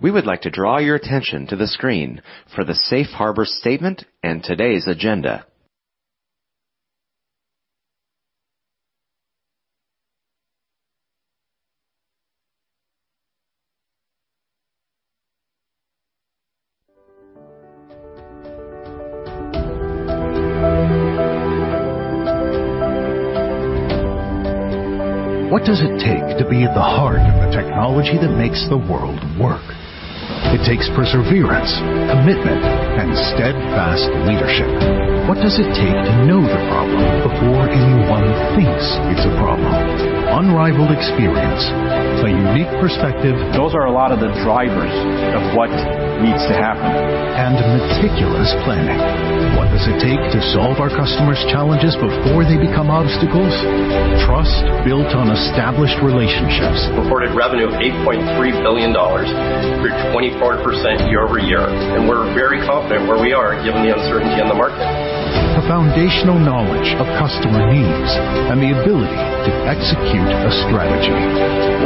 We would like to draw your attention to the screen for the safe harbor statement and today's agenda. What does it take to be at the heart of a technology that makes the world work? It takes perseverance, commitment, and steadfast leadership. What does it take to know the problem before anyone thinks it's a problem? Unrivaled experience, a unique perspective. Those are a lot of the drivers of what needs to happen. Meticulous planning. What does it take to solve our customers' challenges before they become obstacles? Trust built on established relationships. Reported revenue of $8.3 billion, grew 24% year-over-year, and we're very confident where we are given the uncertainty in the market. A foundational knowledge of customer needs and the ability to execute a strategy.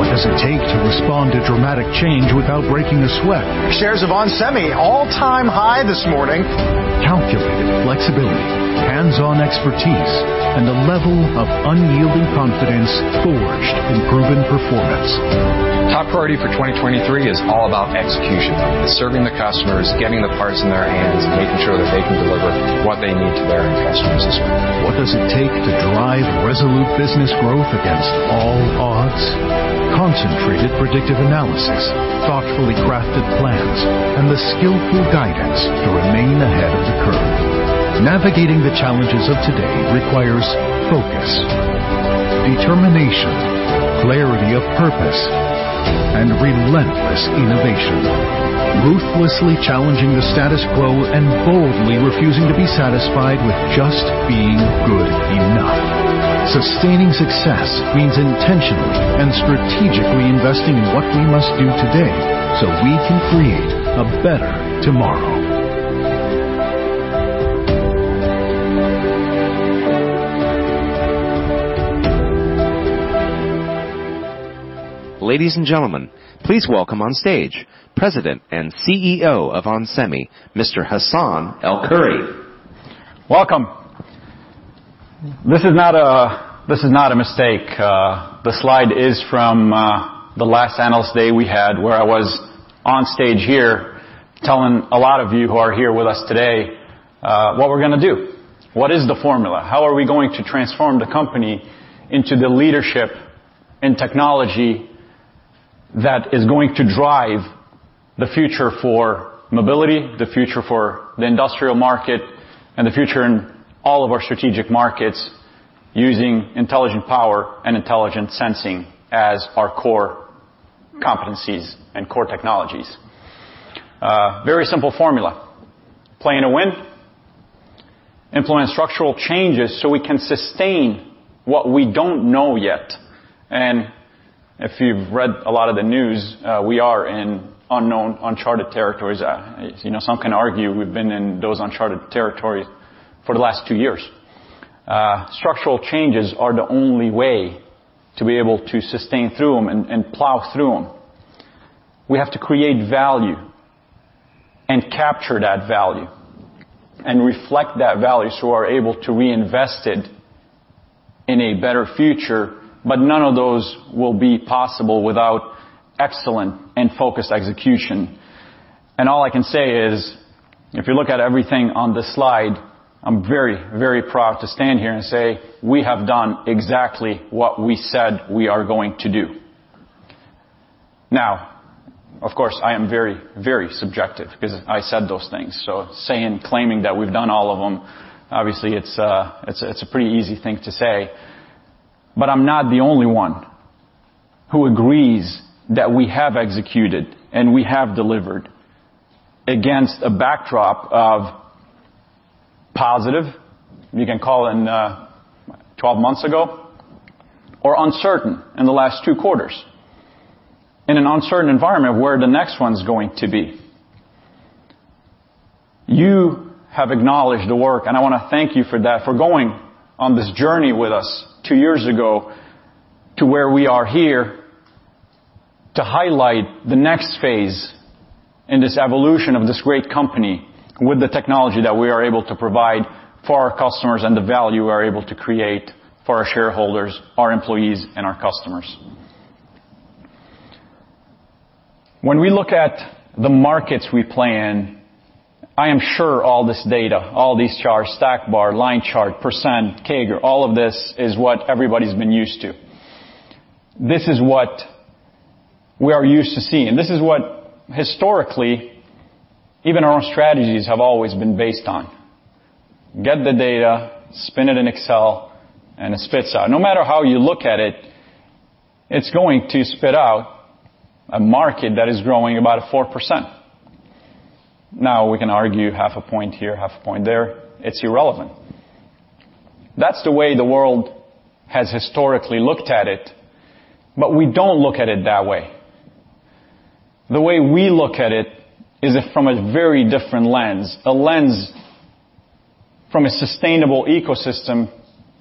What does it take to respond to dramatic change without breaking a sweat? Shares of onsemi all-time high this morning. Calculated flexibility, hands-on expertise, and a level of unyielding confidence forged in proven performance. Top priority for 2023 is all about execution, serving the customers, getting the parts in their hands, making sure that they can deliver what they need to their end customers as well. What does it take to drive resolute business growth against all odds? Concentrated predictive analysis, thoughtfully crafted plans, and the skillful guidance to remain ahead of the curve. Navigating the challenges of today requires focus, determination, clarity of purpose, and relentless innovation. Ruthlessly challenging the status quo and boldly refusing to be satisfied with just being good enough. Sustaining success means intentionally and strategically investing in what we must do today so we can create a better tomorrow. Ladies and gentlemen, please welcome on stage President and CEO of onsemi, Mr. Hassane El-Khoury. Welcome. This is not a mistake. The slide is from the last Analyst Day we had where I was on stage here telling a lot of you who are here with us today, what we're gonna do, what is the formula, how are we going to transform the company into the leadership and technology that is going to drive the future for mobility, the future for the industrial market, and the future in all of our strategic markets using Intelligent Power and Intelligent Sensing as our core competencies and core technologies. Very simple formula. Playing to win. Implement structural changes, so we can sustain what we don't know yet. If you've read a lot of the news, we are in unknown, uncharted territories. you know, some can argue we've been in those uncharted territories for the last two years. Structural changes are the only way to be able to sustain through them and plow through them. We have to create value and capture that value and reflect that value, so we're able to reinvest it in a better future, but none of those will be possible without excellent and focused execution. All I can say is, if you look at everything on this slide, I'm very, very proud to stand here and say, "We have done exactly what we said we are going to do." Of course, I am very, very subjective because I said those things. Saying, claiming that we've done all of them, obviously, it's a pretty easy thing to say, but I'm not the only one who agrees that we have executed, and we have delivered against a backdrop of positive, you can call it, 12 months ago or uncertain in the last two quarters. In an uncertain environment where the next one's going to be. You have acknowledged the work, and I wanna thank you for that, for going on this journey with us two years ago to where we are here to highlight the next phase in this evolution of this great company with the technology that we are able to provide for our customers and the value we're able to create for our shareholders, our employees, and our customers. When we look at the markets we play in, I am sure all this data, all these charts, stack bar, line chart, %, CAGR, all of this is what everybody's been used to. This is what we are used to seeing. This is what historically even our strategies have always been based on. Get the data, spin it in Excel, it spits out. No matter how you look at it's going to spit out a market that is growing about 4%. We can argue half a point here, half a point there. It's irrelevant. That's the way the world has historically looked at it, we don't look at it that way. The way we look at it is from a very different lens, a lens from a sustainable ecosystem,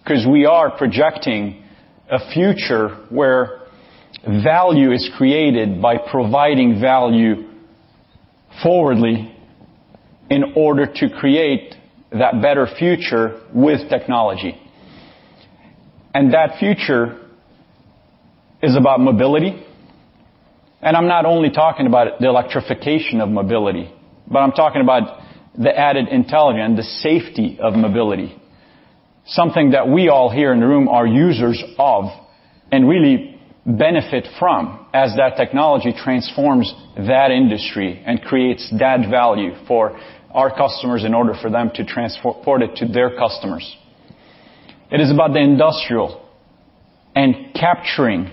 'cause we are projecting a future where value is created by providing value forwardly in order to create that better future with technology. That future is about mobility. I'm not only talking about the electrification of mobility, but I'm talking about the added intelligence, the safety of mobility. Something that we all here in the room are users of and really benefit from as that technology transforms that industry and creates that value for our customers in order for them to transport it to their customers. It is about the industrial and capturing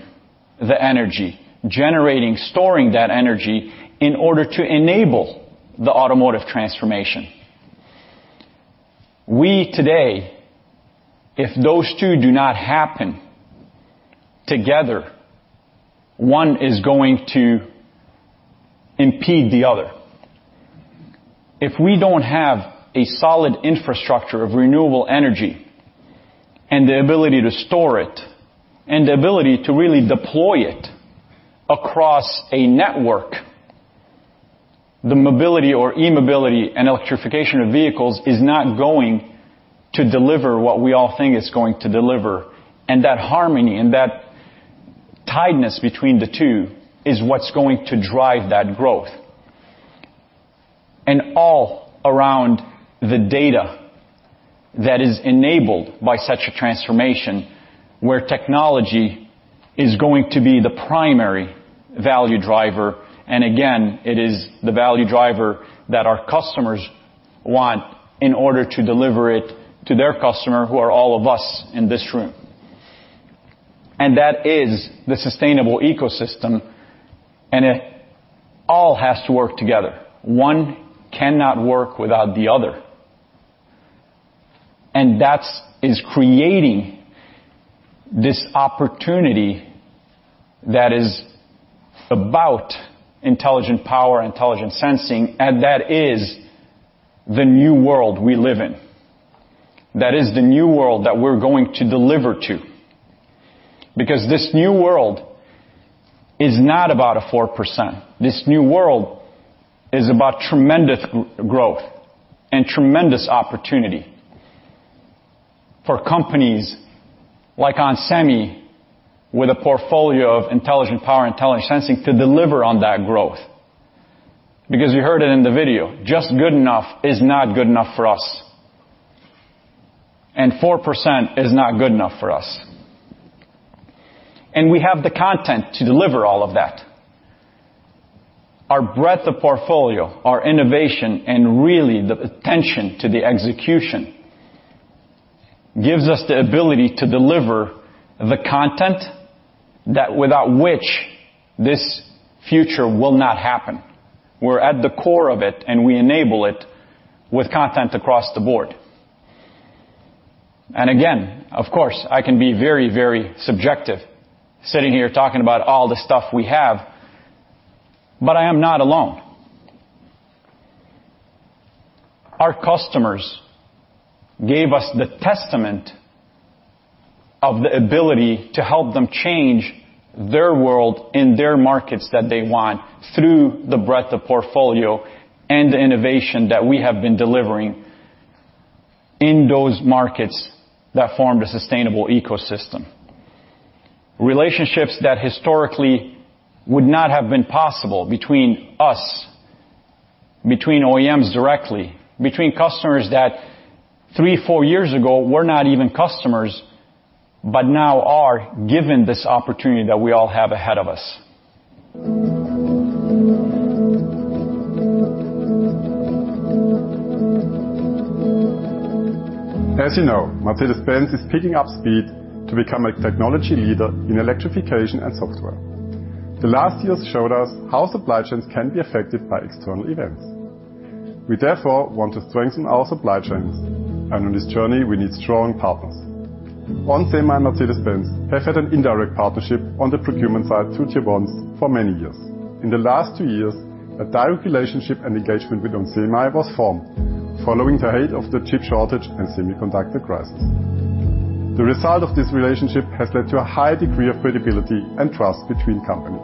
the energy, generating, storing that energy in order to enable the automotive transformation. We today, if those two do not happen together, one is going to impede the other. If we don't have a solid infrastructure of renewable energy and the ability to store it and the ability to really deploy it across a network, the mobility or e-mobility and electrification of vehicles is not going to deliver what we all think it's going to deliver. That harmony and that tidiness between the two is what's going to drive that growth. All around the data that is enabled by such a transformation, where technology is going to be the primary value driver. Again, it is the value driver that our customers want in order to deliver it to their customer, who are all of us in this room. That is the sustainable ecosystem, and it all has to work together. One cannot work without the other. That's creating this opportunity that is about intelligent power, intelligent sensing, and that is the new world we live in. That is the new world that we're going to deliver to because this new world is not about a 4%. This new world is about tremendous growth and tremendous opportunity for companies like onsemi with a portfolio of intelligent power, intelligent sensing to deliver on that growth. Because you heard it in the video, just good enough is not good enough for us. Four percent is not good enough for us. We have the content to deliver all of that. Our breadth of portfolio, our innovation, and really the attention to the execution gives us the ability to deliver the content that without which this future will not happen. We're at the core of it, and we enable it with content across the board. Again, of course, I can be very, very subjective sitting here talking about all the stuff we have, but I am not alone. Our customers gave us the testament of the ability to help them change their world in their markets that they want through the breadth of portfolio and the innovation that we have been delivering in those markets that form the sustainable ecosystem. Relationships that historically would not have been possible between us, between OEMs directly, between customers that three, four years ago were not even customers, but now are, given this opportunity that we all have ahead of us. As you know, Mercedes-Benz is picking up speed to become a technology leader in electrification and software. The last years showed us how supply chains can be affected by external events. We therefore want to strengthen our supply chains, and on this journey, we need strong partners. onsemi and Mercedes-Benz have had an indirect partnership on the procurement side through tier ones for many years. In the last two years, a direct relationship and engagement with onsemi was formed following the height of the chip shortage and semiconductor crisis. The result of this relationship has led to a high degree of credibility and trust between companies.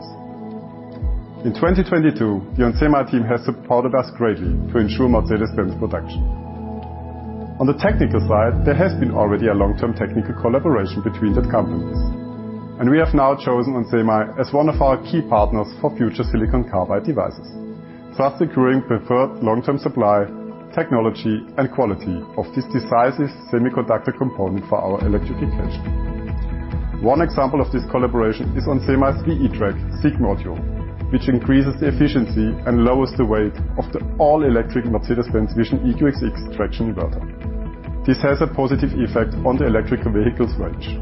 In 2022, the onsemi team has supported us greatly to ensure Mercedes-Benz production. On the technical side, there has been already a long-term technical collaboration between the companies, and we have now chosen onsemi as one of our key partners for future silicon carbide devices, thus securing preferred long-term supply, technology and quality of this decisive semiconductor component for our electrification. One example of this collaboration is onsemi's VE-Trac SiC module, which increases the efficiency and lowers the weight of the all-electric Mercedes-Benz Vision EQXX traction inverter. This has a positive effect on the electric vehicle's range.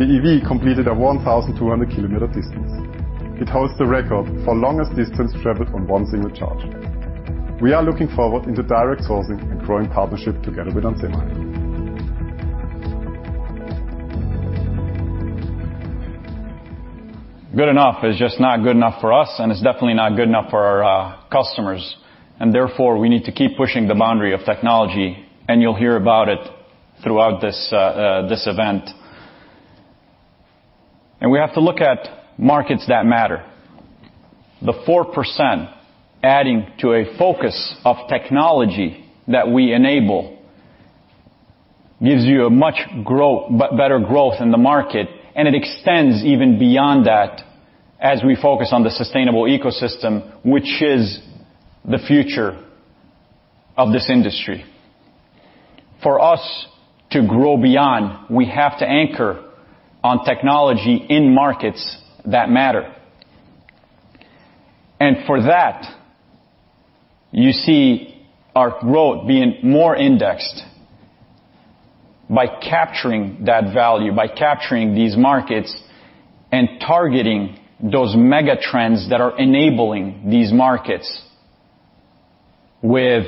The EV completed a 1,200 km distance. It holds the record for longest distance traveled on one single charge. We are looking forward into direct sourcing and growing partnership together with onsemi. Good enough is just not good enough for us, and it's definitely not good enough for our customers. Therefore, we need to keep pushing the boundary of technology, and you'll hear about it throughout this event. We have to look at markets that matter. The 4% adding to a focus of technology that we enable gives you a much better growth in the market, and it extends even beyond that as we focus on the sustainable ecosystem, which is the future of this industry. For us to grow beyond, we have to anchor on technology in markets that matter. For that, you see our growth being more indexed by capturing that value, by capturing these markets and targeting those mega trends that are enabling these markets with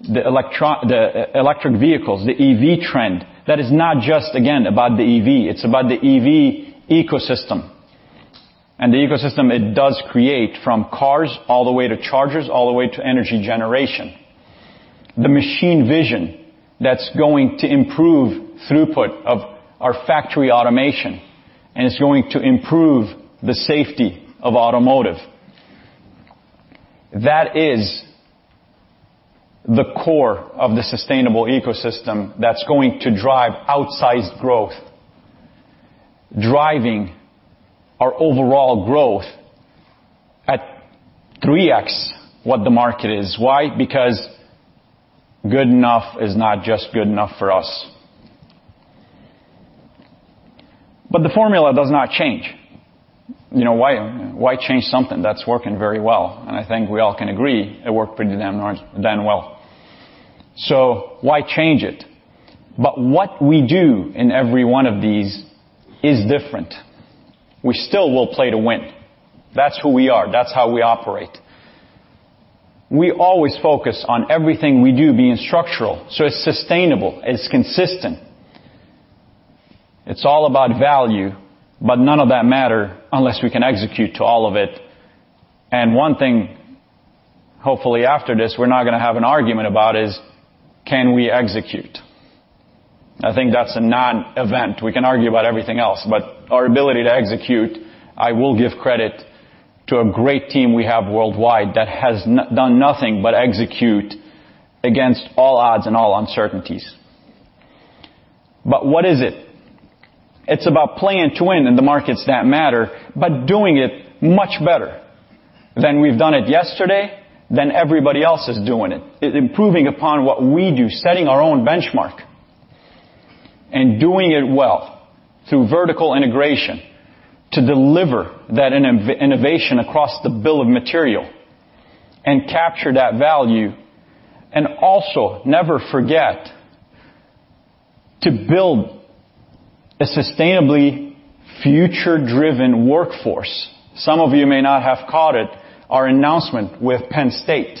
the electric vehicles, the EV trend. That is not just, again, about the EV, it's about the EV ecosystem. The ecosystem, it does create from cars all the way to chargers, all the way to energy generation. The machine vision that's going to improve throughput of our factory automation, and it's going to improve the safety of automotive. That is the core of the sustainable ecosystem that's going to drive outsized growth, driving our overall growth at 3x what the market is. Why? Because good enough is not just good enough for us. The formula does not change. You know, why change something that's working very well? I think we all can agree it worked pretty damn well. Why change it? What we do in every one of these is different. We still will play to win. That's who we are. That's how we operate. We always focus on everything we do being structural, so it's sustainable, it's consistent. It's all about value, but none of that matter unless we can execute to all of it. One thing, hopefully, after this, we're not gonna have an argument about is, can we execute? I think that's a nonevent. We can argue about everything else, but our ability to execute, I will give credit to a great team we have worldwide that has done nothing but execute against all odds and all uncertainties. What is it? It's about playing to win in the markets that matter, but doing it much better than we've done it yesterday, than everybody else is doing it. Improving upon what we do, setting our own benchmark, and doing it well through vertical integration to deliver that innovation across the bill of material and capture that value. Also never forget to build a sustainably future-driven workforce. Some of you may not have caught it, our announcement with Penn State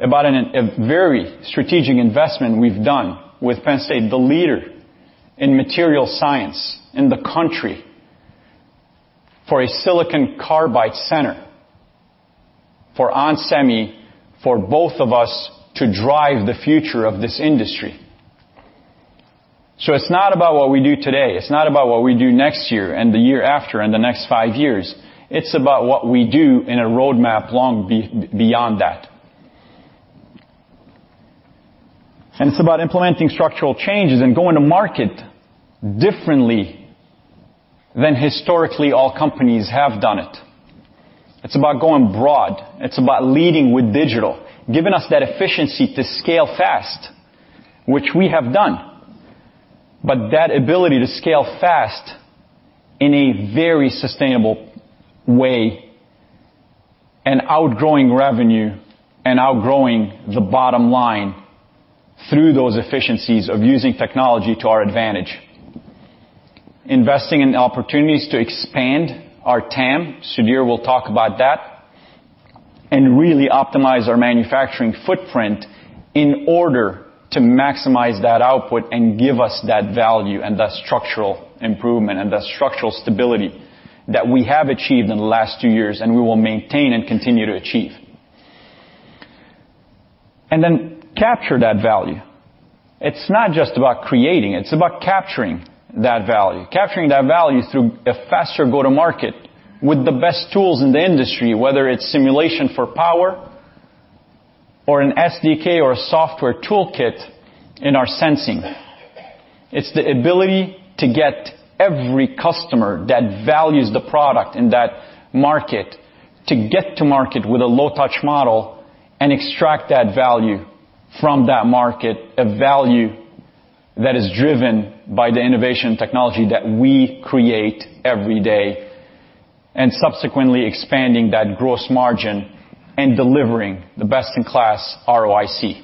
about a very strategic investment we've done with Penn State, the leader in material science in the country, for a silicon carbide center for onsemi, for both of us to drive the future of this industry. It's not about what we do today, it's not about what we do next year and the year after and the next five years. It's about what we do in a roadmap long beyond that. It's about implementing structural changes and going to market differently than historically all companies have done it. It's about going broad. It's about leading with digital, giving us that efficiency to scale fast, which we have done. That ability to scale fast in a very sustainable way and outgrowing revenue and outgrowing the bottom line through those efficiencies of using technology to our advantage. Investing in opportunities to expand our TAM, Sudhir will talk about that, and really optimize our manufacturing footprint in order to maximize that output and give us that value and that structural improvement and that structural stability that we have achieved in the last two years and we will maintain and continue to achieve. Then capture that value. It's not just about creating, it's about capturing that value. Capturing that value through a faster go-to-market with the best tools in the industry, whether it's simulation for power or an SDK or a software toolkit in our sensing. It's the ability to get every customer that values the product in that market to get to market with a low-touch model and extract that value from that market, a value that is driven by the innovation technology that we create every day, and subsequently expanding that gross margin and delivering the best-in-class ROIC.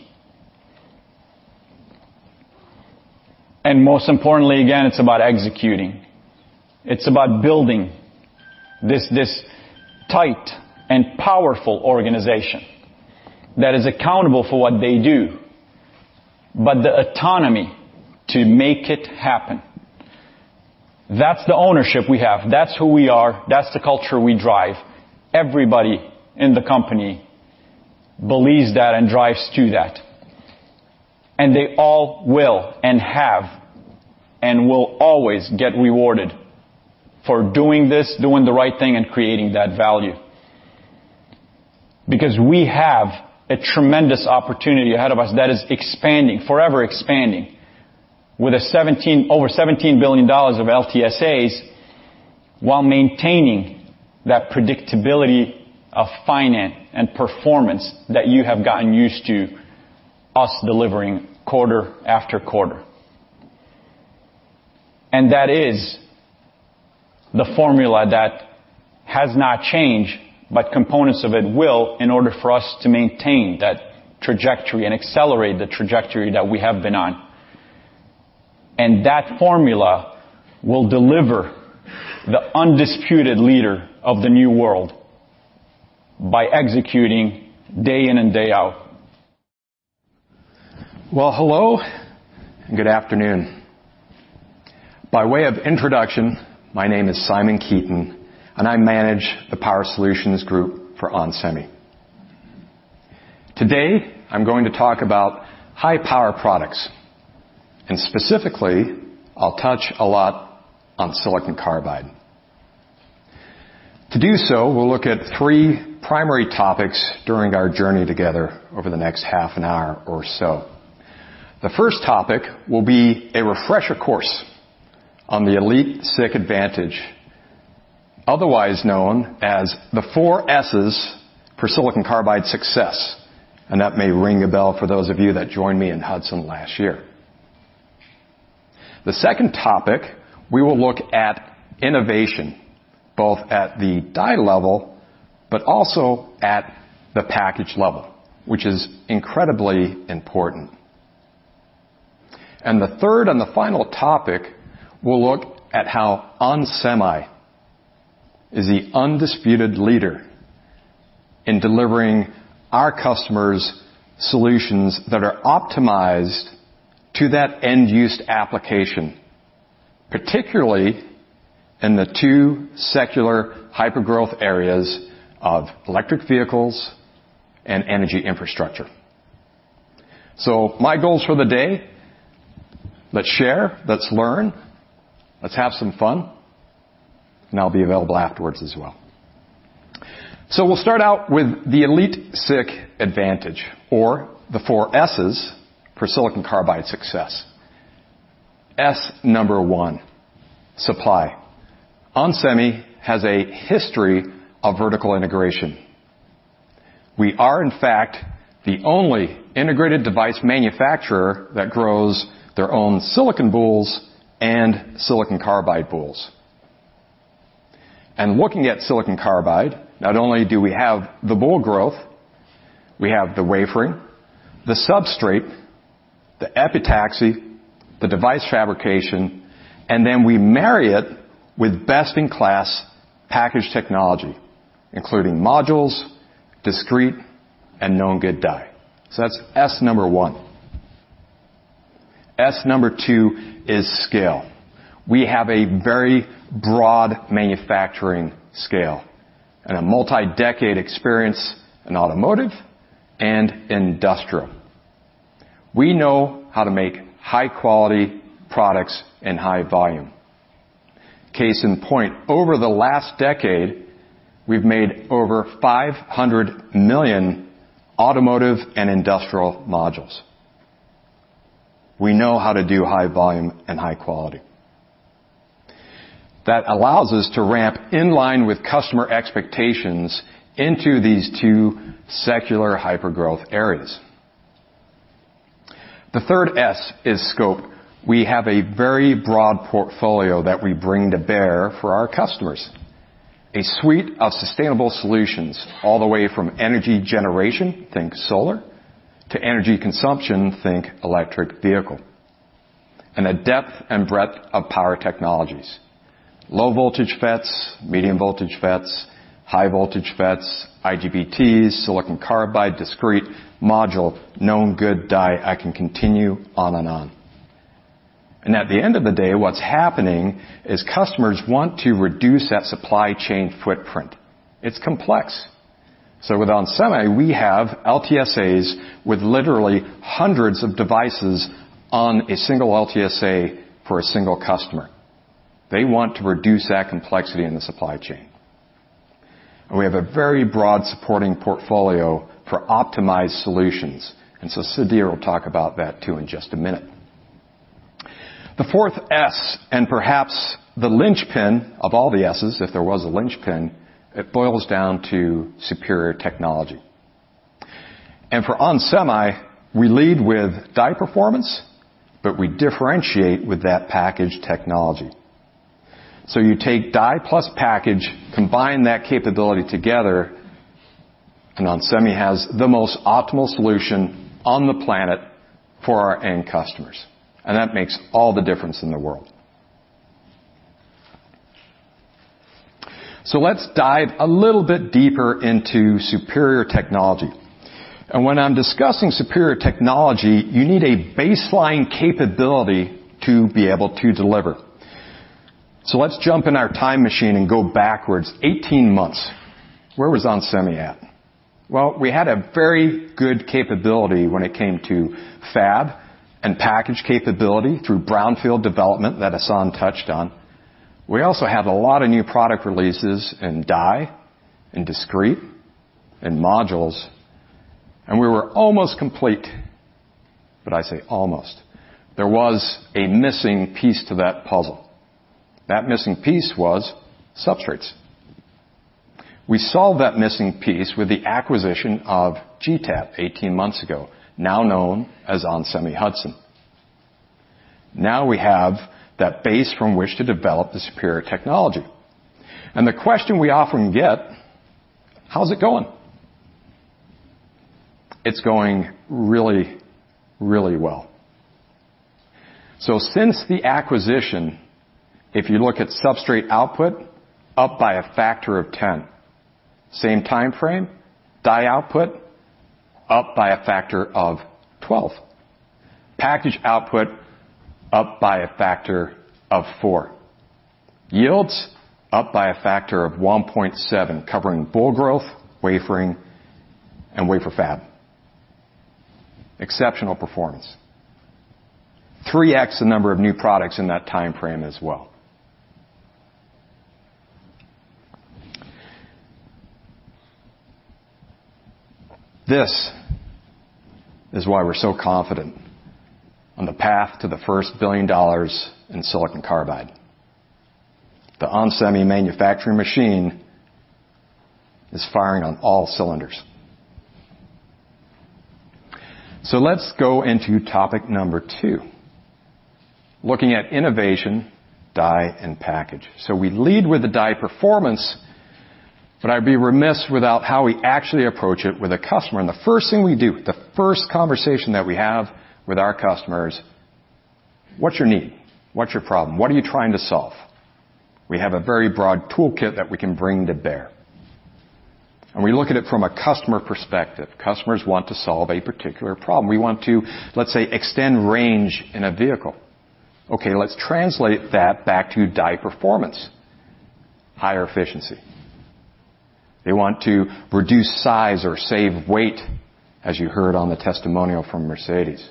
Most importantly, again, it's about executing. It's about building this tight and powerful organization that is accountable for what they do, but the autonomy to make it happen. That's the ownership we have. That's who we are. That's the culture we drive. Everybody in the company believes that and drives to that. They all will and have and will always get rewarded for doing this, doing the right thing, and creating that value. Because we have a tremendous opportunity ahead of us that is expanding, forever expanding with over $17 billion of LTSAs while maintaining that predictability of finance and performance that you have gotten used to us delivering quarter after quarter. That is the formula that has not changed, but components of it will, in order for us to maintain that trajectory and accelerate the trajectory that we have been on. That formula will deliver the undisputed leader of the new world by executing day in and day out. Hello, and good afternoon. By way of introduction, my name is Simon Keeton, and I manage the Power Solutions Group for onsemi. Today, I'm going to talk about high power products. Specifically, I'll touch a lot on silicon carbide. To do so, we'll look at three primary topics during our journey together over the next half an hour or so. The first topic will be a refresher course on the EliteSiC Advantage, otherwise known as the four S's for silicon carbide success. That may ring a bell for those of you that joined me in Hudson last year. The second topic, we will look at innovation, both at the die level, but also at the package level, which is incredibly important. The third and the final topic, we'll look at how onsemi is the undisputed leader in delivering our customers solutions that are optimized to that end-use application, particularly in the two secular hypergrowth areas of electric vehicles and energy infrastructure. My goals for the day, let's share, let's learn, let's have some fun, and I'll be available afterwards as well. We'll start out with the EliteSiC Advantage or the four S's for silicon carbide success. S number one, supply. onsemi has a history of vertical integration. We are, in fact, the only integrated device manufacturer that grows their own silicon boules and silicon carbide boules. Looking at silicon carbide, not only do we have the boule growth, we have the wafering, the substrate, the epitaxy, the device fabrication, and then we marry it with best-in-class package technology, including modules, discrete, and Known Good Die. That's S number 1. S number two is scale. We have a very broad manufacturing scale and a multi-decade experience in automotive and industrial. We know how to make high-quality products in high volume. Case in point, over the last decade, we've made over 500 million automotive and industrial modules. We know how to do high volume and high quality. That allows us to ramp in line with customer expectations into these two secular hypergrowth areas. The third S is scope. We have a very broad portfolio that we bring to bear for our customers. A suite of sustainable solutions all the way from energy generation, think solar, to energy consumption, think electric vehicle. A depth and breadth of power technologies. Low voltage FETs, medium voltage FETs, high voltage FETs, IGBTs, silicon carbide, discrete, module, known good die. I can continue on and on. At the end of the day, what's happening is customers want to reduce that supply chain footprint. It's complex. With onsemi, we have LTSAs with literally hundreds of devices on a single LTSA for a single customer. They want to reduce that complexity in the supply chain. We have a very broad supporting portfolio for optimized solutions. Sudhir will talk about that too in just a minute. The fourth S, and perhaps the linchpin of all the S's, if there was a linchpin, it boils down to superior technology. For onsemi, we lead with die performance, but we differentiate with that package technology. So you take die plus package, combine that capability together, and onsemi has the most optimal solution on the planet for our end customers. That makes all the difference in the world. Let's dive a little bit deeper into superior technology. When I'm discussing superior technology, you need a baseline capability to be able to deliver. Let's jump in our time machine and go backwards 18 months. Where was onsemi at? Well, we had a very good capability when it came to fab and package capability through brownfield development that Hassane touched on. We also had a lot of new product releases in die, in discrete, in modules, and we were almost complete. I say almost. There was a missing piece to that puzzle. That missing piece was substrates. We solved that missing piece with the acquisition of GTAT 18 months ago, now known as onsemi Hudson. We have that base from which to develop the superior technology. The question we often get, how's it going? It's going really, really well. Since the acquisition, if you look at substrate output, up by a factor of 10. Same time frame, die output, up by a factor of 12. Package output, up by a factor of 4. Yields, up by a factor of 1.7, covering boule growth, wafering, and wafer fab. Exceptional performance. 3x the number of new products in that time frame as well. This is why we're so confident on the path to the first $1 billion in silicon carbide. The onsemi manufacturing machine is firing on all cylinders. Let's go into topic number two, looking at innovation, die, and package. We lead with the die performance, but I'd be remiss without how we actually approach it with a customer. The first thing we do, the first conversation that we have with our customers, what's your need? What's your problem? What are you trying to solve? We have a very broad toolkit that we can bring to bear, and we look at it from a customer perspective. Customers want to solve a particular problem. We want to, let's say, extend range in a vehicle. Okay, let's translate that back to die performance, higher efficiency. They want to reduce size or save weight, as you heard on the testimonial from Mercedes.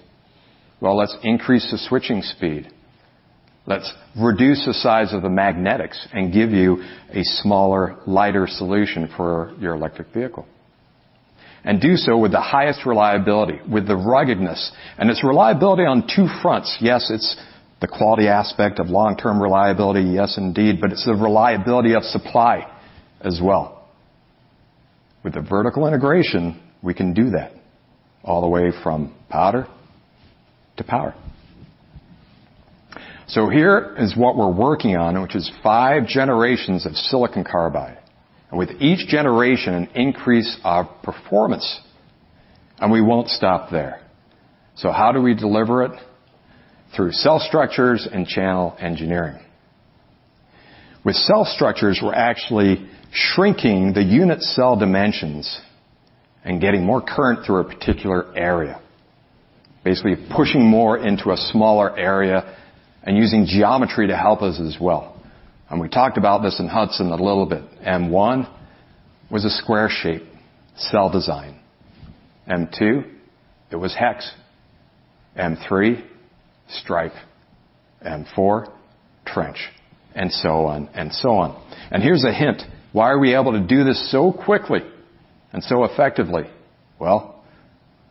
Well, let's increase the switching speed. Let's reduce the size of the magnetics and give you a smaller, lighter solution for your electric vehicle, and do so with the highest reliability, with the ruggedness. It's reliability on two fronts. Yes, it's the quality aspect of long-term reliability, yes, indeed, but it's the reliability of supply as well. With the vertical integration, we can do that all the way from powder to power. Here is what we're working on, which is five generations of silicon carbide. With each generation, an increase of performance, and we won't stop there. How do we deliver it? Through cell structures and channel engineering. With cell structures, we're actually shrinking the unit cell dimensions and getting more current through a particular area, basically pushing more into a smaller area and using geometry to help us as well. We talked about this in Hudson a little bit. M1 was a square shape cell design. M2, it was hex. M3, stripe. M4, trench, and so on and so on. Here's a hint. Why are we able to do this so quickly and so effectively? Well,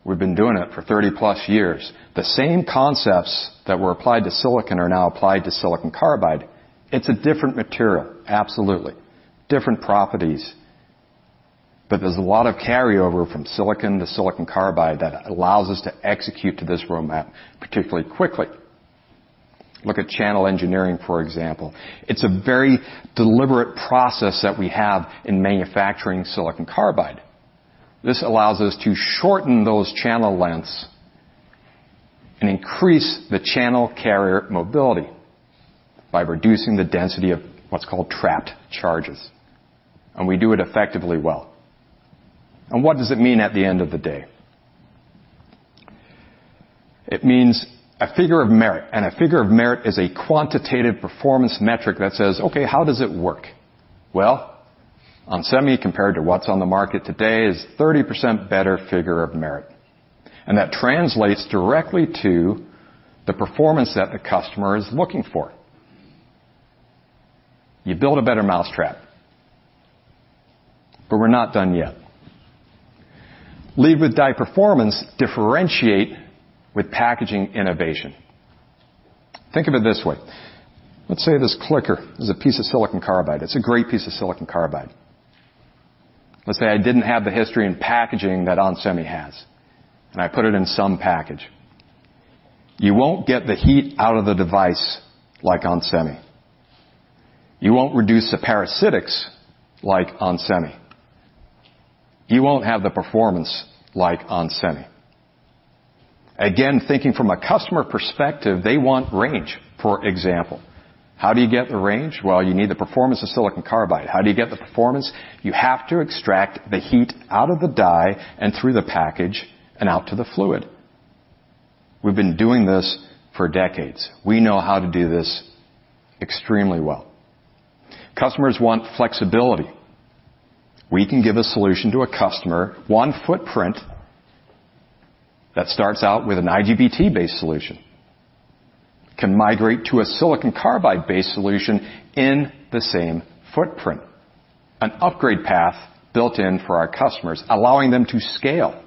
we've been doing it for 30-plus years. The same concepts that were applied to silicon are now applied to silicon carbide. It's a different material, absolutely, different properties, but there's a lot of carryover from silicon to silicon carbide that allows us to execute to this roadmap particularly quickly. Look at channel engineering, for example. It's a very deliberate process that we have in manufacturing silicon carbide. This allows us to shorten those channel lengths and increase the channel carrier mobility by reducing the density of what's called trapped charges. And we do it effectively well. And what does it mean at the end of the day? It means a figure of merit, and a figure of merit is a quantitative performance metric that says, "Okay, how does it work?" Well, onsemi compared to what's on the market today is 30% better figure of merit. And that translates directly to the performance that the customer is looking for. You build a better mousetrap, but we're not done yet. Lead with die performance, differentiate with packaging innovation. Think of it this way. Let's say this clicker is a piece of silicon carbide. It's a great piece of silicon carbide. Let's say I didn't have the history in packaging that onsemi has, and I put it in some package. You won't get the heat out of the device like onsemi. You won't reduce the parasitics like onsemi. You won't have the performance like onsemi. Again, thinking from a customer perspective, they want range, for example. How do you get the range? Well, you need the performance of silicon carbide. How do you get the performance? You have to extract the heat out of the die and through the package and out to the fluid. We've been doing this for decades. We know how to do this extremely well. Customers want flexibility. We can give a solution to a customer, one footprint that starts out with an IGBT-based solution, can migrate to a silicon carbide-based solution in the same footprint, an upgrade path built in for our customers, allowing them to scale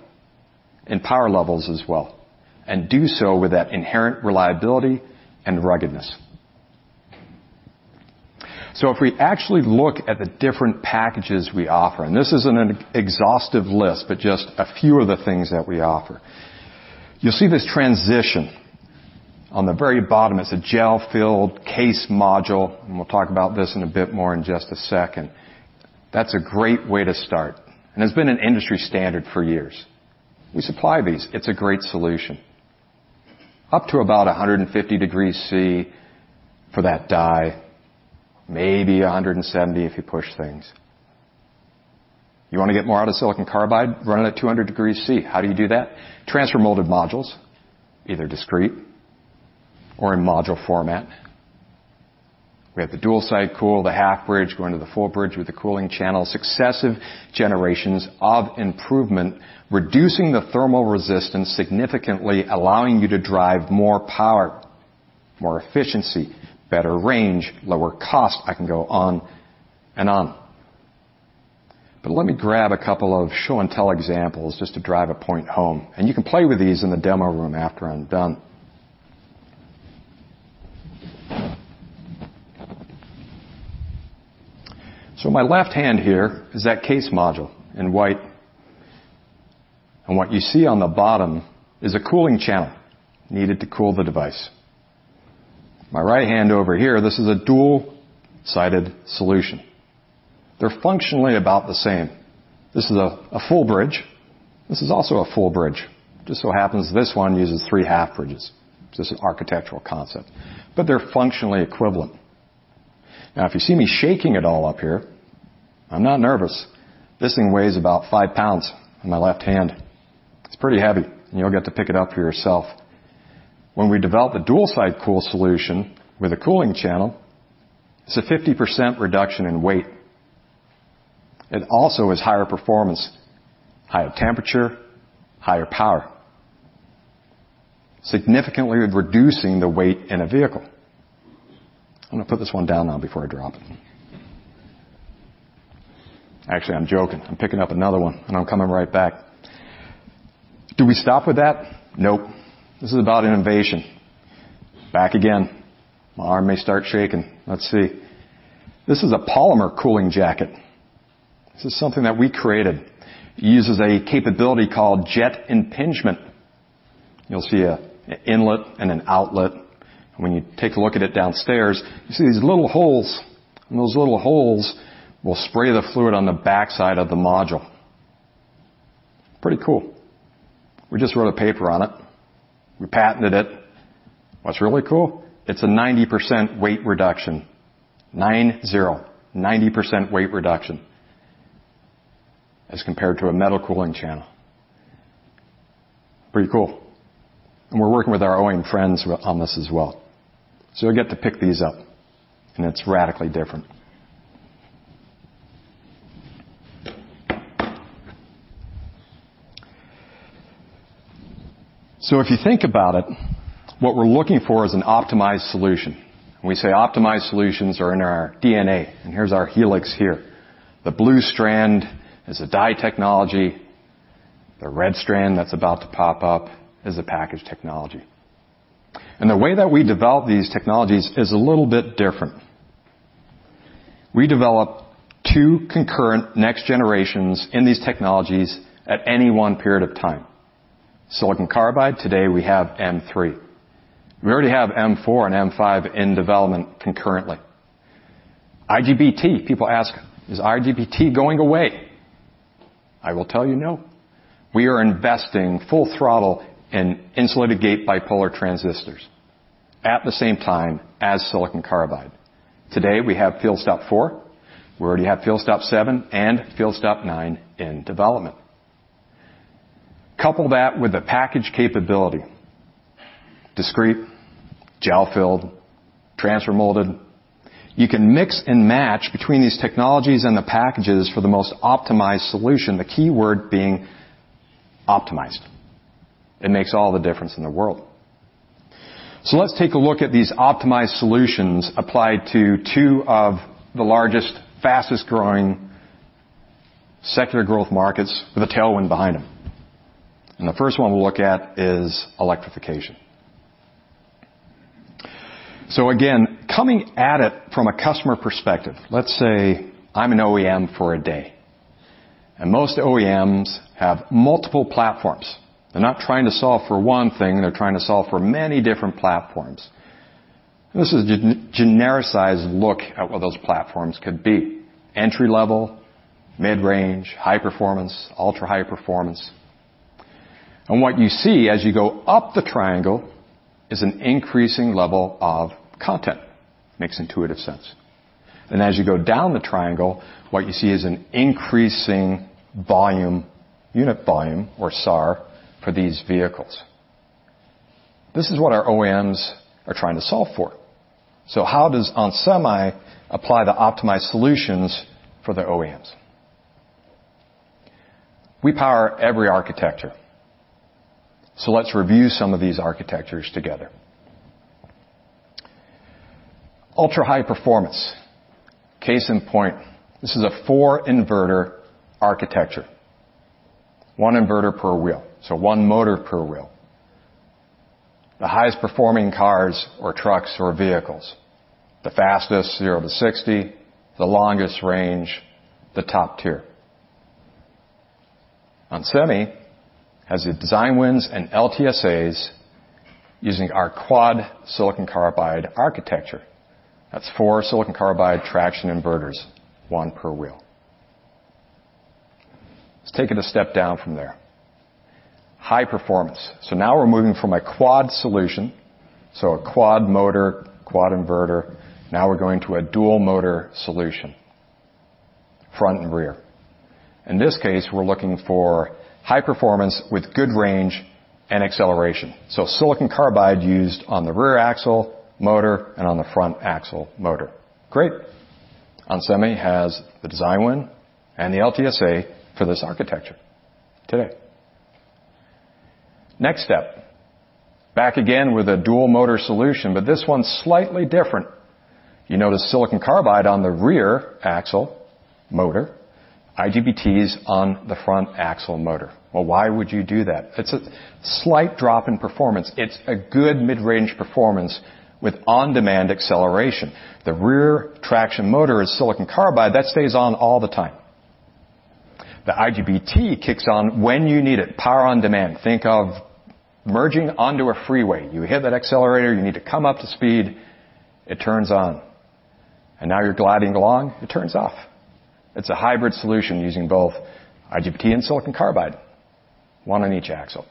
in power levels as well and do so with that inherent reliability and ruggedness. If we actually look at the different packages we offer, and this isn't an exhaustive list, but just a few of the things that we offer. You'll see this transition. On the very bottom, it's a gel-filled case module, and we'll talk about this in a bit more in just a second. That's a great way to start, and it's been an industry standard for years. We supply these. It's a great solution. Up to about 150 degrees Celsius for that die, maybe 170 if you push things. You want to get more out of silicon carbide, run it at 200 degrees Celsius. How do you do that? Transfer-molded modules, either discrete or in module format. We have the dual side cool, the half bridge going to the full bridge with the cooling channel, successive generations of improvement, reducing the thermal resistance significantly, allowing you to drive more power, more efficiency, better range, lower cost. I can go on and on. Let me grab a couple of show and tell examples just to drive a point home, and you can play with these in the demo room after I'm done. My left hand here is that case module in white, and what you see on the bottom is a cooling channel needed to cool the device. My right hand over here, this is a dual-sided solution. They're functionally about the same. This is a full bridge. This is also a full bridge. Just so happens this one uses three half bridges. It's just an architectural concept, but they're functionally equivalent. Now, if you see me shaking it all up here, I'm not nervous. This thing weighs about 5 pounds in my left hand. It's pretty heavy, and you'll get to pick it up for yourself. When we develop a dual-side cool solution with a cooling channel, it's a 50% reduction in weight. It also has higher performance, higher temperature, higher power, significantly reducing the weight in a vehicle. I'm gonna put this one down now before I drop it. Actually, I'm joking. I'm picking up another one, and I'm coming right back. Do we stop with that? Nope. This is about innovation. Back again. My arm may start shaking. Let's see. This is a polymer cooling jacket. This is something that we created. It uses a capability called jet impingement. You'll see a inlet and an outlet. When you take a look at it downstairs, you see these little holes, and those little holes will spray the fluid on the backside of the module. Pretty cool. We just wrote a paper on it. We patented it. What's really cool, it's a 90% weight reduction. Nine zero. 90% weight reduction as compared to a metal cooling channel. Pretty cool. We're working with our OEM friends on this as well. You'll get to pick these up, and it's radically different. If you think about it, what we're looking for is an optimized solution. We say optimized solutions are in our DNA, and here's our helix here. The blue strand is a die technology. The red strand that's about to pop up is a package technology. The way that we develop these technologies is a little bit different. We develop two concurrent next generations in these technologies at any one period of time. silicon carbide, today we have M3. We already have M4 and M5 in development concurrently. IGBT, people ask, "Is IGBT going away?" I will tell you no. We are investing full throttle in insulated-gate bipolar transistors at the same time as silicon carbide. Today, we have Field Stop 4. We already have Field Stop 7 and Field Stop 9 in development. Couple that with the package capability, discrete, gel-filled, transfer molded. You can mix and match between these technologies and the packages for the most optimized solution, the key word being optimized. It makes all the difference in the world. Let's take a look at these optimized solutions applied to two of the largest, fastest-growing secular growth markets with a tailwind behind them. The first one we'll look at is electrification. Again, coming at it from a customer perspective, let's say I'm an OEM for a day. Most OEMs have multiple platforms. They're not trying to solve for one thing, they're trying to solve for many different platforms. This is a genericized look at what those platforms could be. Entry-level, mid-range, high performance, ultra-high performance. What you see as you go up the triangle is an increasing level of content. Makes intuitive sense. As you go down the triangle, what you see is an increasing volume, unit volume or SAR for these vehicles. This is what our OEMs are trying to solve for. How does onsemi apply the optimized solutions for the OEMs? We power every architecture. Let's review some of these architectures together. Ultra-high performance. Case in point, this is a four-inverter architecture, one inverter per wheel, so one motor per wheel. The highest performing cars or trucks or vehicles, the fastest zero to 60, the longest range, the top tier. onsemi has the design wins and LTSAs using our quad silicon carbide architecture. That's 4 silicon carbide traction inverters, one per wheel. Let's take it a step down from there. High performance. Now we're moving from a quad solution, so a quad motor, quad inverter. Now we're going to a dual motor solution, front and rear. In this case, we're looking for high performance with good range and acceleration. Silicon carbide used on the rear axle motor and on the front axle motor. Great. onsemi has the design win and the LTSA for this architecture today. Next step, back again with a dual motor solution, this one's slightly different. You notice silicon carbide on the rear axle motor, IGBTs on the front axle motor. Why would you do that? It's a slight drop in performance. It's a good mid-range performance with on-demand acceleration. The rear traction motor is silicon carbide. That stays on all the time. The IGBT kicks on when you need it. Power on demand. Think of merging onto a freeway. You hit that accelerator, you need to come up to speed, it turns on, and now you're gliding along, it turns off. It's a hybrid solution using both IGBT and silicon carbide, one on each axle.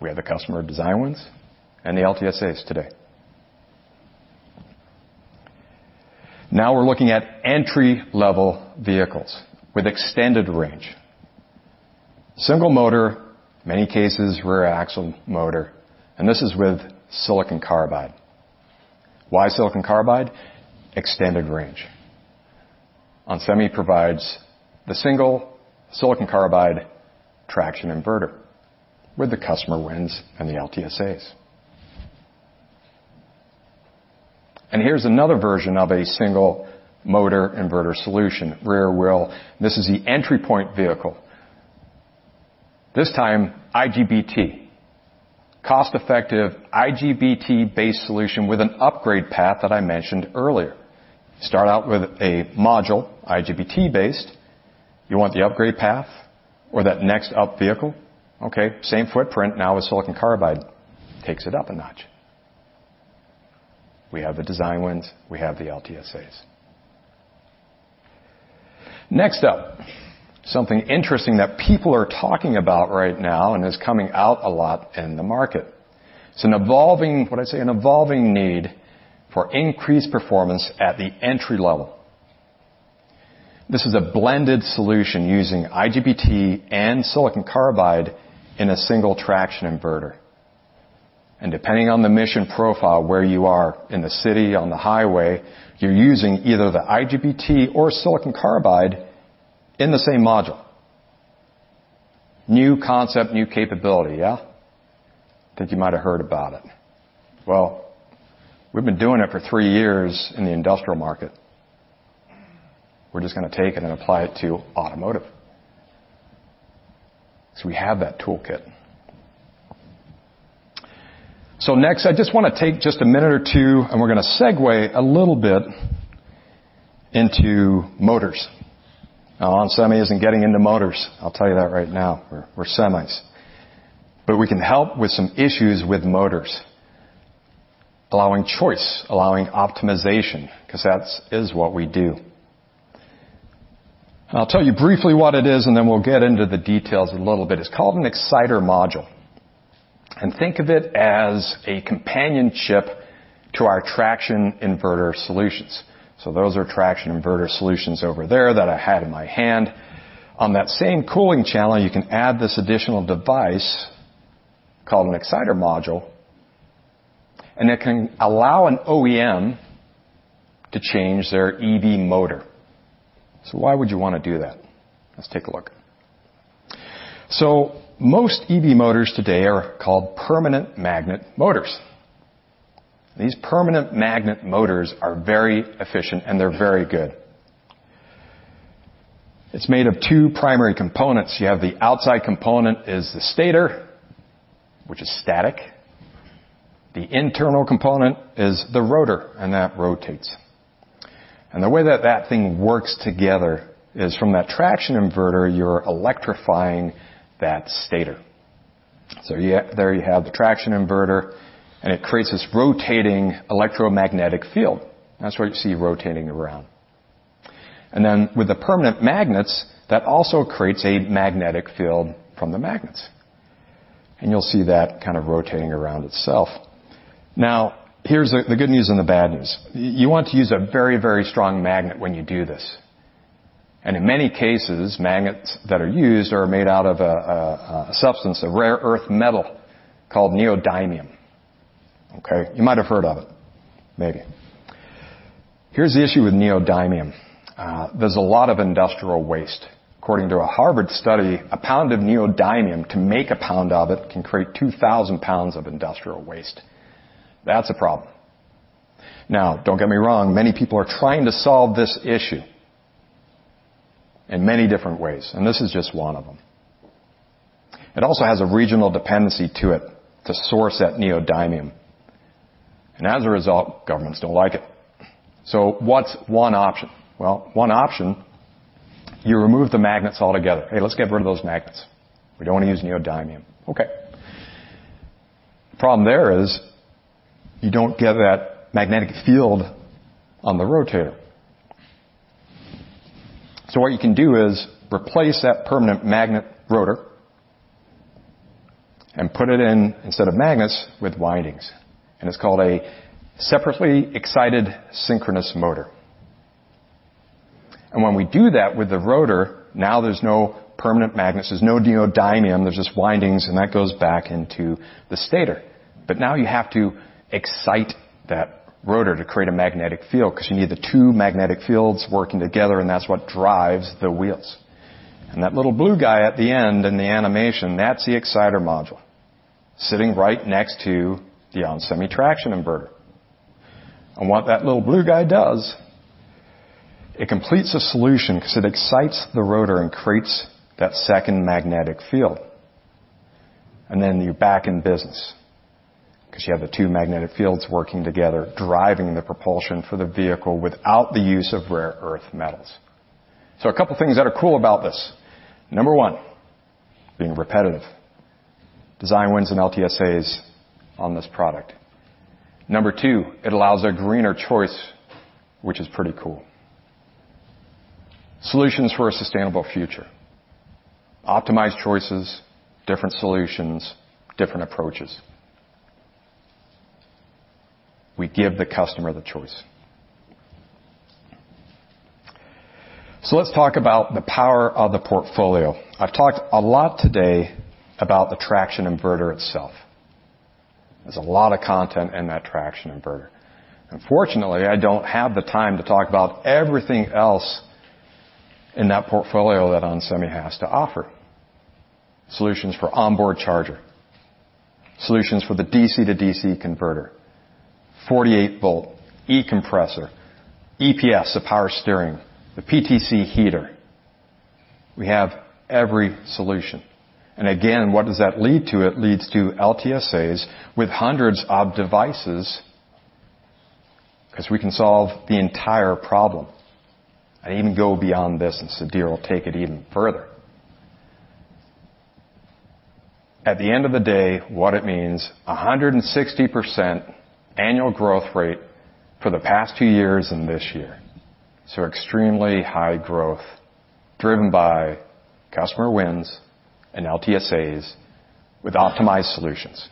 We have the customer design wins and the LTSAs today. We're looking at entry-level vehicles with extended range. Single motor, many cases, rear axle motor, and this is with silicon carbide. Why silicon carbide? Extended range. Onsemi provides the single silicon carbide traction inverter with the customer wins and the LTSAs. Here is another version of a single motor inverter solution, rear wheel. This is the entry point vehicle. This time, IGBT. Cost-effective IGBT-based solution with an upgrade path that I mentioned earlier. Start out with a module, IGBT-based. You want the upgrade path or that next up vehicle? Okay, same footprint now with silicon carbide. Takes it up a notch. We have the design wins. We have the LTSAs. Next up, something interesting that people are talking about right now and is coming out a lot in the market. It is an evolving need for increased performance at the entry level. This is a blended solution using IGBT and silicon carbide in a single traction inverter. Depending on the mission profile, where you are in the city, on the highway, you're using either the IGBT or silicon carbide in the same module. New concept, new capability, yeah? Think you might have heard about it. We've been doing it for three years in the industrial market. We're just gonna take and then apply it to automotive, because we have that toolkit. Next, I just wanna take just one or two minutes, and we're gonna segue a little bit into motors. onsemi isn't getting into motors. I'll tell you that right now. We're semis. We can help with some issues with motors, allowing choice, allowing optimization, 'cause that's what we do. I'll tell you briefly what it is, and then we'll get into the details a little bit. It's called an exciter module. Think of it as a companion chip to our traction inverter solutions. Those are traction inverter solutions over there that I had in my hand. On that same cooling channel, you can add this additional device called an exciter module, and it can allow an OEM to change their EV motor. Why would you wanna do that? Let's take a look. Most EV motors today are called permanent magnet motors. These permanent magnet motors are very efficient, and they're very good. It's made of two primary components. You have the outside component is the stator, which is static. The internal component is the rotor, and that rotates. The way that that thing works together is from that traction inverter, you're electrifying that stator. There you have the traction inverter, and it creates this rotating electromagnetic field. That's what you see rotating around. With the permanent magnets, that also creates a magnetic field from the magnets. You'll see that kind of rotating around itself. Here's the good news and the bad news. You want to use a very, very strong magnet when you do this. In many cases, magnets that are used are made out of a substance, a rare earth metal called neodymium. You might have heard of it, maybe. Here's the issue with neodymium. There's a lot of industrial waste. According to a Harvard study, 1 pound of neodymium to make 1 pound of it can create 2,000 pounds of industrial waste. That's a problem. Don't get me wrong. Many people are trying to solve this issue in many different ways, and this is just one of them. It also has a regional dependency to it to source that neodymium. As a result, governments don't like it. What's one option? Well, one option, you remove the magnets altogether. Hey, let's get rid of those magnets. We don't want to use neodymium. Okay. Problem there is you don't get that magnetic field on the rotator. What you can do is replace that permanent magnet rotor and put it in, instead of magnets, with windings. It's called a separately excited synchronous motor. When we do that with the rotor, now there's no permanent magnets. There's no neodymium. There's just windings, and that goes back into the stator. Now you have to excite that rotor to create a magnetic field because you need the two magnetic fields working together, and that's what drives the wheels. That little blue guy at the end in the animation, that's the exciter module sitting right next to the onsemi traction inverter. What that little blue guy does, it completes a solution because it excites the rotor and creates that second magnetic field. You're back in business because you have the two magnetic fields working together, driving the propulsion for the vehicle without the use of rare earth metals. A couple things that are cool about this. Number one, being repetitive. Design wins and LTSAs on this product. Number two, it allows a greener choice, which is pretty cool. Solutions for a sustainable future. Optimized choices, different solutions, different approaches. We give the customer the choice. Let's talk about the power of the portfolio. I've talked a lot today about the traction inverter itself. There's a lot of content in that traction inverter. Unfortunately, I don't have the time to talk about everything else in that portfolio that onsemi has to offer. Solutions for onboard charger. Solutions for the DC-to-DC converter. 48-volt e-compressor. EPS, the power steering. The PTC heater. We have every solution. Again, what does that lead to? It leads to LTSAs with hundreds of devices because we can solve the entire problem. I even go beyond this. Sudhir will take it even further. At the end of the day, what it means, 160% annual growth rate for the past two years and this year. Extremely high growth driven by customer wins and LTSAs with optimized solutions.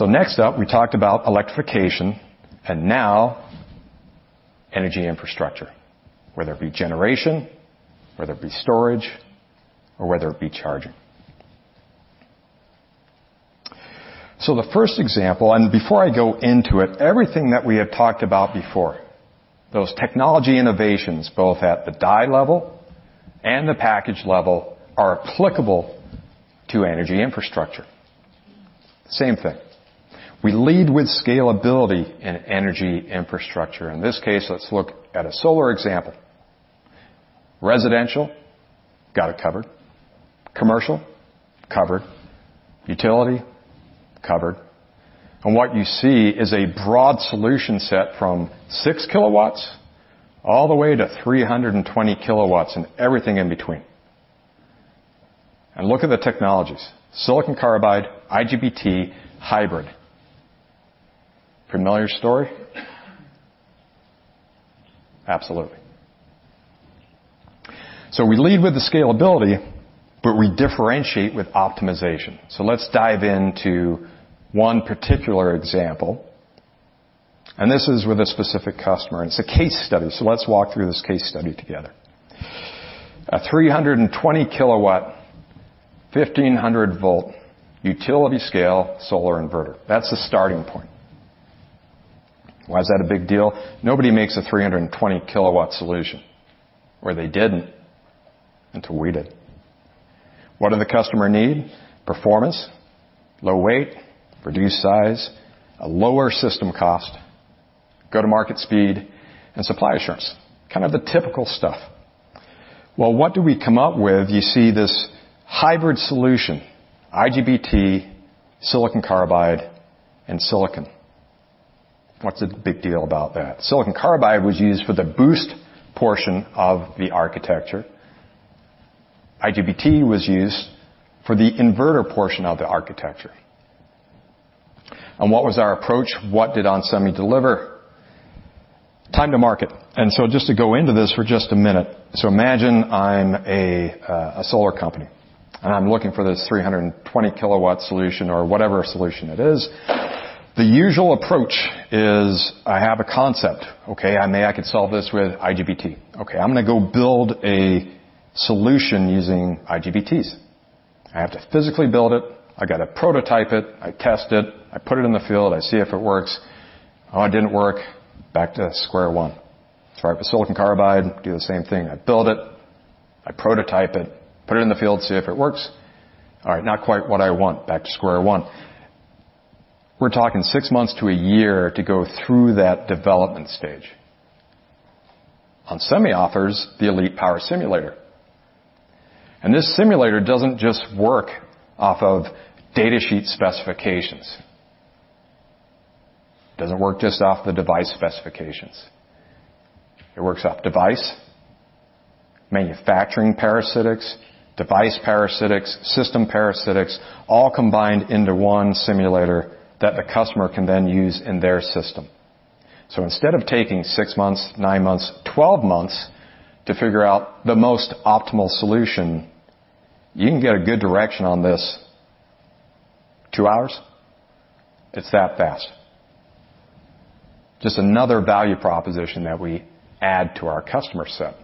Next up, we talked about electrification and now energy infrastructure, whether it be generation, whether it be storage, or whether it be charging. The first example, and before I go into it, everything that we have talked about before, those technology innovations, both at the die level and the package level, are applicable to energy infrastructure. Same thing. We lead with scalability in energy infrastructure. In this case, let's look at a solar example. Residential, got it covered. Commercial, covered. Utility, covered. What you see is a broad solution set from 6 kilowatts all the way to 320 kilowatts and everything in between. Look at the technologies. silicon carbide, IGBT, hybrid. Familiar story? Absolutely. We lead with the scalability, but we differentiate with optimization. Let's dive into one particular example. This is with a specific customer. It's a case study. Let's walk through this case study together. A 320 kilowatt, 1,500 volt utility scale solar inverter. That's the starting point. Why is that a big deal? Nobody makes a 320 kilowatt solution or they didn't until we did. What do the customer need? Performance, low weight, reduced size, a lower system cost, go-to-market speed, and supply assurance. Kind of the typical stuff. Well, what do we come up with? You see this hybrid solution, IGBT, silicon carbide and silicon. What's the big deal about that? Silicon carbide was used for the boost portion of the architecture. IGBT was used for the inverter portion of the architecture. What was our approach? What did onsemi deliver? Time to market. Just to go into this for just a minute. Imagine I'm a solar company, and I'm looking for this 320 kilowatt solution or whatever solution it is. The usual approach is I have a concept. Okay, I could solve this with IGBT. Okay, I'm gonna go build a solution using IGBTs. I have to physically build it. I gotta prototype it. I test it. I put it in the field. I see if it works. Oh, it didn't work, back to square one. Try it with silicon carbide, do the same thing. I build it. I prototype it, put it in the field, see if it works. All right, not quite what I want, back to square one. We're talking six months to a year to go through that development stage. onsemi authors the Elite Power Simulator, and this simulator doesn't just work off of datasheet specifications. Doesn't work just off the device specifications. It works off device, manufacturing parasitics, device parasitics, system parasitics, all combined into one simulator that the customer can then use in their system. Instead of taking six months, nine months, 12 months to figure out the most optimal solution, you can get a good direction on this, two hours. It's that fast. Just another value proposition that we add to our customer set.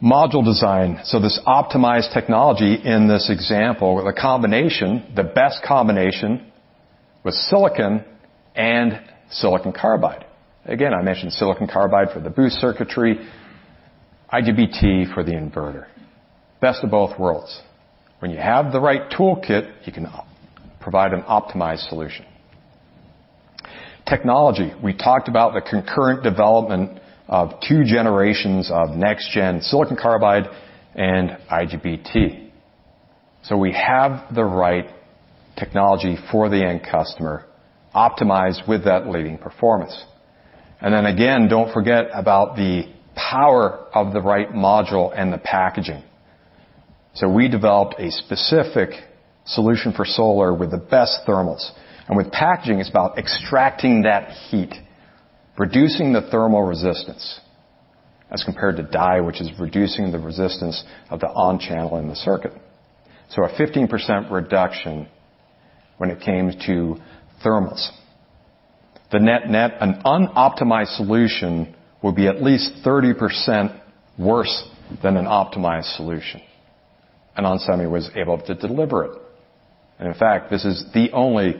Module design. This optimized technology in this example with a combination, the best combination with silicon and silicon carbide. Again, I mentioned silicon carbide for the boost circuitry, IGBT for the inverter. Best of both worlds. When you have the right toolkit, you can provide an optimized solution. Technology. We talked about the concurrent development of two generations of next-gen silicon carbide and IGBT. We have the right technology for the end customer optimized with that leading performance. Then again, don't forget about the power of the right module and the packaging. We developed a specific solution for solar with the best thermals. With packaging, it's about extracting that heat, reducing the thermal resistance as compared to die, which is reducing the resistance of the on channel in the circuit. A 15% reduction when it came to thermals. The net-net, an unoptimized solution will be at least 30% worse than an optimized solution, and onsemi was able to deliver it. In fact, this is the only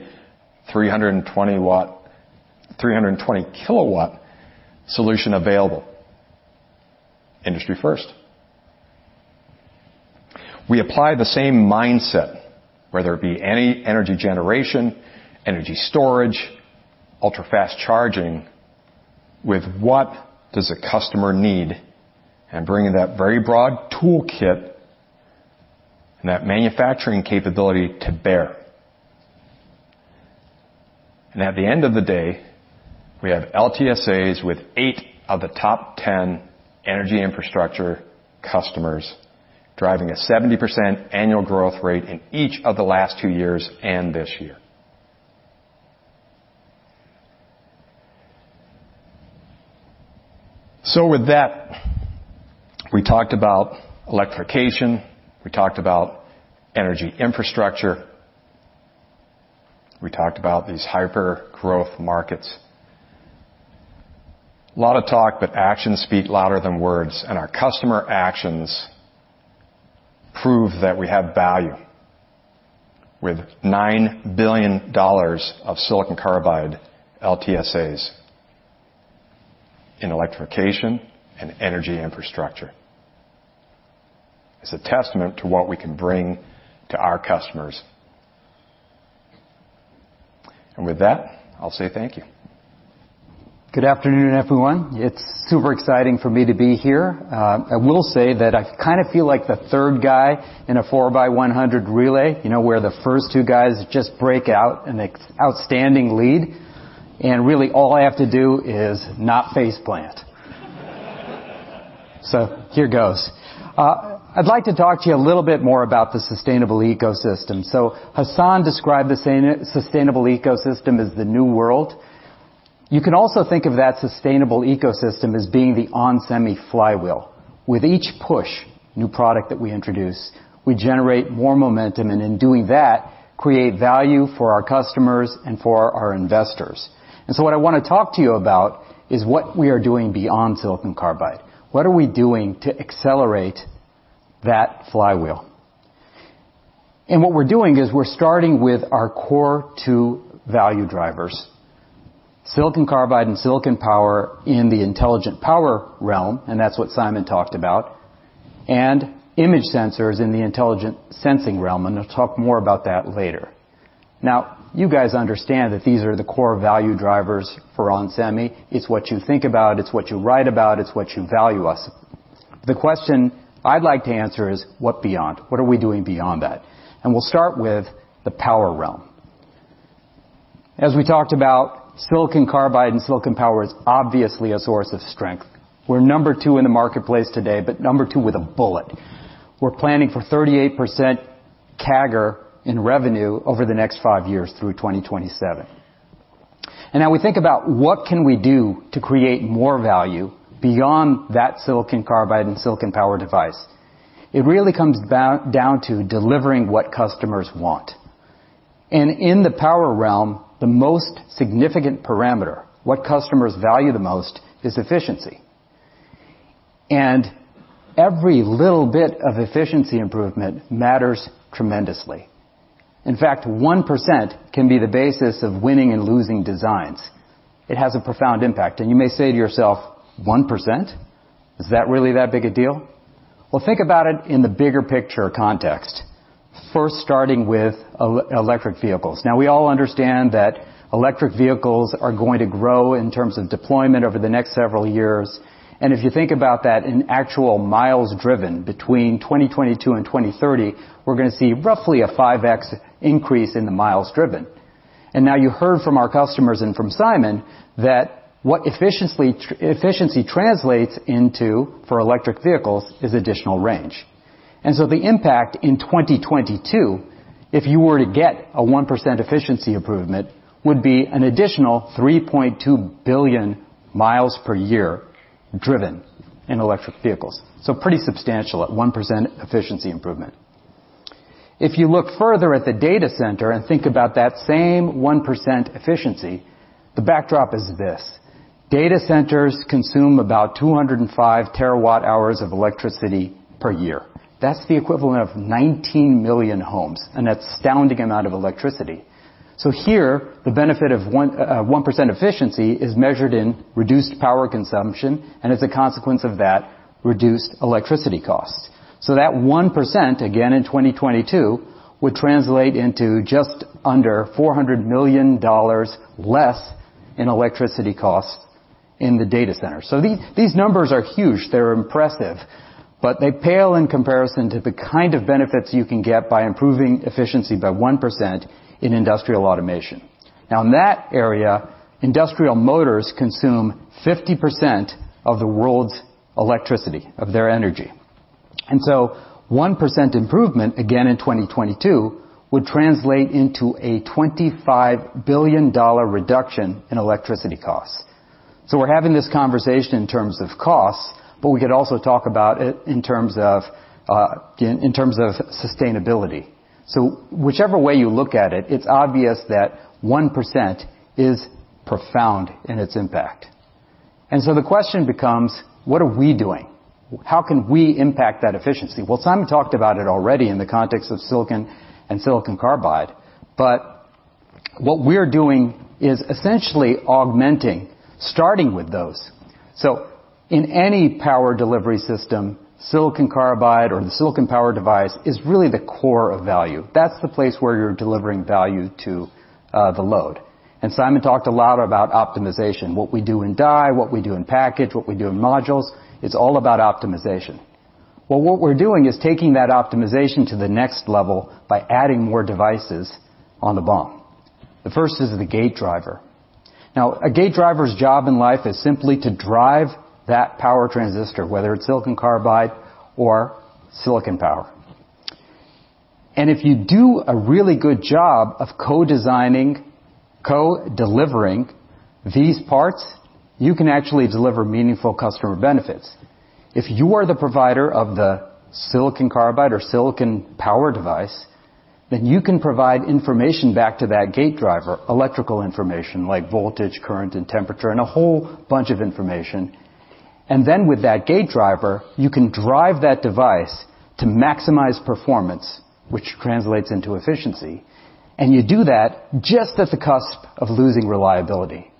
320 kilowatt solution available. Industry first. We apply the same mindset, whether it be any energy generation, energy storage, ultra-fast charging, with what does a customer need and bringing that very broad toolkit and that manufacturing capability to bear. At the end of the day, we have LTSAs with eight of the top 10 energy infrastructure customers driving a 70% annual growth rate in each of the last two years and this year. With that, we talked about electrification. We talked about energy infrastructure. We talked about these hyper-growth markets. Lot of talk, but actions speak louder than words, and our customer actions prove that we have value with $9 billion of silicon carbide LTSAs in electrification and energy infrastructure. It's a testament to what we can bring to our customers. With that, I'll say thank you. Good afternoon, everyone. It's super exciting for me to be here. I will say that I kind of feel like the third guy in a four by 100 relay, you know, where the first two guys just break out in an outstanding lead, and really all I have to do is not face plant. Here goes. I'd like to talk to you a little bit more about the sustainable ecosystem. Hassane described the sustainable ecosystem as the new world. You can also think of that sustainable ecosystem as being the onsemi flywheel. With each push, new product that we introduce, we generate more momentum, and in doing that, create value for our customers and for our investors. What I wanna talk to you about is what we are doing beyond silicon carbide. What are we doing to accelerate that flywheel? What we're doing is we're starting with our core two value drivers, silicon carbide and silicon power in the intelligent power realm, and that's what Simon talked about, and image sensors in the intelligent sensing realm, and I'll talk more about that later. Now, you guys understand that these are the core value drivers for onsemi. It's what you think about, it's what you write about, it's what you value us. The question I'd like to answer is what beyond? What are we doing beyond that? We'll start with the power realm. As we talked about, silicon carbide and silicon power is obviously a source of strength. We're number two in the marketplace today, but number two with a bullet. We're planning for 38% CAGR in revenue over the next five years through 2027. Now we think about what can we do to create more value beyond that silicon carbide and silicon power device. It really comes down to delivering what customers want. In the power realm, the most significant parameter, what customers value the most is efficiency. Every little bit of efficiency improvement matters tremendously. In fact, 1% can be the basis of winning and losing designs. It has a profound impact. You may say to yourself, "1%? Is that really that big a deal?" Well, think about it in the bigger picture context, first starting with electric vehicles. Now, we all understand that electric vehicles are going to grow in terms of deployment over the next several years. If you think about that in actual miles driven between 2022 and 2030, we're gonna see roughly a 5x increase in the miles driven. Now you heard from our customers and from Simon that what efficiency translates into for electric vehicles is additional range. The impact in 2022, if you were to get a 1% efficiency improvement, would be an additional 3.2 billion miles per year driven in electric vehicles. Pretty substantial at 1% efficiency improvement. If you look further at the data center and think about that same 1% efficiency, the backdrop is this. Data centers consume about 205 terawatt-hours of electricity per year. That's the equivalent of 19 million homes, an astounding amount of electricity. Here, the benefit of 1% efficiency is measured in reduced power consumption, and as a consequence of that, reduced electricity costs. That 1%, again in 2022, would translate into just under $400 million less in electricity costs in the data center. These numbers are huge. They're impressive, but they pale in comparison to the kind of benefits you can get by improving efficiency by 1% in industrial automation. In that area, industrial motors consume 50% of the world's electricity, of their energy. 1% improvement, again in 2022, would translate into a $25 billion reduction in electricity costs. We're having this conversation in terms of costs, but we could also talk about it in terms of, again, in terms of sustainability. Whichever way you look at it's obvious that 1% is profound in its impact. The question becomes, what are we doing? How can we impact that efficiency? Simon talked about it already in the context of silicon and silicon carbide, but what we're doing is essentially augmenting, starting with those. In any power delivery system, silicon carbide or the silicon power device is really the core of value. That's the place where you're delivering value to the load. Simon talked a lot about optimization, what we do in die, what we do in package, what we do in modules. It's all about optimization. What we're doing is taking that optimization to the next level by adding more devices on the BOM. The first is the gate driver. A gate driver's job in life is simply to drive that power transistor, whether it's silicon carbide or silicon power. If you do a really good job of co-designing, co-delivering these parts, you can actually deliver meaningful customer benefits. If you are the provider of the silicon carbide or silicon power device, then you can provide information back to that gate driver, electrical information like voltage, current, and temperature, and a whole bunch of information. With that gate driver, you can drive that device to maximize performance, which translates into efficiency. You do that just at the cusp of losing reliability.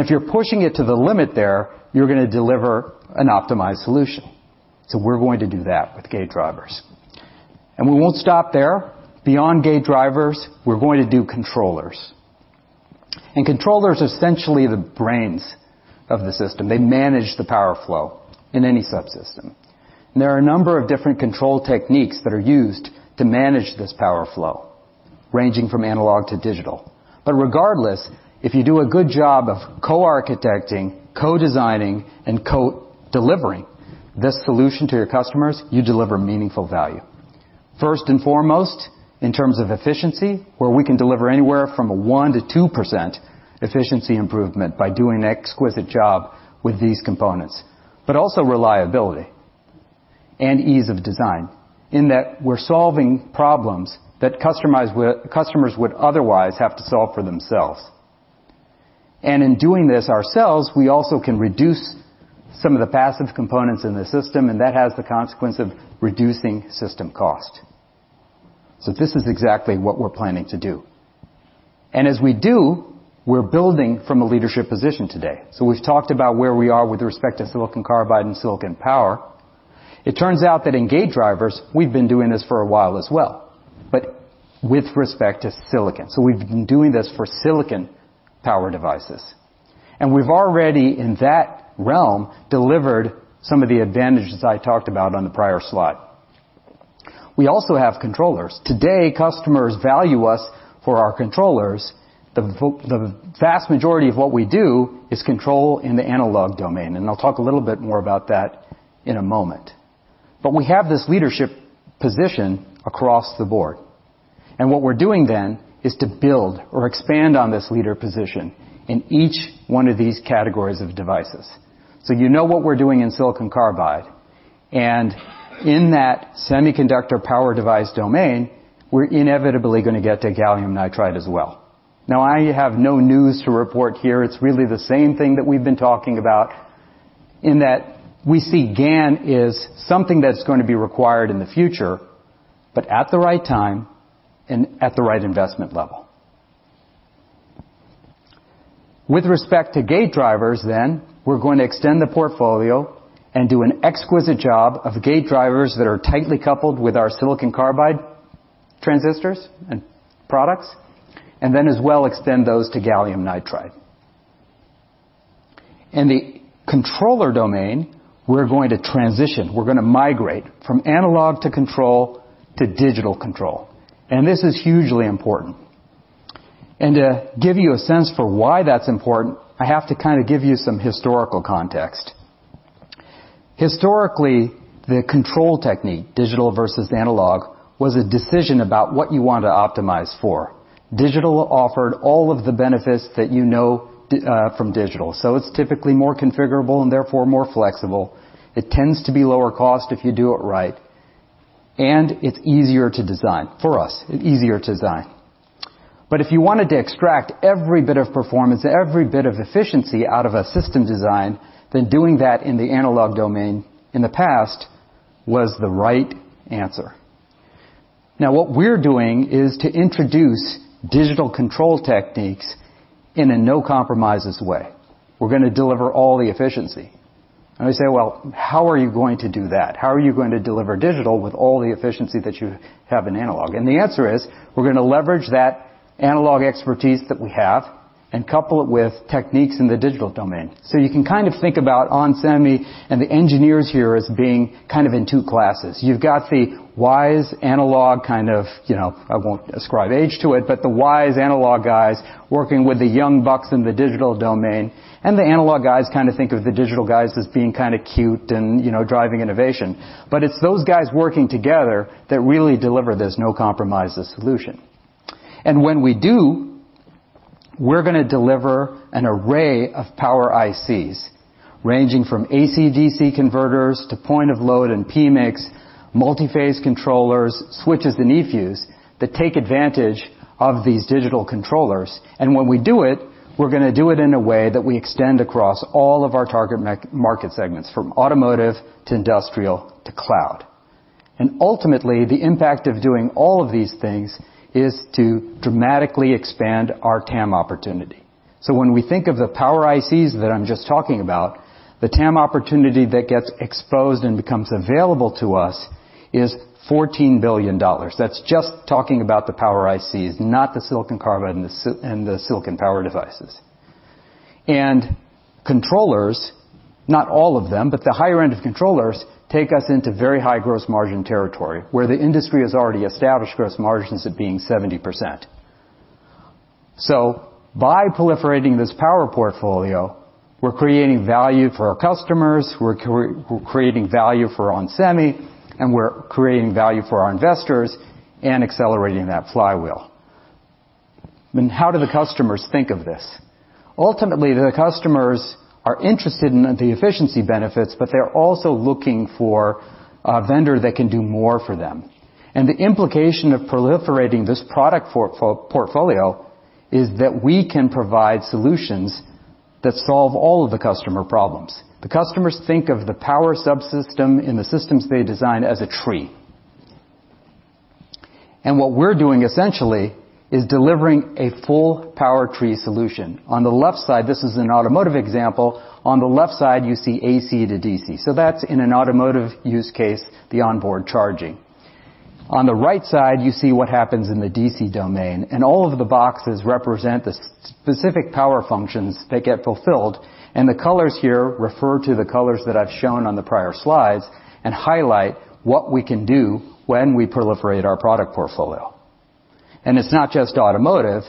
If you're pushing it to the limit there, you're going to deliver an optimized solution. We're going to do that with gate drivers. We won't stop there. Beyond gate drivers, we're going to do controllers. Controllers are essentially the brains of the system. They manage the power flow in any subsystem. There are a number of different control techniques that are used to manage this power flow, ranging from analog to digital. Regardless, if you do a good job of co-architecting, co-designing, and co-delivering this solution to your customers, you deliver meaningful value. First and foremost, in terms of efficiency, where we can deliver anywhere from a 1% to 2% efficiency improvement by doing an exquisite job with these components. Also reliability and ease of design in that we're solving problems that customers would otherwise have to solve for themselves. In doing this ourselves, we also can reduce some of the passive components in the system, and that has the consequence of reducing system cost. This is exactly what we're planning to do. As we do, we're building from a leadership position today. We've talked about where we are with respect to silicon carbide and silicon power. It turns out that in gate drivers, we've been doing this for a while as well, but with respect to silicon. We've been doing this for silicon power devices, and we've already, in that realm, delivered some of the advantages I talked about on the prior slide. We also have controllers. Today, customers value us for our controllers. The vast majority of what we do is control in the analog domain, and I'll talk a little bit more about that in a moment. We have this leadership position across the board, and what we're doing then is to build or expand on this leader position in each one of these categories of devices. You know what we're doing in silicon carbide. In that semiconductor power device domain, we're inevitably gonna get to gallium nitride as well. I have no news to report here. It's really the same thing that we've been talking about in that we see GaN is something that's going to be required in the future, but at the right time and at the right investment level. With respect to gate drivers, we're going to extend the portfolio and do an exquisite job of gate drivers that are tightly coupled with our silicon carbide transistors and products, and then as well extend those to gallium nitride. In the controller domain, we're going to transition. We're gonna migrate from analog to control to digital control. This is hugely important. To give you a sense for why that's important, I have to kind of give you some historical context. Historically, the control technique, digital versus analog, was a decision about what you want to optimize for. Digital offered all of the benefits that you know from digital. It's typically more configurable and therefore more flexible. It tends to be lower cost if you do it right. It's easier to design. For us, easier to design. If you wanted to extract every bit of performance, every bit of efficiency out of a system design, then doing that in the analog domain in the past was the right answer. What we're doing is to introduce digital control techniques in a no compromises way. We're gonna deliver all the efficiency. You say, "Well, how are you going to do that? How are you going to deliver digital with all the efficiency that you have in analog?" The answer is, we're gonna leverage that analog expertise that we have and couple it with techniques in the digital domain. You can kind of think about onsemi and the engineers here as being kind of in two classes. You've got the wise analog, kind of, you know, I won't ascribe age to it, but the wise analog guys working with the young bucks in the digital domain, and the analog guys kind of think of the digital guys as being kind of cute and, you know, driving innovation. It's those guys working together that really deliver this no compromises solution. When we do, we're gonna deliver an array of power ICs, ranging from AC/DC converters to point of load and PMICs, multiphase controllers, switches, and eFuses that take advantage of these digital controllers. When we do it, we're gonna do it in a way that we extend across all of our target market segments, from automotive to industrial to cloud. Ultimately, the impact of doing all of these things is to dramatically expand our TAM opportunity. When we think of the power ICs that I'm just talking about, the TAM opportunity that gets exposed and becomes available to us is $14 billion. That's just talking about the power ICs, not the silicon carbide and the silicon power devices. Controllers, not all of them, but the higher end of controllers take us into very high gross margin territory, where the industry has already established gross margins of being 70%. By proliferating this power portfolio, we're creating value for our customers, we're creating value for onsemi, and we're creating value for our investors and accelerating that flywheel. How do the customers think of this? Ultimately, the customers are interested in the efficiency benefits, but they're also looking for a vendor that can do more for them. The implication of proliferating this product portfolio is that we can provide solutions that solve all of the customer problems. The customers think of the power subsystem in the systems they design as a tree. What we're doing essentially is delivering a full power tree solution. On the left side, this is an automotive example. On the left side, you see AC/DC. That's in an automotive use case, the on-board charging. On the right side, you see what happens in the DC domain, all of the boxes represent the specific power functions that get fulfilled. The colors here refer to the colors that I've shown on the prior slides and highlight what we can do when we proliferate our product portfolio. It's not just automotive.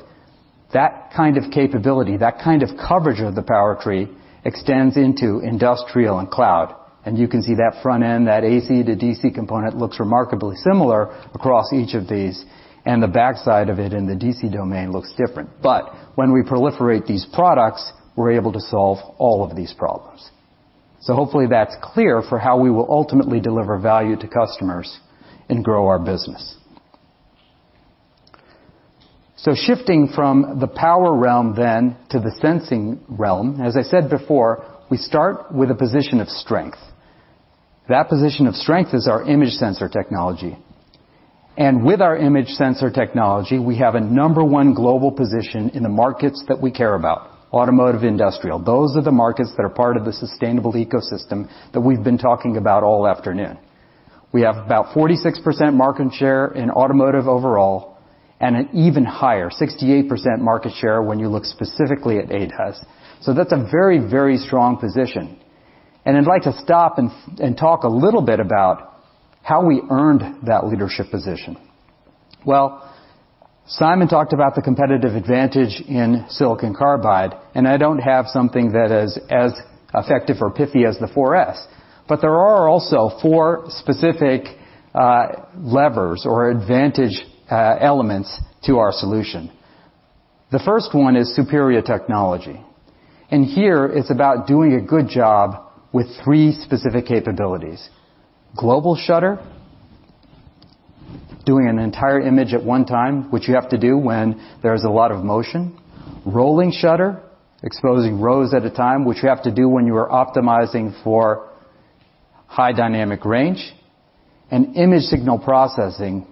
That kind of capability, that kind of coverage of the power tree extends into industrial and cloud, you can see that front end, that AC/DC component looks remarkably similar across each of these, the backside of it in the DC domain looks different. When we proliferate these products, we're able to solve all of these problems. Hopefully that's clear for how we will ultimately deliver value to customers and grow our business. Shifting from the power realm to the sensing realm, as I said before, we start with a position of strength. That position of strength is our image sensor technology. With our image sensor technology, we have a number one global position in the markets that we care about, automotive, industrial. Those are the markets that are part of the sustainable ecosystem that we've been talking about all afternoon. We have about 46% market share in automotive overall and an even higher 68% market share when you look specifically at ADAS. That's a very, very strong position. I'd like to stop and talk a little bit about how we earned that leadership position. Simon talked about the competitive advantage in silicon carbide, and I don't have something that is as effective or pithy as the four S. There are also four specific levers or advantage elements to our solution. The first one is superior technology. Here it's about doing a good job with three specific capabilities. global shutter, doing an entire image at one time, which you have to do when there's a lot of motion. rolling shutter, exposing rows at a time, which you have to do when you are optimizing for high dynamic range. image signal processing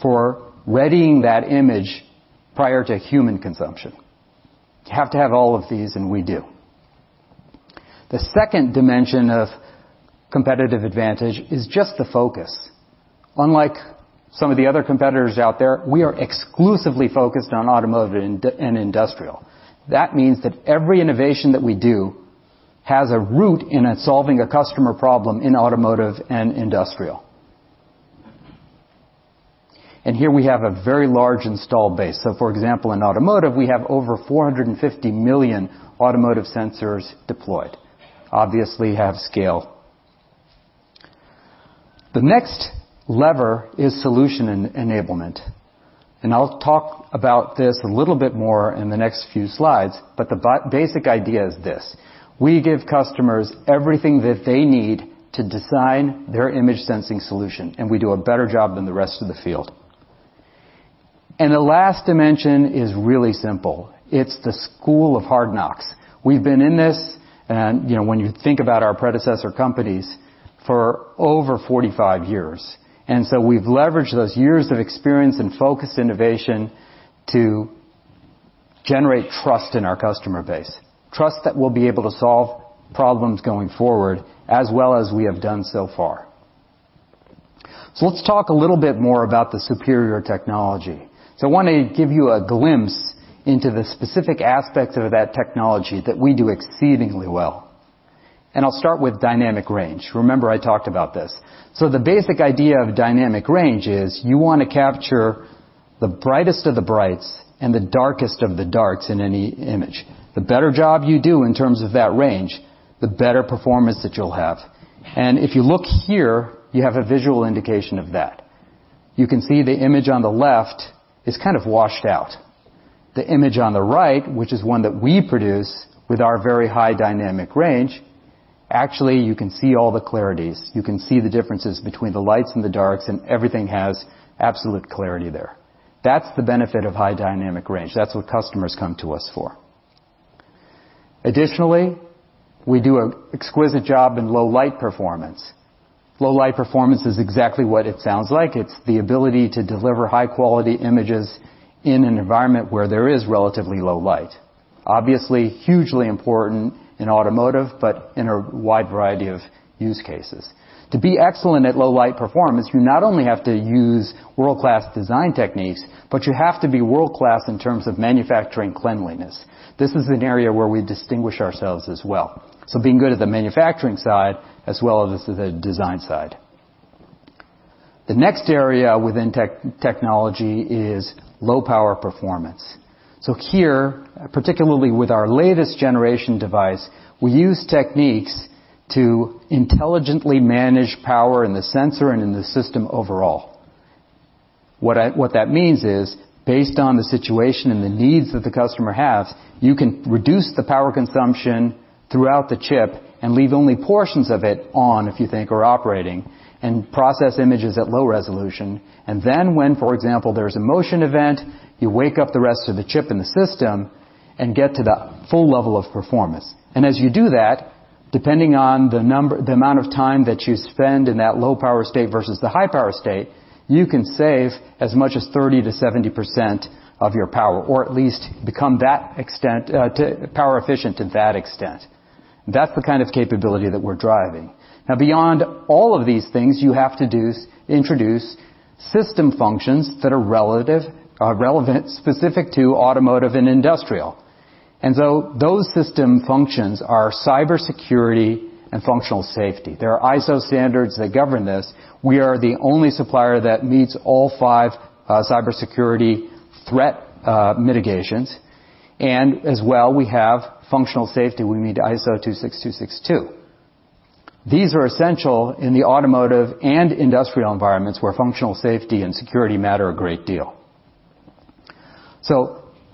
for readying that image prior to human consumption. You have to have all of these, and we do. The second dimension of competitive advantage is just the focus. Unlike some of the other competitors out there, we are exclusively focused on automotive and industrial. That means that every innovation that we do has a root in solving a customer problem in automotive and industrial. Here we have a very large installed base. For example, in automotive, we have over $450 million automotive sensors deployed. Obviously have scale. The next lever is solution enablement. I'll talk about this a little bit more in the next few slides, but the basic idea is this. We give customers everything that they need to design their image sensing solution, and we do a better job than the rest of the field. The last dimension is really simple. It's the school of hard knocks. We've been in this, you know, when you think about our predecessor companies, for over 45 years. We've leveraged those years of experience and focused innovation to generate trust in our customer base. Trust that we'll be able to solve problems going forward as well as we have done so far. Let's talk a little bit more about the superior technology. I wanna give you a glimpse into the specific aspects of that technology that we do exceedingly well. I'll start with dynamic range. Remember, I talked about this. The basic idea of dynamic range is you wanna capture the brightest of the brights and the darkest of the darks in any image. The better job you do in terms of that range, the better performance that you'll have. If you look here, you have a visual indication of that. You can see the image on the left is kind of washed out. The image on the right, which is one that we produce with our very high dynamic range, actually, you can see all the clarities. You can see the differences between the lights and the darks, and everything has absolute clarity there. That's the benefit of high dynamic range. That's what customers come to us for. Additionally, we do an exquisite job in low light performance. Low light performance is exactly what it sounds like. It's the ability to deliver high-quality images in an environment where there is relatively low light. Obviously hugely important in automotive, but in a wide variety of use cases. To be excellent at low light performance, you not only have to use world-class design techniques, but you have to be world-class in terms of manufacturing cleanliness. This is an area where we distinguish ourselves as well. Being good at the manufacturing side as well as at the design side. The next area within tech-technology is low power performance. Here, particularly with our latest generation device, we use techniques to intelligently manage power in the sensor and in the system overall. What that means is, based on the situation and the needs that the customer has, you can reduce the power consumption throughout the chip and leave only portions of it on, if you think are operating, and process images at low resolution. Then when, for example, there's a motion event, you wake up the rest of the chip in the system and get to the full level of performance. As you do that, depending on the amount of time that you spend in that low power state versus the high power state, you can save as much as 30%-70% of your power, or at least become that extent, to power efficient to that extent. That's the kind of capability that we're driving. Beyond all of these things, you have to introduce system functions that are relevant, specific to automotive and industrial. Those system functions are cybersecurity and functional safety. There are ISO standards that govern this. We are the only supplier that meets all five cybersecurity threat mitigations. We have functional safety. We meet ISO 26262. These are essential in the automotive and industrial environments where functional safety and security matter a great deal.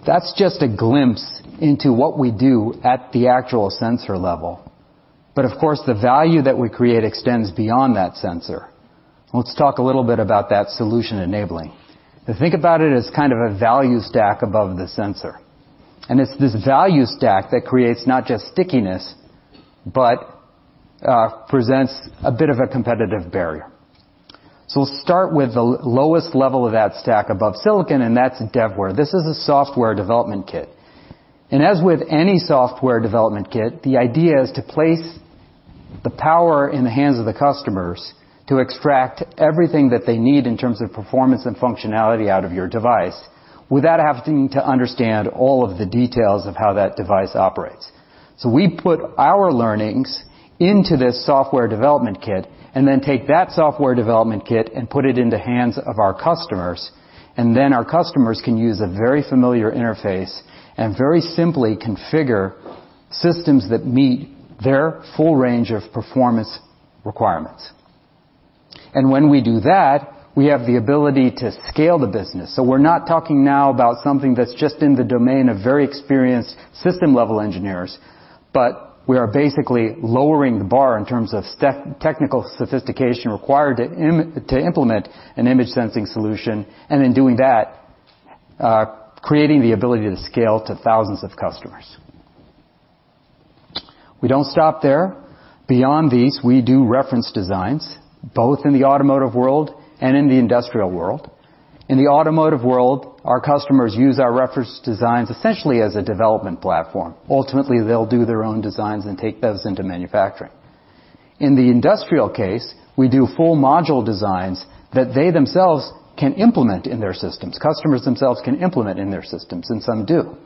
That's just a glimpse into what we do at the actual sensor level. The value that we create extends beyond that sensor. Let's talk a little bit about that solution enabling. Think about it as kind of a value stack above the sensor. It's this value stack that creates not just stickiness, but presents a bit of a competitive barrier. We'll start with the lowest level of that stack above silicon, and that's DevWare. This is a software development kit. As with any software development kit, the idea is to place the power in the hands of the customers to extract everything that they need in terms of performance and functionality out of your device without having to understand all of the details of how that device operates. We put our learnings into this software development kit and then take that software development kit and put it in the hands of our customers, and then our customers can use a very familiar interface and very simply configure systems that meet their full range of performance requirements. When we do that, we have the ability to scale the business. We're not talking now about something that's just in the domain of very experienced system-level engineers, but we are basically lowering the bar in terms of technical sophistication required to implement an image sensing solution, and in doing that, creating the ability to scale to thousands of customers. We don't stop there. Beyond these, we do reference designs, both in the automotive world and in the industrial world. In the automotive world, our customers use our reference designs essentially as a development platform. Ultimately, they'll do their own designs and take those into manufacturing. In the industrial case, we do full module designs that they themselves can implement in their systems. Customers themselves can implement in their systems, and some do.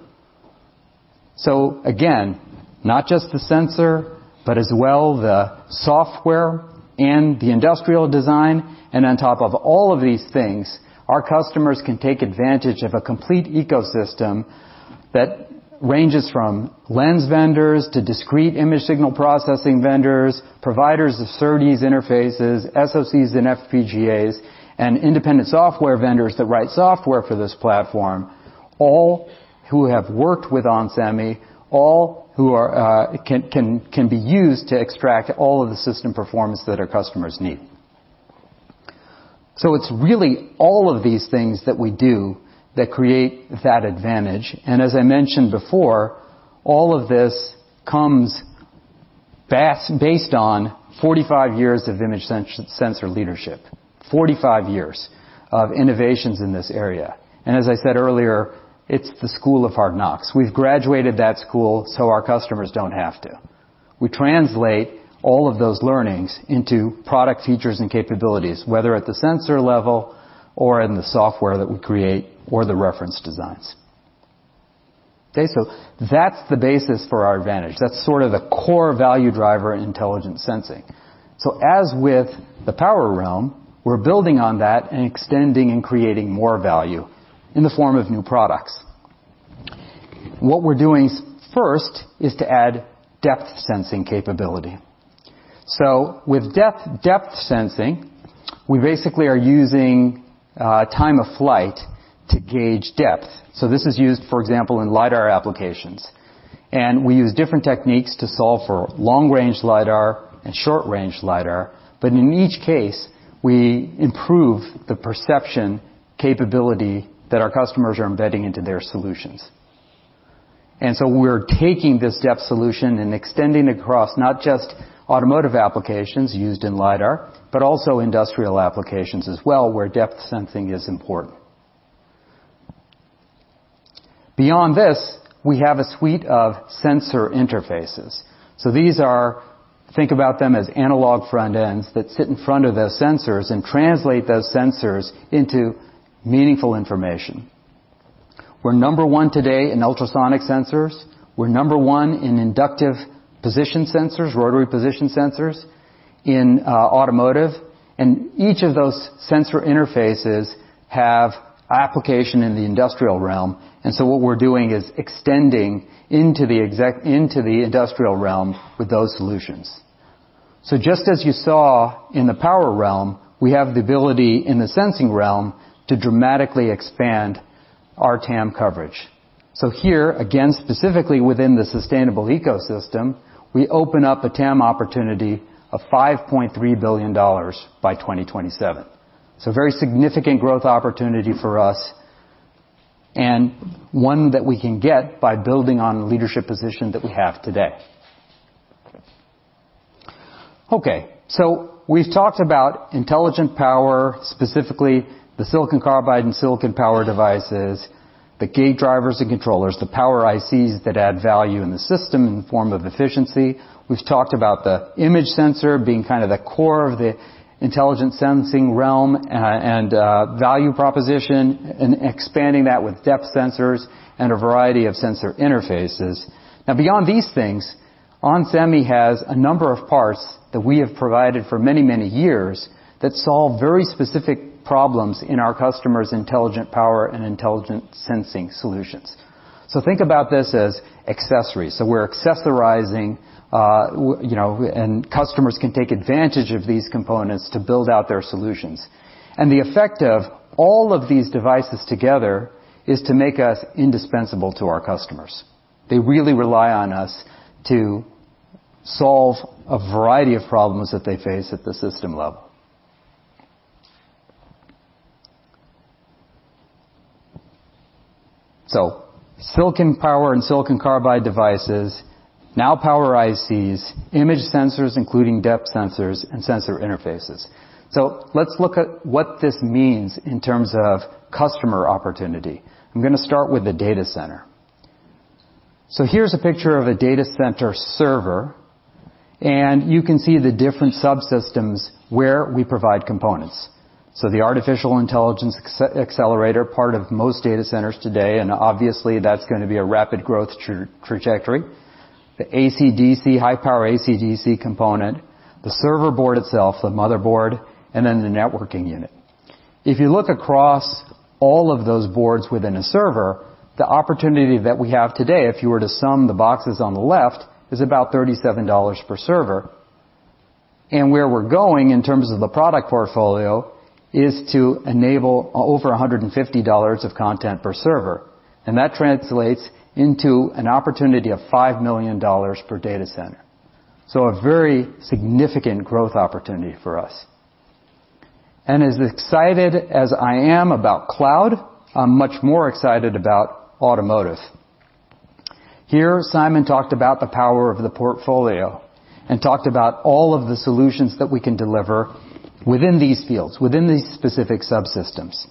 Again, not just the sensor, but as well the software and the industrial design, and on top of all of these things, our customers can take advantage of a complete ecosystem that ranges from lens vendors to discrete image signal processing vendors, providers of SERDES interfaces, SoCs and FPGAs, and independent software vendors that write software for this platform, all who have worked with onsemi, all who can be used to extract all of the system performance that our customers need. It's really all of these things that we do that create that advantage. As I mentioned before, all of this comes based on 45 years of image sensor leadership, 45 years of innovations in this area. As I said earlier, it's the school of hard knocks. We've graduated that school, so our customers don't have to. We translate all of those learnings into product features and capabilities, whether at the sensor level or in the software that we create or the reference designs. Okay, that's the basis for our advantage. That's sort of the core value driver in intelligent sensing. As with the power realm, we're building on that and extending and creating more value in the form of new products. What we're doing first is to add depth sensing capability. With depth sensing, we basically are using time of flight to gauge depth. This is used, for example, in lidar applications. We use different techniques to solve for long-range lidar and short-range lidar. In each case, we improve the perception capability that our customers are embedding into their solutions. We're taking this depth solution and extending across not just automotive applications used in Lidar, but also industrial applications as well, where depth sensing is important. Beyond this, we have a suite of sensor interfaces. Think about them as analog front ends that sit in front of those sensors and translate those sensors into meaningful information. We're number one today in ultrasonic sensors. We're number one in inductive position sensors, rotary position sensors in automotive. Each of those sensor interfaces have application in the industrial realm. What we're doing is extending into the industrial realm with those solutions. Just as you saw in the power realm, we have the ability in the sensing realm to dramatically expand our TAM coverage. Here, again, specifically within the sustainable ecosystem, we open up a TAM opportunity of $5.3 billion by 2027. Very significant growth opportunity for us and one that we can get by building on the leadership position that we have today. We've talked about intelligent power, specifically the silicon carbide and silicon power devices, the gate drivers and controllers, the power ICs that add value in the system in the form of efficiency. We've talked about the image sensor being kind of the core of the intelligent sensing realm, and value proposition and expanding that with depth sensors and a variety of sensor interfaces. Beyond these things, onsemi has a number of parts that we have provided for many, many years that solve very specific problems in our customers' intelligent power and intelligent sensing solutions. Think about this as accessories. We're accessorizing, you know, customers can take advantage of these components to build out their solutions. The effect of all of these devices together is to make us indispensable to our customers. They really rely on us to solve a variety of problems that they face at the system level. Silicon power and silicon carbide devices now power ICs, image sensors, including depth sensors and sensor interfaces. Let's look at what this means in terms of customer opportunity. I'm gonna start with the data center. Here's a picture of a data center server, you can see the different subsystems where we provide components. The artificial intelligence accelerator, part of most data centers today, obviously, that's gonna be a rapid growth trajectory. The AC/DC, high-power AC/DC component, the server board itself, the motherboard, the networking unit. If you look across all of those boards within a server, the opportunity that we have today, if you were to sum the boxes on the left, is about $37 per server. Where we're going in terms of the product portfolio is to enable over $150 of content per server, and that translates into an opportunity of $5 million per data center. A very significant growth opportunity for us. As excited as I am about cloud, I'm much more excited about automotive. Here, Simon talked about the power of the portfolio and talked about all of the solutions that we can deliver within these fields, within these specific subsystems.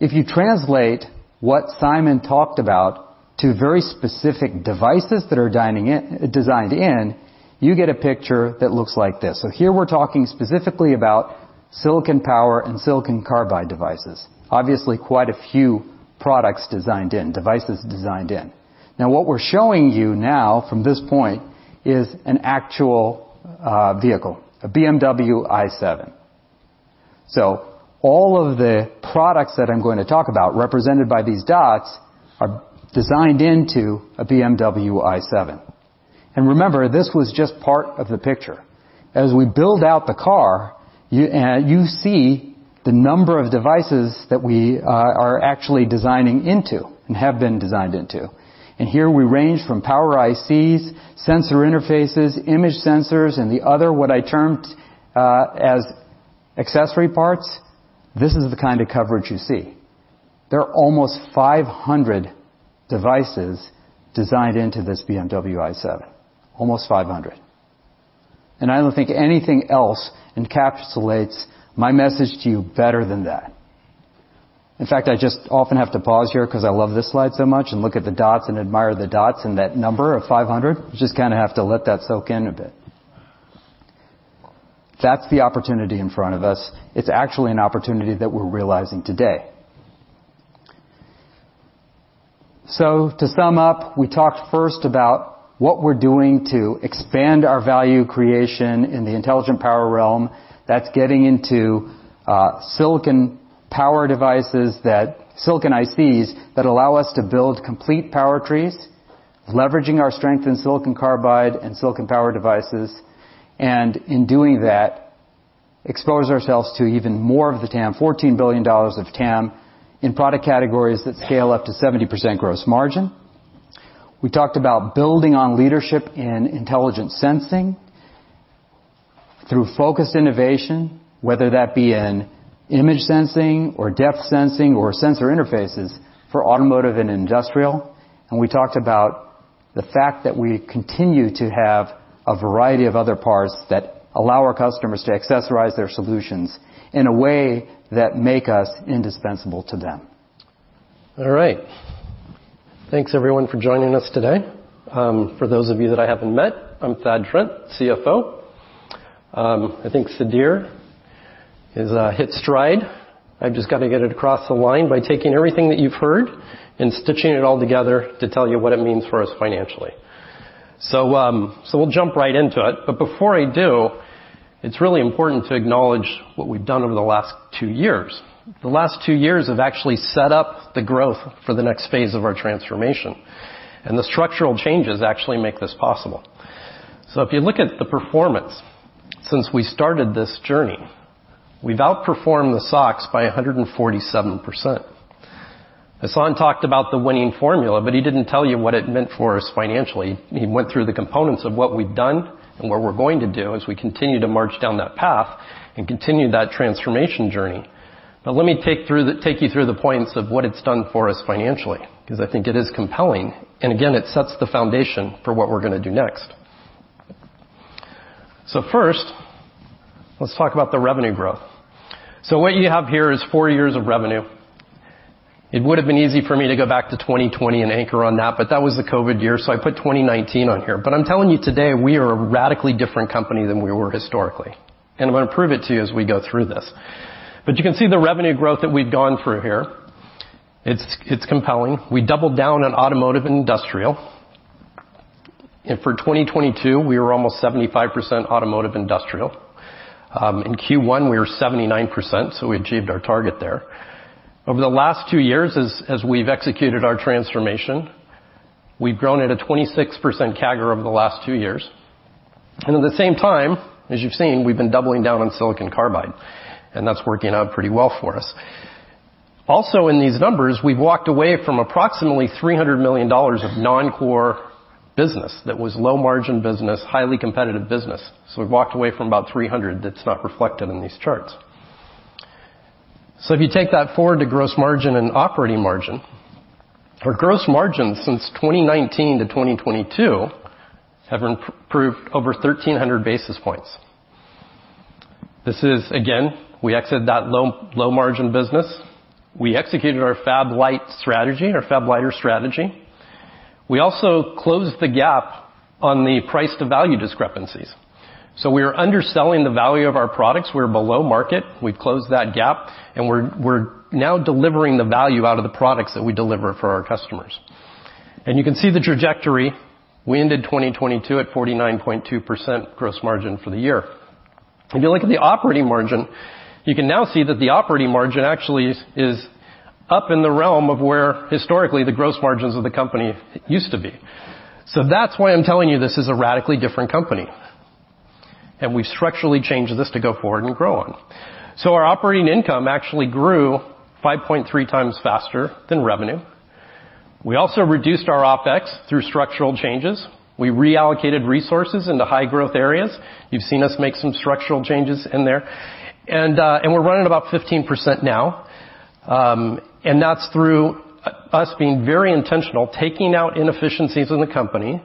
If you translate what Simon talked about to very specific devices that are designed in, you get a picture that looks like this. Here we're talking specifically about silicon power and silicon carbide devices. Obviously, quite a few products designed in, devices designed in. What we're showing you now from this point is an actual vehicle, a BMW i7. All of the products that I'm going to talk about represented by these dots are designed into a BMW i7. Remember, this was just part of the picture. As we build out the car, you see the number of devices that we are actually designing into and have been designed into. Here, we range from power ICs, sensor interfaces, image sensors and the other, what I termed as accessory parts. This is the kind of coverage you see. There are almost 500 devices designed into this BMW i7, almost 500. I don't think anything else encapsulates my message to you better than that. In fact, I just often have to pause here 'cause I love this slide so much and look at the dots and admire the dots and that number of 500. Just kinda have to let that soak in a bit. That's the opportunity in front of us. It's actually an opportunity that we're realizing today. To sum up, we talked first about what we're doing to expand our value creation in the intelligent power realm that's getting into silicon power devices that silicon ICs that allow us to build complete power trees, leveraging our strength in silicon carbide and silicon power devices, and in doing that, expose ourselves to even more of the TAM, $14 billion of TAM, in product categories that scale up to 70% gross margin. We talked about building on leadership in intelligent sensing through focused innovation, whether that be in image sensing or depth sensing or sensor interfaces for automotive and industrial. We talked about the fact that we continue to have a variety of other parts that allow our customers to accessorize their solutions in a way that make us indispensable to them. All right. Thanks everyone for joining us today. For those of you that I haven't met, I'm Thad Trent, CFO. I think Sudhir has hit stride. I've just got to get it across the line by taking everything that you've heard and stitching it all together to tell you what it means for us financially. We'll jump right into it, but before I do, it's really important to acknowledge what we've done over the last two years. The last two years have actually set up the growth for the next phase of our transformation, and the structural changes actually make this possible. If you look at the performance since we started this journey, we've outperformed the SOX by 147%. Hassane talked about the winning formula, he didn't tell you what it meant for us financially. He went through the components of what we've done and what we're going to do as we continue to march down that path and continue that transformation journey. Let me take you through the points of what it's done for us financially, because I think it is compelling, and again, it sets the foundation for what we're gonna do next. First, let's talk about the revenue growth. What you have here is four years of revenue. It would've been easy for me to go back to 2020 and anchor on that, but that was the COVID year, so I put 2019 on here. I'm telling you today, we are a radically different company than we were historically. I'm gonna prove it to you as we go through this. You can see the revenue growth that we've gone through here. It's compelling. We doubled down on automotive and industrial. For 2022, we were almost 75% automotive industrial. In Q1, we were 79%, so we achieved our target there. Over the last two years, as we've executed our transformation, we've grown at a 26% CAGR over the last two years. At the same time, as you've seen, we've been doubling down on silicon carbide, and that's working out pretty well for us. Also, in these numbers, we've walked away from approximately $300 million of non-core business that was low margin business, highly competitive business. We've walked away from about $300 that's not reflected in these charts. If you take that forward to gross margin and operating margin, our gross margins since 2019 to 2022 have improved over 1,300 basis points. This is again, we exited that low, low margin business. We executed our FAB-lite strategy, our FAB Liter strategy. We also closed the gap on the price to value discrepancies. We are underselling the value of our products. We're below market. We've closed that gap, and we're now delivering the value out of the products that we deliver for our customers. You can see the trajectory. We ended 2022 at 49.2% gross margin for the year. If you look at the operating margin, you can now see that the operating margin actually is up in the realm of where historically the gross margins of the company used to be. That's why I'm telling you this is a radically different company, and we've structurally changed this to go forward and grow on. Our operating income actually grew 5.3 times faster than revenue. We also reduced our OpEx through structural changes. We reallocated resources into high growth areas. You've seen us make some structural changes in there. We're running about 15% now, and that's through us being very intentional, taking out inefficiencies in the company,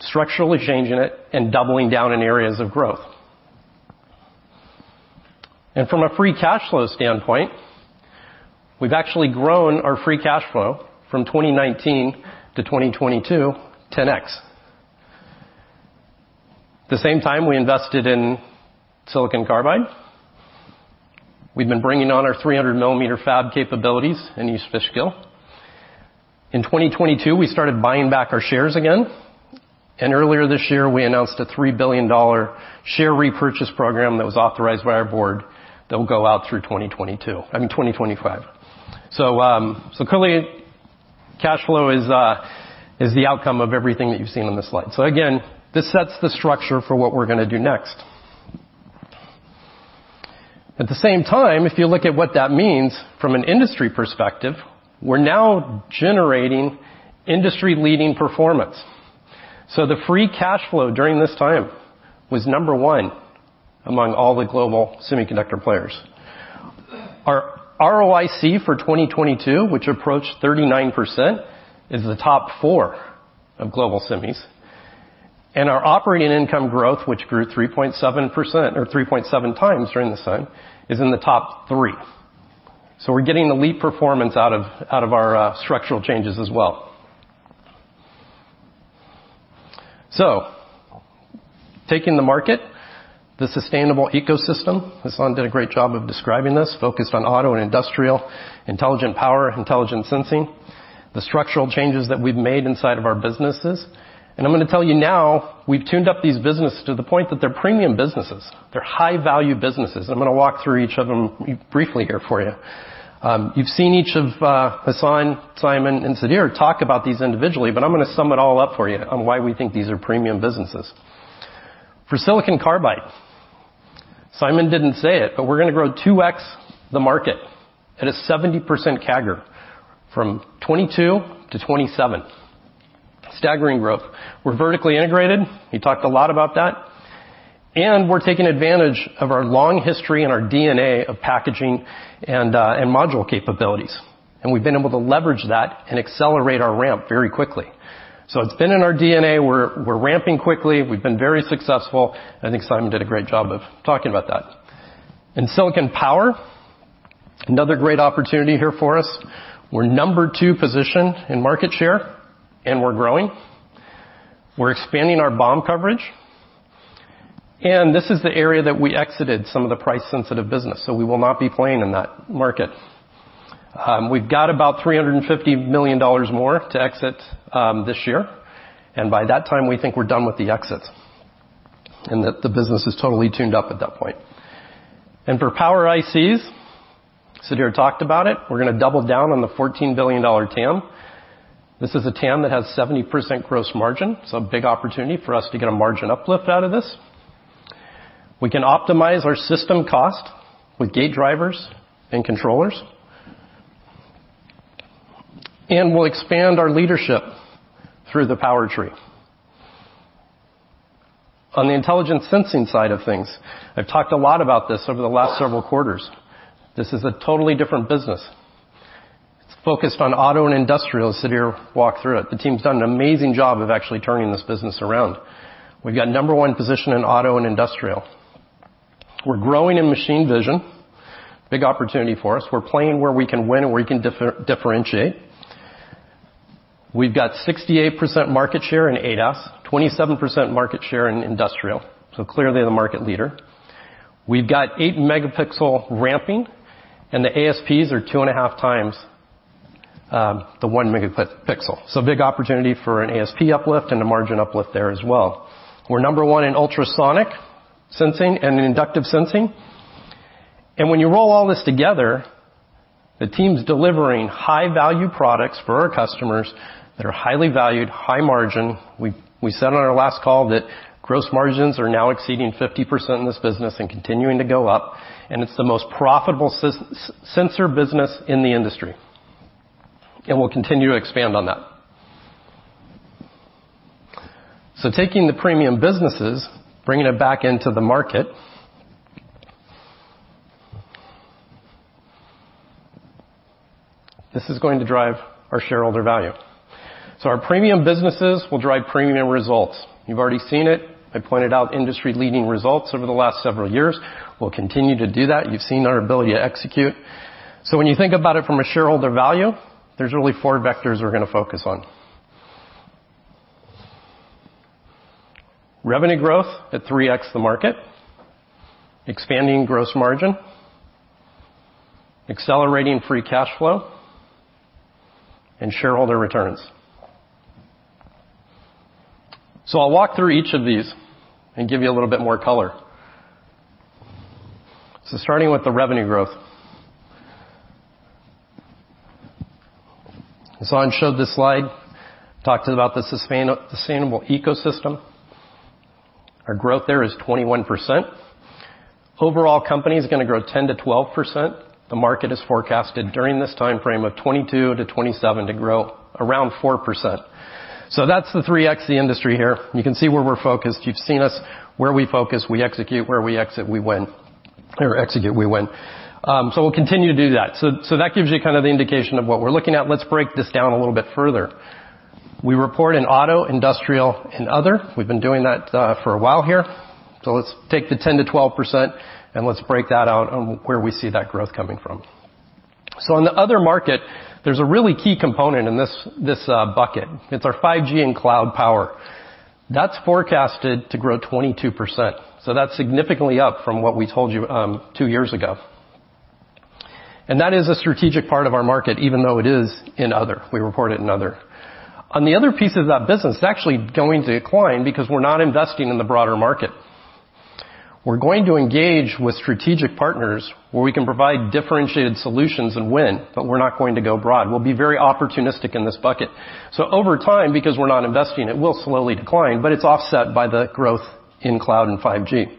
structurally changing it and doubling down in areas of growth. From a free cash flow standpoint, we've actually grown our free cash flow from 2019 to 2022, 10x. The same time we invested in silicon carbide, we've been bringing on our 300mm fab capabilities in East Fishkill. In 2022, we started buying back our shares again, and earlier this year we announced a $3 billion share repurchase program that was authorized by our board that will go out through 2025. Clearly, cash flow is the outcome of everything that you've seen on this slide. Again, this sets the structure for what we're gonna do next. At the same time, if you look at what that means from an industry perspective, we're now generating industry-leading performance. The free cash flow during this time was number one among all the global semiconductor players. Our ROIC for 2022, which approached 39%, is the top four of global semis. Our operating income growth, which grew 3.7% or 3.7 times during this time, is in the top three. We're getting elite performance out of our structural changes as well. Taking the market, the sustainable ecosystem. Hassan did a great job of describing this, focused on auto and industrial, intelligent power, intelligent sensing, the structural changes that we've made inside of our businesses. I'm gonna tell you now, we've tuned up these businesses to the point that they're premium businesses. They're high-value businesses. I'm gonna walk through each of them briefly here for you. You've seen each of Hassan, Simon, and Sudhir talk about these individually, I'm gonna sum it all up for you on why we think these are premium businesses. For silicon carbide, Simon didn't say it, we're gonna grow 2x the market at a 70% CAGR from 2022 to 2027. Staggering growth. We're vertically integrated. He talked a lot about that, we're taking advantage of our long history and our DNA of packaging and module capabilities. We've been able to leverage that and accelerate our ramp very quickly. It's been in our DNA. We're ramping quickly. We've been very successful. I think Simon did a great job of talking about that. In silicon power, another great opportunity here for us. We're number two position in market share, and we're growing. We're expanding our BOM coverage. This is the area that we exited some of the price-sensitive business, so we will not be playing in that market. We've got about $350 million more to exit this year. By that time, we think we're done with the exits and that the business is totally tuned up at that point. For Power ICs, Sudhir talked about it. We're gonna double down on the $14 billion TAM. This is a TAM that has 70% gross margin. It's a big opportunity for us to get a margin uplift out of this. We can optimize our system cost with gate drivers and controllers. We'll expand our leadership through the power tree. On the intelligent sensing side of things, I've talked a lot about this over the last several quarters. This is a totally different business. It's focused on auto and industrial. Sudhir walked through it. The team's done an amazing job of actually turning this business around. We've got number one position in auto and industrial. We're growing in machine vision, big opportunity for us. We're playing where we can win and where we can differentiate. We've got 68% market share in ADAS, 27% market share in industrial, so clearly the market leader. We've got 8-megapixel ramping, and the ASPs are two and a half times the 1 megapixel. Big opportunity for an ASP uplift and a margin uplift there as well. We're number one in ultrasonic sensing and in inductive sensing. When you roll all this together, the team's delivering high-value products for our customers that are highly valued, high margin. We said on our last call that gross margins are now exceeding 50% in this business and continuing to go up, and it's the most profitable sensor business in the industry. We'll continue to expand on that. Taking the premium businesses, bringing it back into the market. This is going to drive our shareholder value. Our premium businesses will drive premium results. You've already seen it. I pointed out industry-leading results over the last several years. We'll continue to do that. You've seen our ability to execute. When you think about it from a shareholder value, there's really 4 vectors we're gonna focus on. Revenue growth at 3x the market, expanding gross margin, accelerating free cash flow, and shareholder returns. I'll walk through each of these and give you a little bit more color. Starting with the revenue growth. I showed this slide, talked about the sustainable ecosystem. Our growth there is 21%. Overall, company is gonna grow 10%-12%. The market is forecasted during this timeframe of 2022-2027 to grow around 4%. That's the 3x the industry here. You can see where we're focused. You've seen us where we focus, we execute, where we exit, we win. Or execute, we win. We'll continue to do that. That gives you kind of the indication of what we're looking at. Let's break this down a little bit further. We report in auto, industrial, and other. We've been doing that for a while here. Let's take the 10%-12%, and let's break that out on where we see that growth coming from. On the other market, there's a really key component in this bucket. It's our 5G and cloud power. That's forecasted to grow 22%, so that's significantly up from what we told you two years ago. That is a strategic part of our market, even though it is in other. We report it in other. On the other piece of that business, it's actually going to decline because we're not investing in the broader market. We're going to engage with strategic partners where we can provide differentiated solutions and win, but we're not going to go broad. We'll be very opportunistic in this bucket. Over time, because we're not investing, it will slowly decline, but it's offset by the growth in cloud and 5G.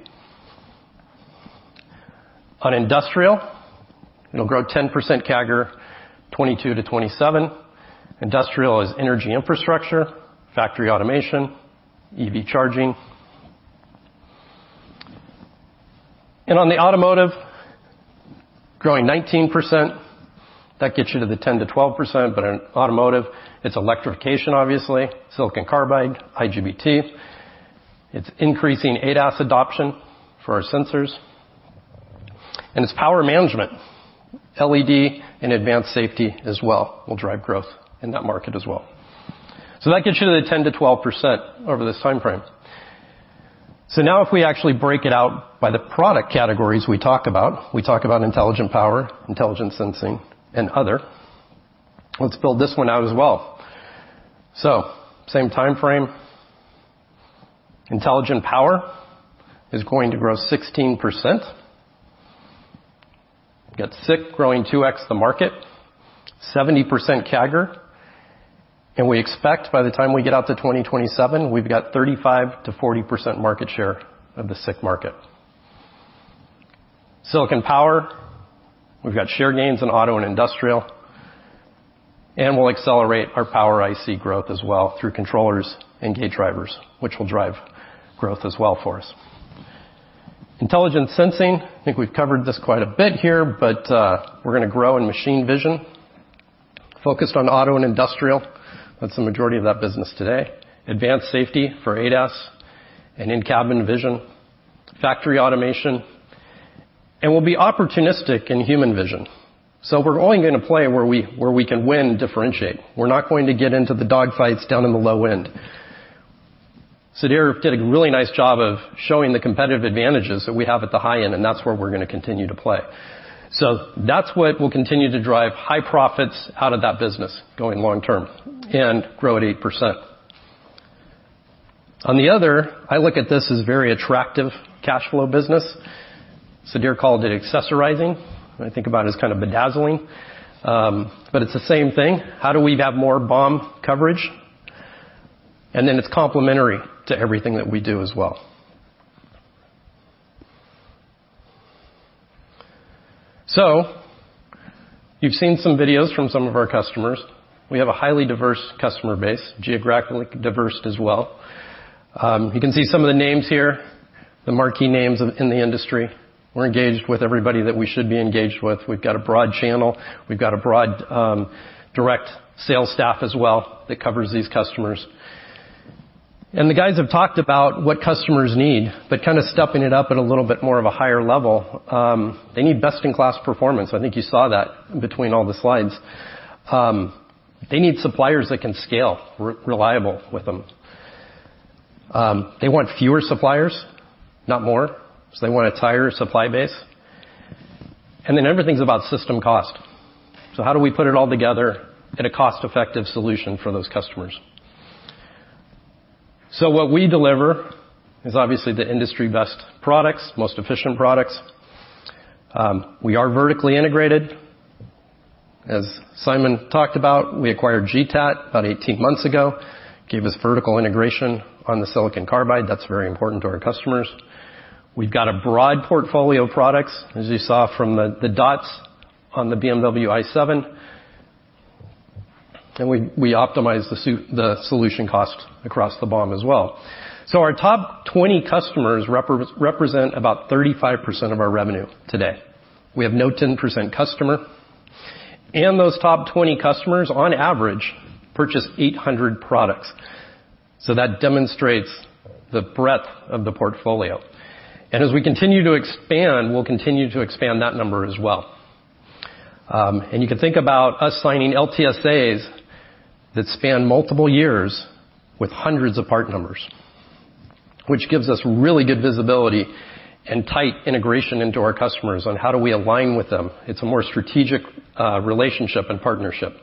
Industrial, it'll grow 10% CAGR, 2022-2027. Industrial is energy infrastructure, factory automation, EV charging. Automotive, growing 19%, that gets you to the 10%-12%. In automotive, it's electrification obviously, silicon carbide, IGBT. It's increasing ADAS adoption for our sensors, and it's power management, LED, and advanced safety as well will drive growth in that market as well. That gets you to the 10%-12% over this timeframe. Now if we actually break it out by the product categories we talk about, we talk about intelligent power, intelligent sensing, and other. Let's build this one out as well. Same timeframe. Intelligent power is going to grow 16%. Got SiC growing 2x the market, 70% CAGR. We expect by the time we get out to 2027, we've got 35%-40% market share of the SiC market. Silicon power, we've got share gains in auto and industrial, and we'll accelerate our power IC growth as well through controllers and gate drivers, which will drive growth as well for us. Intelligent sensing, I think we've covered this quite a bit here, but we're going to grow in machine vision, focused on auto and industrial. That's the majority of that business today. Advanced safety for ADAS and in-cabin vision, factory automation, and we'll be opportunistic in human vision. We're only going to play where we can win and differentiate. We're not going to get into the dog fights down in the low end. Sudhir did a really nice job of showing the competitive advantages that we have at the high end, and that's where we're gonna continue to play. That's what will continue to drive high profits out of that business going long term and grow at 8%. On the other, I look at this as very attractive cash flow business. Sudhir called it accessorizing, but I think about it as kind of bedazzling, but it's the same thing. How do we have more BOM coverage? It's complementary to everything that we do as well. You've seen some videos from some of our customers. We have a highly diverse customer base, geographically diverse as well. You can see some of the names here, the marquee names in the industry. We're engaged with everybody that we should be engaged with. We've got a broad channel. We've got a broad direct sales staff as well that covers these customers. The guys have talked about what customers need, but kind of stepping it up at a little bit more of a higher level, they need best-in-class performance. I think you saw that between all the slides. They need suppliers that can scale, reliable with them. They want fewer suppliers, not more. They want a tighter supply base. Everything's about system cost. How do we put it all together at a cost-effective solution for those customers? What we deliver is obviously the industry best products, most efficient products. We are vertically integrated. As Simon talked about, we acquired GTAT about 18 months ago, gave us vertical integration on the silicon carbide. That's very important to our customers. We've got a broad portfolio of products, as you saw from the dots on the BMW i7. We optimize the solution cost across the BOM as well. Our top 20 customers represent about 35% of our revenue today. We have no 10% customer. Those top 20 customers, on average, purchase 800 products. That demonstrates the breadth of the portfolio. As we continue to expand, we'll continue to expand that number as well. You can think about us signing LTSAs that span multiple years with hundreds of part numbers, which gives us really good visibility and tight integration into our customers on how do we align with them. It's a more strategic relationship and partnership.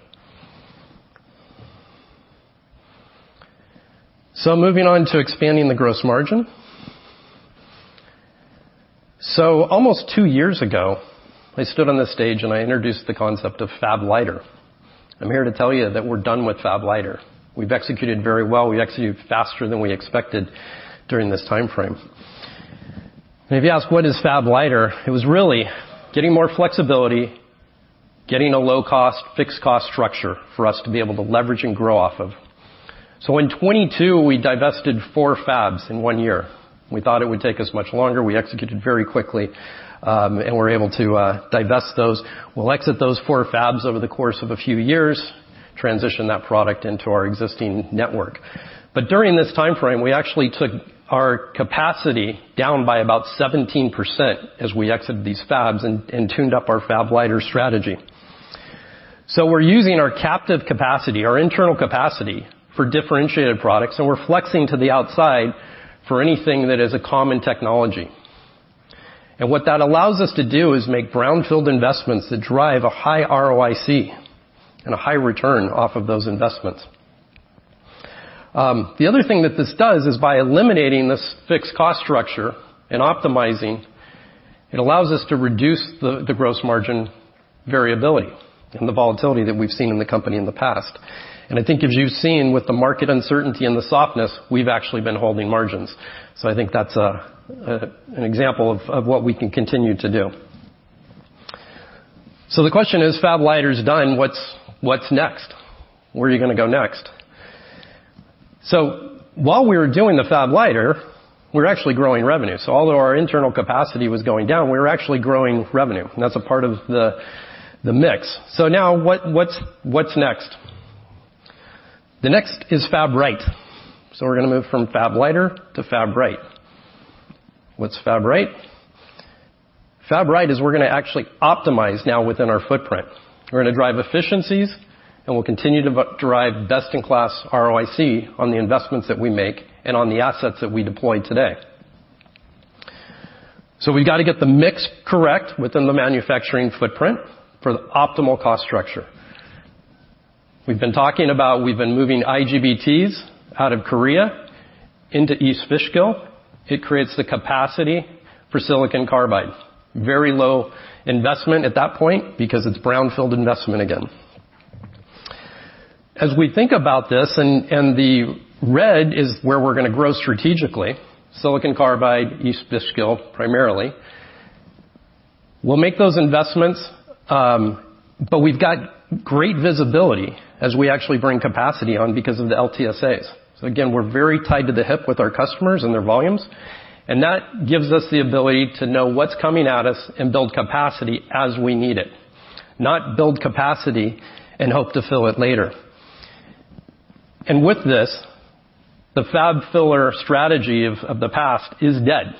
Moving on to expanding the gross margin. Almost two years ago, I stood on this stage, and I introduced the concept of FAB liter. I'm here to tell you that we're done with FAB liter. We've executed very well. We executed faster than we expected during this timeframe. If you ask, "What is FAB liter?" It was really getting more flexibility, getting a low cost, fixed cost structure for us to be able to leverage and grow off of. In 2022, we divested four fabs in one year. We thought it would take us much longer. We executed very quickly, and were able to divest those. We'll exit those four fabs over the course of a few years, transition that product into our existing network. During this timeframe, we actually took our capacity down by about 17% as we exited these fabs and tuned up our FAB liter strategy. We're using our captive capacity, our internal capacity for differentiated products, and we're flexing to the outside for anything that is a common technology. What that allows us to do is make brownfield investments that drive a high ROIC and a high return off of those investments. The other thing that this does is by eliminating this fixed cost structure and optimizing, it allows us to reduce the gross margin variability and the volatility that we've seen in the company in the past. I think as you've seen with the market uncertainty and the softness, we've actually been holding margins. I think that's an example of what we can continue to do. The question is, FAB liter is done, what's next? Where are you gonna go next? While we were doing the FAB liter, we're actually growing revenue. Although our internal capacity was going down, we were actually growing revenue, and that's a part of the mix. Now what's next? The next is fab right. We're gonna move from FAB liter to fab right. What's fab right? Fab right is we're gonna actually optimize now within our footprint. We're gonna drive efficiencies, and we'll continue to derive best-in-class ROIC on the investments that we make and on the assets that we deploy today. We've got to get the mix correct within the manufacturing footprint for the optimal cost structure. We've been talking about we've been moving IGBTs out of Korea into East Fishkill. It creates the capacity for silicon carbide. Very low investment at that point because it's brownfield investment again. As we think about this, the red is where we're gonna grow strategically, silicon carbide, East Fishkill, primarily. We'll make those investments, but we've got great visibility as we actually bring capacity on because of the LTSAs. Again, we're very tied to the hip with our customers and their volumes, and that gives us the ability to know what's coming at us and build capacity as we need it, not build capacity and hope to fill it later. With this, the fab filler strategy of the past is dead.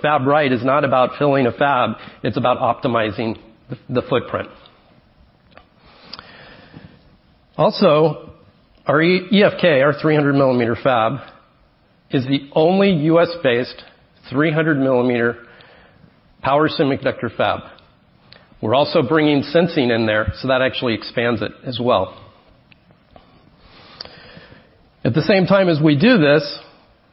fab right is not about filling a fab, it's about optimizing the footprint. Also, our EFK, our 300mm fab is the only U.S.-based 300mm power semiconductor fab. We're also bringing sensing in there, that actually expands it as well. At the same time as we do this,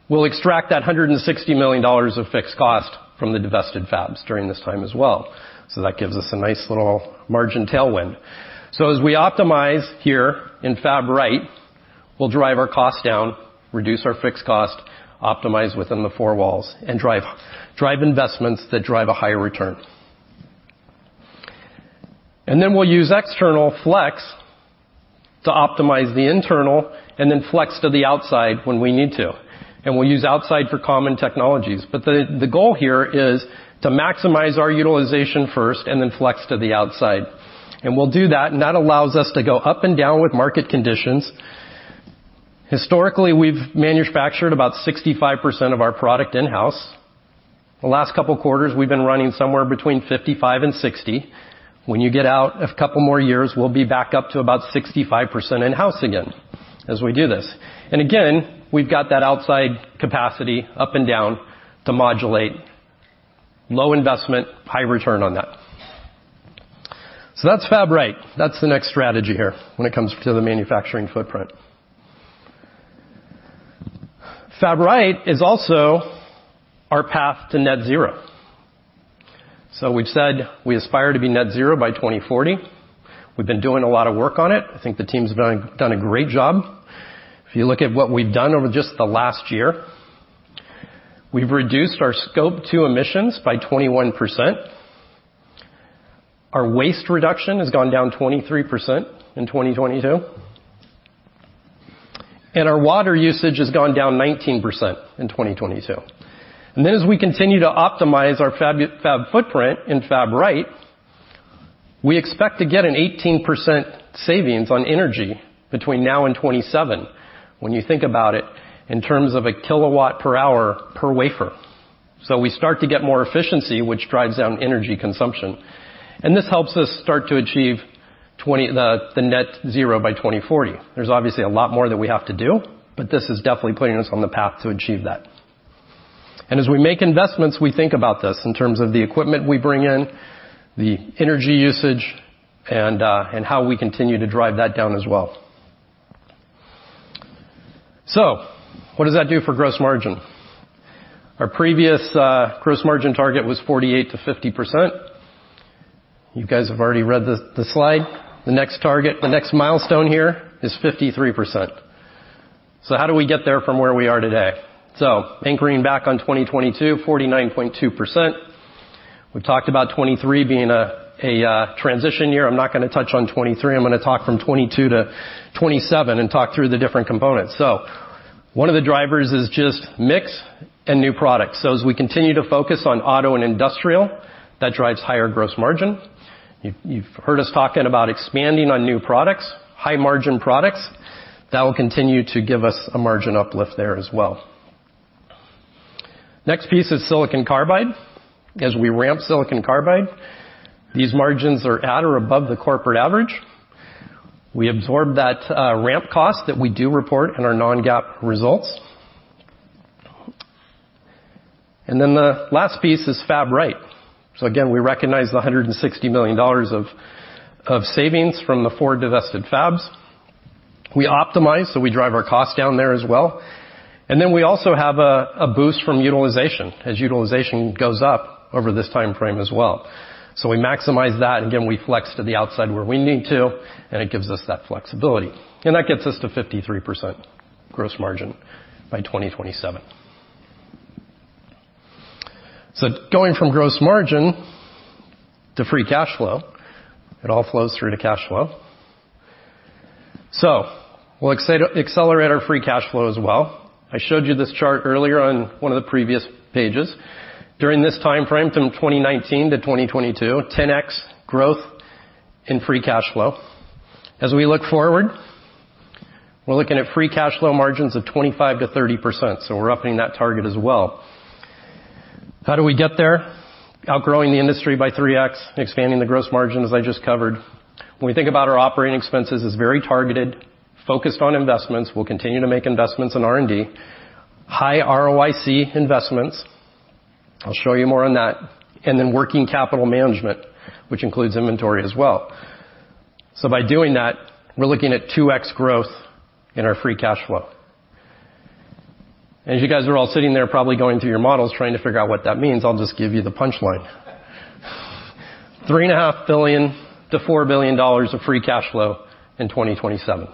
we'll extract that $160 million of fixed cost from the divested fabs during this time as well. That gives us a nice little margin tailwind. As we optimize here in Fab Right, we'll drive our cost down, reduce our fixed cost, optimize within the four walls, and drive investments that drive a higher return. We'll use external flex to optimize the internal and then flex to the outside when we need to. We'll use outside for common technologies. The goal here is to maximize our utilization first and then flex to the outside. We'll do that, and that allows us to go up and down with market conditions. Historically, we've manufactured about 65% of our product in-house. The last couple of quarters, we've been running somewhere between 55% and 60%. When you get out a couple more years, we'll be back up to about 65% in-house again as we do this. Again, we've got that outside capacity up and down to modulate. Low investment, high return on that. That's Fab Right. That's the next strategy here when it comes to the manufacturing footprint. Fab Right is also our path to net zero. We've said we aspire to be net zero by 2040. We've been doing a lot of work on it. I think the team's done a great job. If you look at what we've done over just the last year, we've reduced our Scope 2 emissions by 21%. Our waste reduction has gone down 23% in 2022. Our water usage has gone down 19% in 2022. As we continue to optimize our fab footprint in Fab Right, we expect to get an 18% savings on energy between now and 2027 when you think about it in terms of a kWh per wafer. We start to get more efficiency, which drives down energy consumption. This helps us start to achieve the net zero by 2040. There's obviously a lot more that we have to do, but this is definitely putting us on the path to achieve that. As we make investments, we think about this in terms of the equipment we bring in, the energy usage, and how we continue to drive that down as well. What does that do for gross margin? Our previous gross margin target was 48%-50%. You guys have already read the slide. The next target, the next milestone here is 53%. How do we get there from where we are today? Anchoring back on 2022, 49.2%. We've talked about 2023 being a transition year. I'm not gonna touch on 2023. I'm gonna talk from 2022 to 2027 and talk through the different components. One of the drivers is just mix and new products. As we continue to focus on auto and industrial, that drives higher gross margin. You've heard us talking about expanding on new products, high margin products. That will continue to give us a margin uplift there as well. Next piece is silicon carbide. As we ramp silicon carbide, these margins are at or above the corporate average. We absorb that ramp cost that we do report in our non-GAAP results. The last piece is Fab Right. Again, we recognize the $160 million of savings from the four divested fabs. We optimize, so we drive our cost down there as well. We also have a boost from utilization as utilization goes up over this time frame as well. We maximize that, and again, we flex to the outside where we need to, and it gives us that flexibility. That gets us to 53% gross margin by 2027. Going from gross margin to free cash flow, it all flows through to cash flow. We'll accelerate our free cash flow as well. I showed you this chart earlier on one of the previous pages. During this time frame from 2019 to 2022, 10x growth in free cash flow. We're looking at free cash flow margins of 25%-30%, we're upping that target as well. How do we get there? Outgrowing the industry by 3x, expanding the gross margin as I just covered. When we think about our operating expenses is very targeted, focused on investments. We'll continue to make investments in R&D. High ROIC investments. I'll show you more on that. Working capital management, which includes inventory as well. By doing that, we're looking at 2x growth in our free cash flow. You guys are all sitting there probably going through your models trying to figure out what that means, I'll just give you the punchline. $3.5 billion-$4 billion of free cash flow in 2027.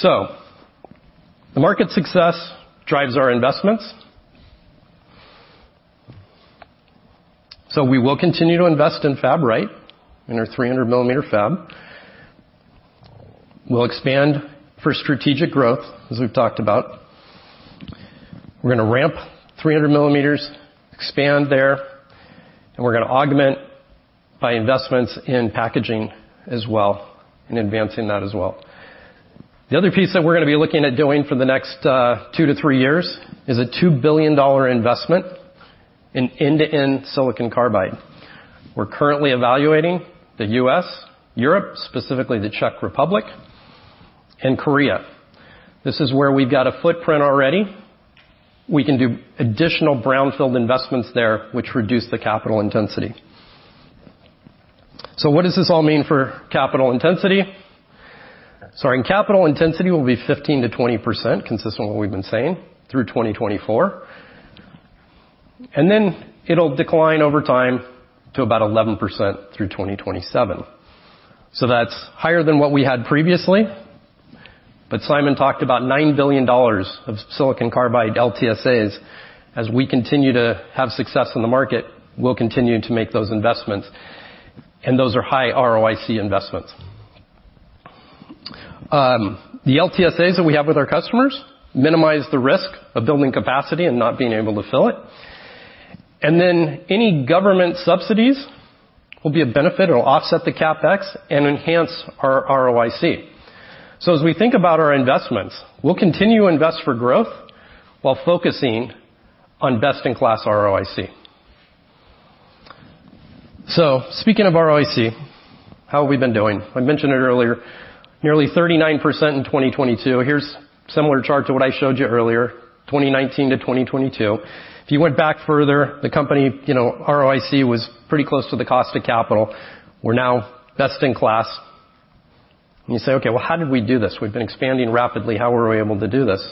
The market success drives our investments. We will continue to invest in Fab Right, in our 300mm fab. We'll expand for strategic growth, as we've talked about. We're gonna ramp 300mm, expand there, and we're gonna augment by investments in packaging as well, in advancing that as well. The other piece that we're gonna be looking at doing for the next two to three years is a $2 billion investment in end-to-end silicon carbide. We're currently evaluating the U.S., Europe, specifically the Czech Republic, and Korea. This is where we've got a footprint already. We can do additional brownfield investments there, which reduce the capital intensity. What does this all mean for capital intensity? Sorry. Capital intensity will be 15%-20%, consistent with what we've been saying, through 2024. Then it'll decline over time to about 11% through 2027. That's higher than what we had previously, but Simon talked about $9 billion of silicon carbide LTSAs. As we continue to have success in the market, we'll continue to make those investments, and those are high ROIC investments. The LTSAs that we have with our customers minimize the risk of building capacity and not being able to fill it. Any government subsidies will be a benefit. It'll offset the CapEx and enhance our ROIC. As we think about our investments, we'll continue to invest for growth while focusing on best-in-class ROIC. Speaking of ROIC, how have we been doing? I mentioned it earlier, nearly 39% in 2022. Here's similar chart to what I showed you earlier, 2019-2022. If you went back further, the company, you know, ROIC was pretty close to the cost of capital. We're now best in class. You say, "Okay, well, how did we do this? We've been expanding rapidly. How were we able to do this?"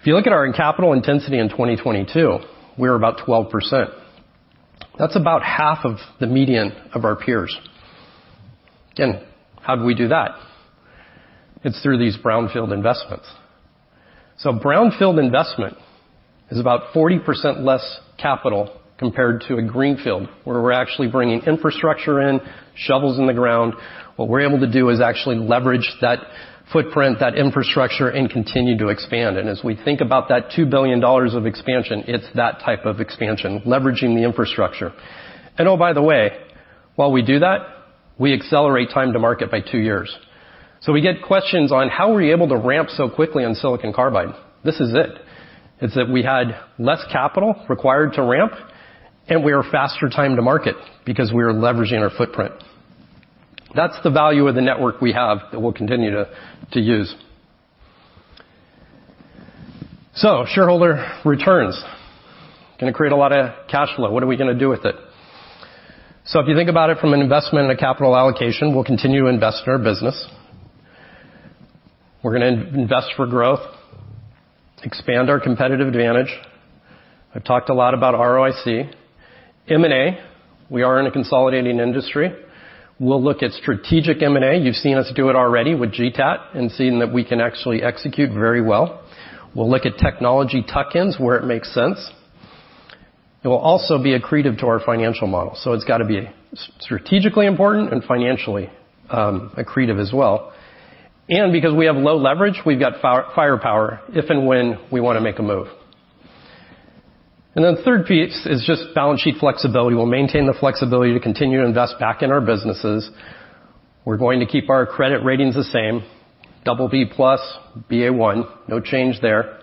If you look at our capital intensity in 2022, we were about 12%. That's about half of the median of our peers. Again, how do we do that? It's through these brownfield investments. Brownfield investment is about 40% less capital compared to a greenfield, where we're actually bringing infrastructure in, shovels in the ground. What we're able to do is actually leverage that footprint, that infrastructure, and continue to expand. As we think about that $2 billion of expansion, it's that type of expansion, leveraging the infrastructure. Oh, by the way, while we do that, we accelerate time to market by two years. We get questions on how were you able to ramp so quickly on silicon carbide? This is it. It's that we had less capital required to ramp, and we are faster time to market because we are leveraging our footprint. That's the value of the network we have that we'll continue to use. Shareholder returns. Gonna create a lot of cash flow. What are we gonna do with it? If you think about it from an investment and a capital allocation, we'll continue to invest in our business. We're gonna invest for growth, expand our competitive advantage. I've talked a lot about ROIC. M&A, we are in a consolidating industry. We'll look at strategic M&A. You've seen us do it already with GTAT and seen that we can actually execute very well. We'll look at technology tuck-ins where it makes sense. It will also be accretive to our financial model, it's gotta be strategically important and financially accretive as well. Because we have low leverage, we've got firepower if and when we wanna make a move. Third piece is just balance sheet flexibility. We'll maintain the flexibility to continue to invest back in our businesses. We're going to keep our credit ratings the same, BB+, Baa1, no change there.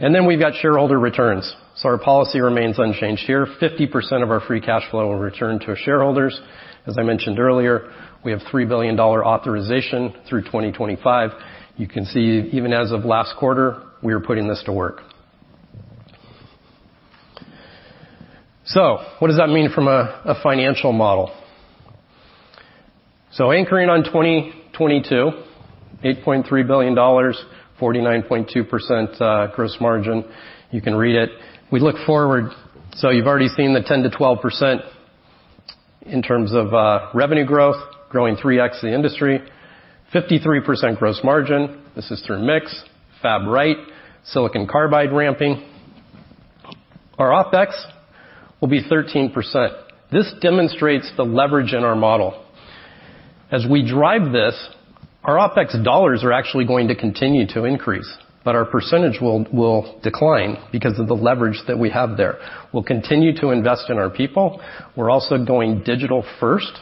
We've got shareholder returns. Our policy remains unchanged here. 50% of our free cash flow will return to our shareholders. As I mentioned earlier, we have $3 billion authorization through 2025. You can see even as of last quarter, we are putting this to work. What does that mean from a financial model? anchoring on 2022, $8.3 billion, 49.2% gross margin. You can read it. We look forward, you've already seen the 10%-12% in terms of revenue growth, growing 3x the industry. 53% gross margin. This is through mix, fab right, silicon carbide ramping. Our OpEx will be 13%. This demonstrates the leverage in our model. As we drive this, our OpEx dollars are actually going to continue to increase, but our percentage will decline because of the leverage that we have there. We'll continue to invest in our people. We're also going digital first,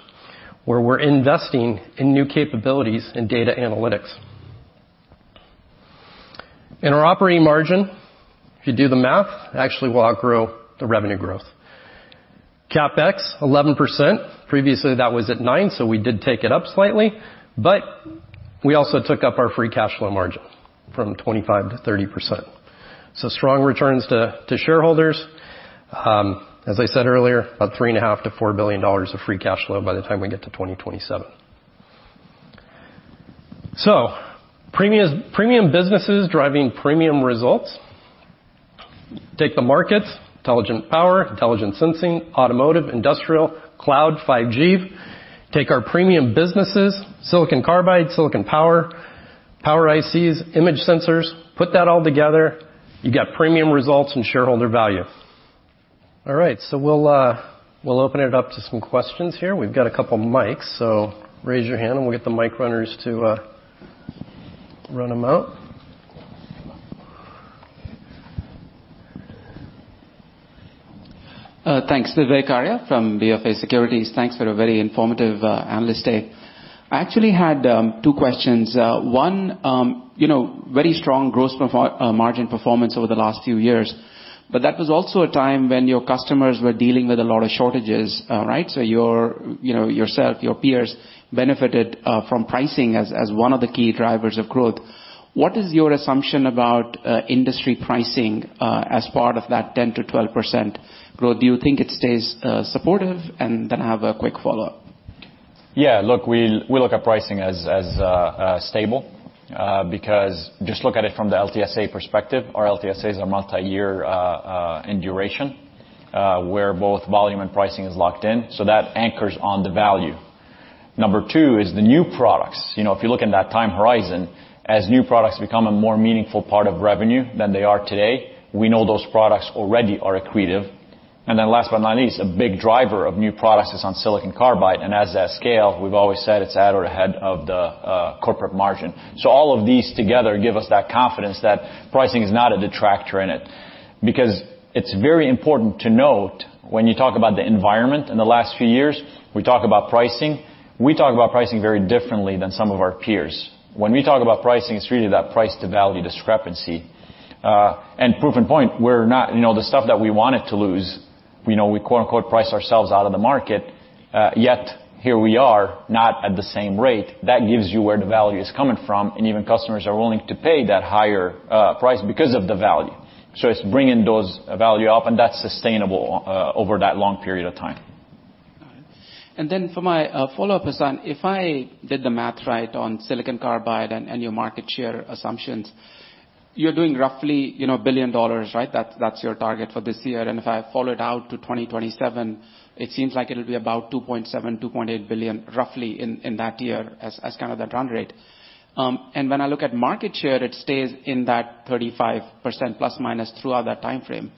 where we're investing in new capabilities in data analytics. Our operating margin, if you do the math, actually will outgrow the revenue growth. CapEx, 11%. Previously, that was at nine, we did take it up slightly, but we also took up our free cash flow margin from 25% to 30%. Strong returns to shareholders. As I said earlier, about $3.5 billion-$4 billion of free cash flow by the time we get to 2027. Premium businesses driving premium results. Take the markets, intelligent power, intelligent sensing, automotive, industrial, cloud, 5G. Take our premium businesses, silicon carbide, silicon power ICs, image sensors, put that all together, you got premium results and shareholder value. All right, we'll open it up to some questions here. We've got a couple mics, so raise your hand, and we'll get the mic runners to run them out. Thanks. Vivek Arya from BofA Securities. Thanks for a very informative analyst day. I actually had two questions. One, you know, very strong gross margin performance over the last few years, but that was also a time when your customers were dealing with a lot of shortages, right? Your, you know, yourself, your peers benefited from pricing as one of the key drivers of growth. What is your assumption about industry pricing as part of that 10%-12% growth? Do you think it stays supportive? Then I have a quick follow-up. Yeah. Look, we look at pricing as, stable, because just look at it from the LTSA perspective. Our LTSAs are multi-year, in duration, where both volume and pricing is locked in, so that anchors on the value. Number two is the new products. You know, if you look in that time horizon, as new products become a more meaningful part of revenue than they are today, we know those products already are accretive Last but not least, a big driver of new products is on silicon carbide, and as they scale, we've always said it's at or ahead of the corporate margin. All of these together give us that confidence that pricing is not a detractor in it. It's very important to note when you talk about the environment in the last few years, we talk about pricing, we talk about pricing very differently than some of our peers. When we talk about pricing, it's really that price-to-value discrepancy. Proof in point, you know, the stuff that we wanted to lose, you know, we, quote-unquote, "price ourselves out of the market," yet here we are not at the same rate, that gives you where the value is coming from, and even customers are willing to pay that higher price because of the value. It's bringing those value up, and that's sustainable over that long period of time. All right. For my follow-up, Hassane, if I did the math right on silicon carbide and your market share assumptions, you're doing roughly, you know, $1 billion, right? That's your target for this year. If I follow it out to 2027, it seems like it'll be about $2.7 billion-$2.8 billion roughly in that year as kind of that run rate. When I look at market share, it stays in that 35% ± throughout that timeframe.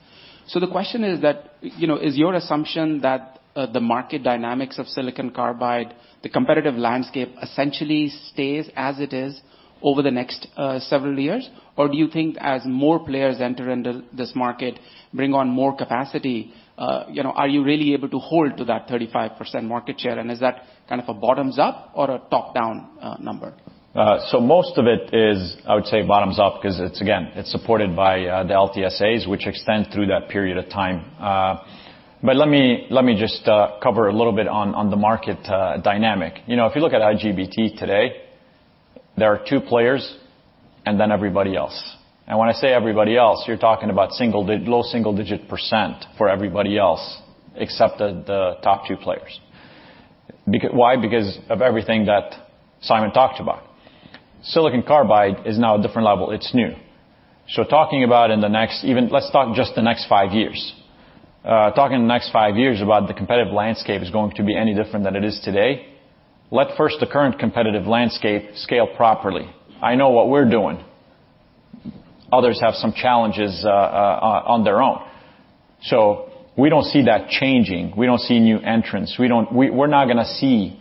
The question is that, you know, is your assumption that the market dynamics of silicon carbide, the competitive landscape essentially stays as it is over the next several years? Do you think as more players enter into this market, bring on more capacity, you know, are you really able to hold to that 35% market share? Is that kind of a bottoms up or a top-down, number? Most of it is, I would say, bottoms up, because it's, again, it's supported by the LTSAs which extend through that period of time. Let me just cover a little bit on the market dynamic. You know, if you look at IGBT today, there are two players and then everybody else. When I say everybody else, you're talking about low single-digit % for everybody else except the top two players. Why? Because of everything that Simon talked about. Silicon carbide is now a different level. It's new. Talking about in the next, even let's talk just the next five years. Talking the next five years about the competitive landscape is going to be any different than it is today, let first the current competitive landscape scale properly. I know what we're doing. Others have some challenges on their own. We don't see that changing. We don't see new entrants. We're not gonna see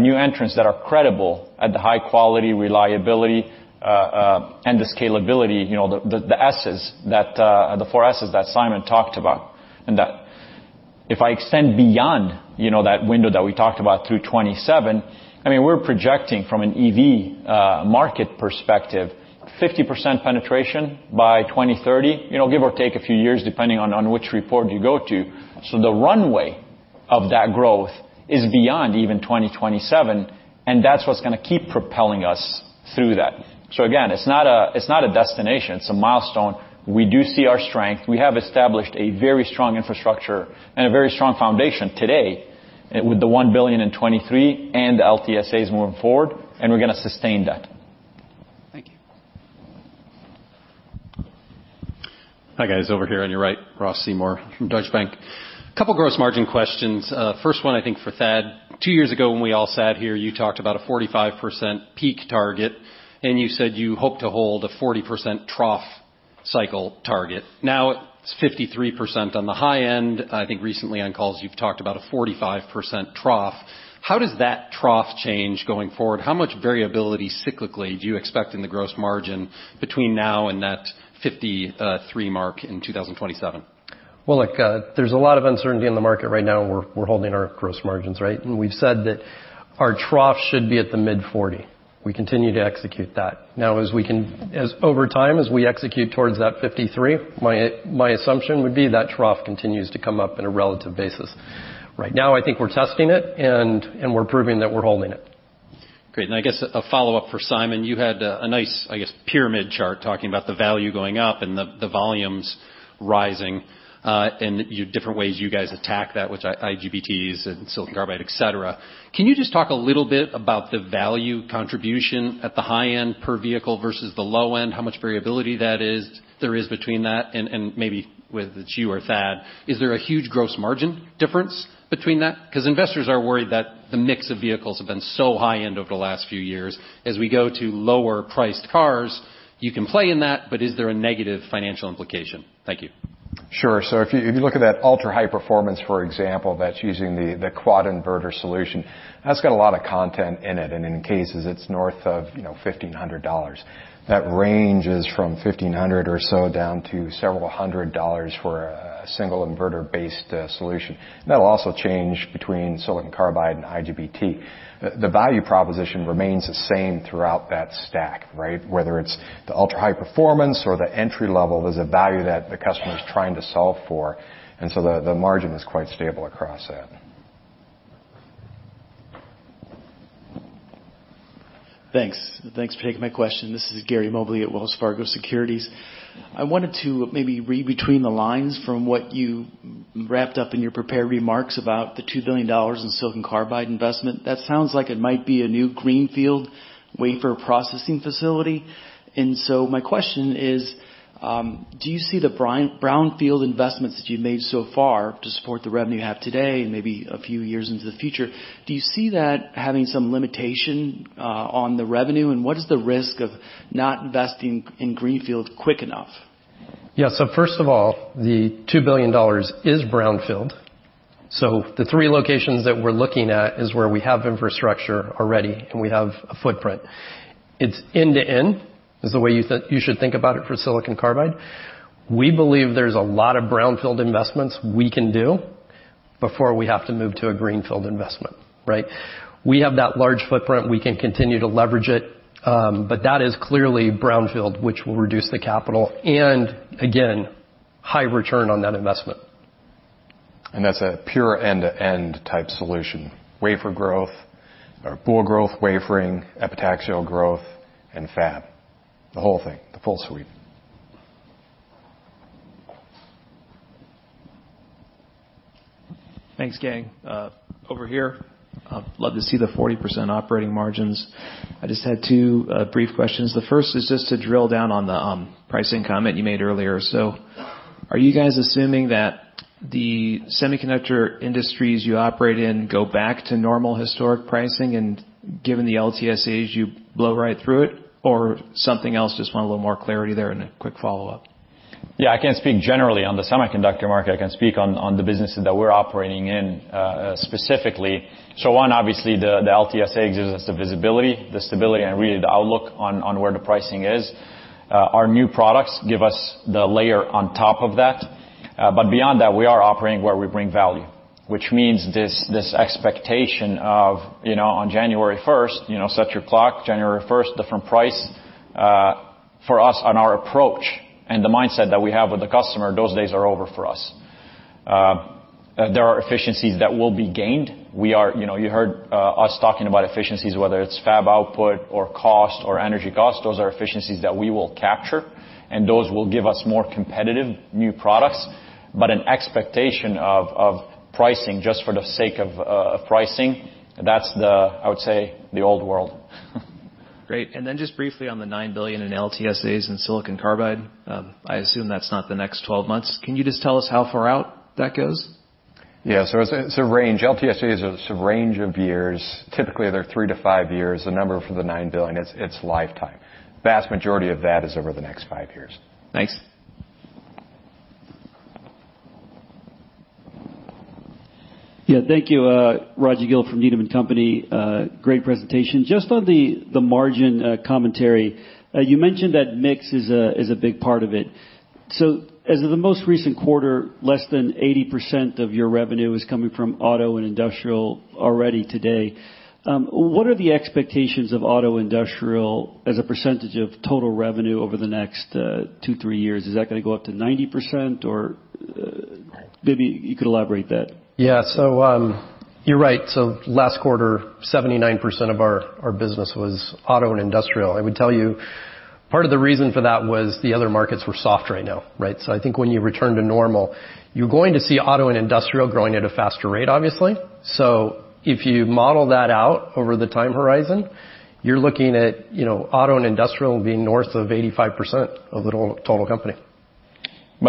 new entrants that are credible at the high quality, reliability, and the scalability, you know, the S's that the four S's that Simon talked about. That if I extend beyond, you know, that window that we talked about through 2027, I mean, we're projecting from an EV market perspective, 50% penetration by 2030, you know, give or take a few years depending on which report you go to. The runway of that growth is beyond even 2027, and that's what's gonna keep propelling us through that. Again, it's not a, it's not a destination. It's a milestone. We do see our strength. We have established a very strong infrastructure and a very strong foundation today, with the $1 billion in 2023 and the LTSAs moving forward, and we're gonna sustain that. Thank you. Hi, guys. Over here on your right. Ross Seymore from Deutsche Bank. A couple gross margin questions. First one, I think for Thad. Two years ago, when we all sat here, you talked about a 45% peak target, you said you hope to hold a 40% trough cycle target. Now it's 53% on the high end. I think recently on calls, you've talked about a 45% trough. How does that trough change going forward? How much variability cyclically do you expect in the gross margin between now and that 53 mark in 2027? Well, look, there's a lot of uncertainty in the market right now, and we're holding our gross margins, right? We've said that our trough should be at the mid-40%. We continue to execute that. Now as over time, as we execute towards that 53%, my assumption would be that trough continues to come up in a relative basis. Right now, I think we're testing it, and we're proving that we're holding it. Great. I guess a follow-up for Simon. You had a nice, I guess, pyramid chart talking about the value going up and the volumes rising, different ways you guys attack that, which are IGBTs and silicon carbide, et cetera. Can you just talk a little bit about the value contribution at the high end per vehicle versus the low end, how much variability that is between that? Maybe whether it's you or Thad, is there a huge gross margin difference between that? 'Cause investors are worried that the mix of vehicles have been so high-end over the last few years. As we go to lower priced cars, you can play in that, but is there a negative financial implication? Thank you. Sure. If you, if you look at that ultra-high performance, for example, that's using the quad inverter solution, that's got a lot of content in it, and in cases it's north of, you know, $1,500. That ranges from $1,500 or so down to several hundred dollars for a single inverter-based solution. That'll also change between silicon carbide and IGBT. The, the value proposition remains the same throughout that stack, right? Whether it's the ultra-high performance or the entry level, there's a value that the customer is trying to solve for, the margin is quite stable across that. Thanks. Thanks for taking my question. This is Gary Mobley at Wells Fargo Securities. I wanted to maybe read between the lines from what you wrapped up in your prepared remarks about the $2 billion in silicon carbide investment. That sounds like it might be a new greenfield wafer processing facility. My question is, do you see the brownfield investments that you've made so far to support the revenue you have today and maybe a few years into the future, do you see that having some limitation on the revenue? What is the risk of not investing in greenfield quick enough? First of all, the $2 billion is brownfield. The three locations that we're looking at is where we have infrastructure already, and we have a footprint. It's end-to-end is the way you should think about it for silicon carbide. We believe there's a lot of brownfield investments we can do before we have to move to a greenfield investment, right? We have that large footprint, we can continue to leverage it, but that is clearly brownfield, which will reduce the capital and again, high return on that investment. That's a pure end-to-end type solution, wafer growth or boule growth, wafering, epitaxial growth and fab. The whole thing. The full suite. Thanks, gang. over here, love to see the 40% operating margins. I just had 2 brief questions. The first is just to drill down on the pricing comment you made earlier. Are you guys assuming that the semiconductor industries you operate in go back to normal historic pricing and given the LTSAs, you blow right through it or something else? Just want a little more clarity there and a quick follow-up. Yeah. I can't speak generally on the semiconductor market, I can speak on the businesses that we're operating in, specifically. One, obviously the LTSAs gives us the visibility, the stability, and really the outlook on where the pricing is. Our new products give us the layer on top of that. Beyond that, we are operating where we bring value, which means this expectation of, you know, on January 1st, you know, set your clock, January 1st, different price for us on our approach and the mindset that we have with the customer, those days are over for us. There are efficiencies that will be gained. We are, you know, you heard, us talking about efficiencies, whether it's fab output or cost or energy costs, those are efficiencies that we will capture, and those will give us more competitive new products. An expectation of pricing just for the sake of, pricing, that's the, I would say, the old world. Great. Then just briefly on the $9 billion in LTSAs in silicon carbide, I assume that's not the next 12 months. Can you just tell us how far out that goes? It's a range. LTSA is a range of years. Typically, they're three to five years. The number for the $9 billion, it's lifetime. Vast majority of that is over the next five years. Thanks. Yeah, thank you. Roger Gill from Needham & Company. Great presentation. Just on the margin commentary. You mentioned that mix is a big part of it. As of the most recent quarter, less than 80% of your revenue is coming from auto and industrial already today. What are the expectations of auto industrial as a percentage of total revenue over the next two, three years? Is that gonna go up to 90% or maybe you could elaborate that. Yeah. You're right. Last quarter, 79% of our business was auto and industrial. I would tell you part of the reason for that was the other markets were soft right now, right? I think when you return to normal, you're going to see auto and industrial growing at a faster rate, obviously. If you model that out over the time horizon, you're looking at, you know, auto and industrial being north of 85% of the total company.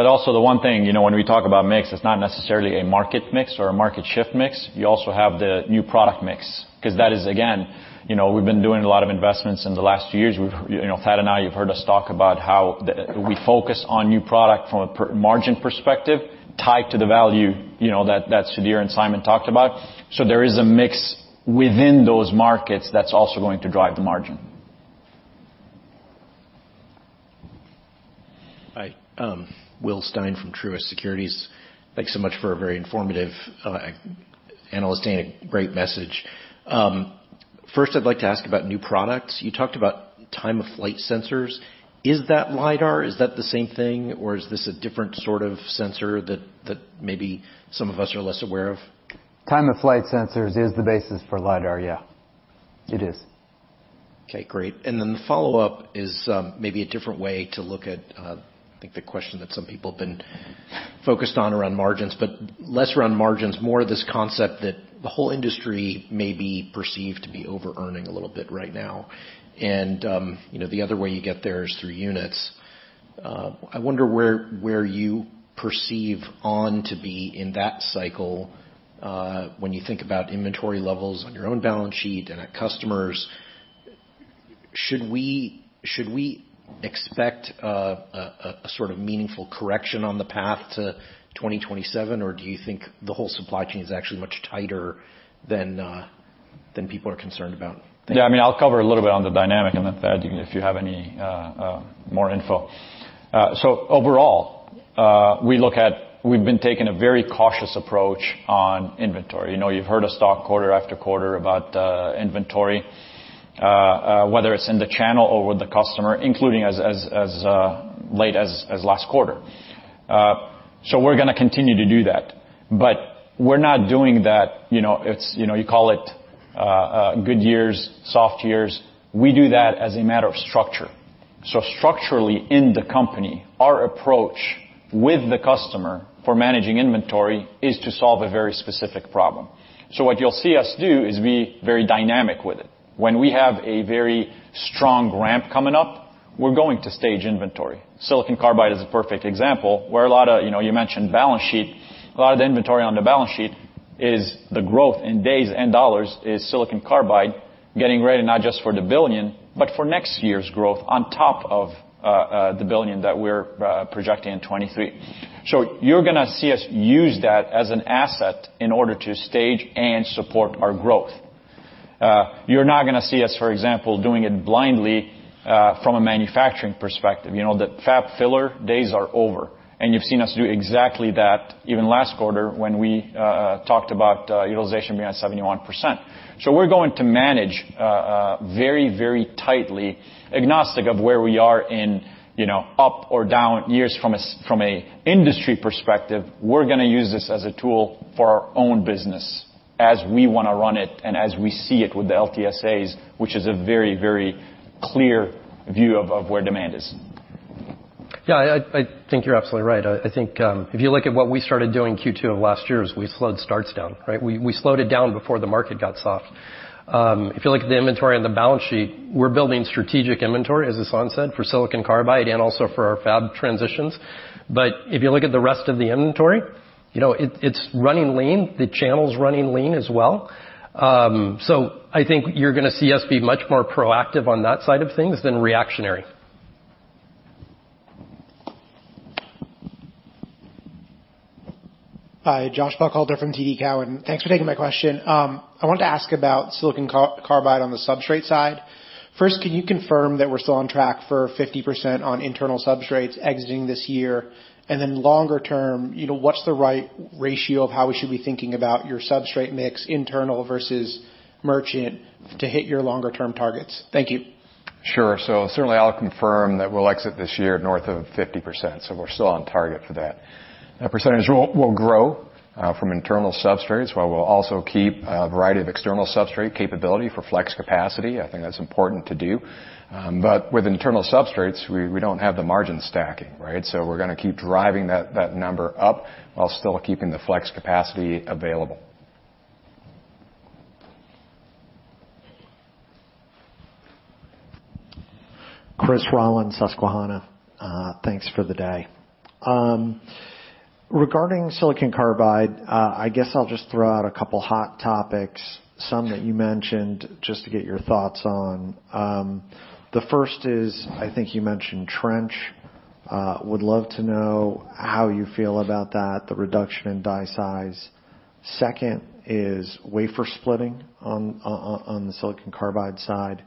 Also the one thing, you know, when we talk about mix, it's not necessarily a market mix or a market shift mix. You also have the new product mix, 'cause that is again, you know, we've been doing a lot of investments in the last few years. We've, you know, Thad and I, you've heard us talk about how we focus on new product from a margin perspective tied to the value, you know, that Sudhir and Simon talked about. There is a mix within those markets that's also going to drive the margin. Hi, Will Stein from Truist Securities. Thanks so much for a very informative analyst day and a great message. First, I'd like to ask about new products. You talked about Time-of-Flight sensors. Is that Lidar? Is that the same thing, or is this a different sort of sensor that maybe some of us are less aware of? Time-of-Flight sensors is the basis for Lidar, yeah. It is. Okay, great. The follow-up is, maybe a different way to look at, I think the question that some people have been focused on around margins, but less around margins, more of this concept that the whole industry may be perceived to be overearning a little bit right now. You know, the other way you get there is through units. I wonder where you perceive ON to be in that cycle, when you think about inventory levels on your own balance sheet and at customers. Should we expect a sort of meaningful correction on the path to 2027? Do you think the whole supply chain is actually much tighter than people are concerned about? Yeah. I mean, I'll cover a little bit on the dynamic and then Thad, if you have any more info. Overall, we've been taking a very cautious approach on inventory. You know, you've heard us talk quarter after quarter about inventory, whether it's in the channel or with the customer, including as late as last quarter. We're gonna continue to do that. We're not doing that, you know, it's, you know, you call it good years, soft years. We do that as a matter of structure. Structurally in the company, our approach with the customer for managing inventory is to solve a very specific problem. What you'll see us do is be very dynamic with it. When we have a very strong ramp coming up, we're going to stage inventory. silicon carbide is a perfect example where a lot of, you know, you mentioned balance sheet. A lot of the inventory on the balance sheet is the growth in days and dollars is silicon carbide getting ready not just for the $1 billion, but for next year's growth on top of the $1 billion that we're projecting in 2023. You're gonna see us use that as an asset in order to stage and support our growth. You're not gonna see us, for example, doing it blindly from a manufacturing perspective. You know, the fab filler days are over, and you've seen us do exactly that even last quarter when we talked about utilization being at 71%. We're going to manage very, very tightly agnostic of where we are in, you know, up or down years from an industry perspective. We're gonna use this as a tool for our own business as we wanna run it and as we see it with the LTSAs, which is a very, very clear view of where demand is. Yeah, I think you're absolutely right. I think if you look at what we started doing Q2 of last year is we slowed starts down, right? We slowed it down before the market got soft. If you look at the inventory on the balance sheet, we're building strategic inventory, as Yazan said, for silicon carbide and also for our fab transitions. If you look at the rest of the inventory, you know, it's running lean. The channel's running lean as well. I think you're gonna see us be much more proactive on that side of things than reactionary. Hi, Josh Buchalter from TD Cowen. Thanks for taking my question. I wanted to ask about silicon carbide on the substrate side. First, can you confirm that we're still on track for 50% on internal substrates exiting this year? Then longer term, you know, what's the right ratio of how we should be thinking about your substrate mix internal versus merchant to hit your longer-term targets? Thank you. Sure. Certainly I'll confirm that we'll exit this year north of 50%, so we're still on target for that. That percentage will grow from internal substrates, while we'll also keep a variety of external substrate capability for flex capacity. I think that's important to do. But with internal substrates, we don't have the margin stacking, right? We're gonna keep driving that number up while still keeping the flex capacity available. Chris Rollins, Susquehanna. Thanks for the day. Regarding silicon carbide, I guess I'll just throw out a couple hot topics, some that you mentioned, just to get your thoughts on. The first is, I think you mentioned trench. Would love to know how you feel about that, the reduction in die size. Second is wafer splitting on the silicon carbide side,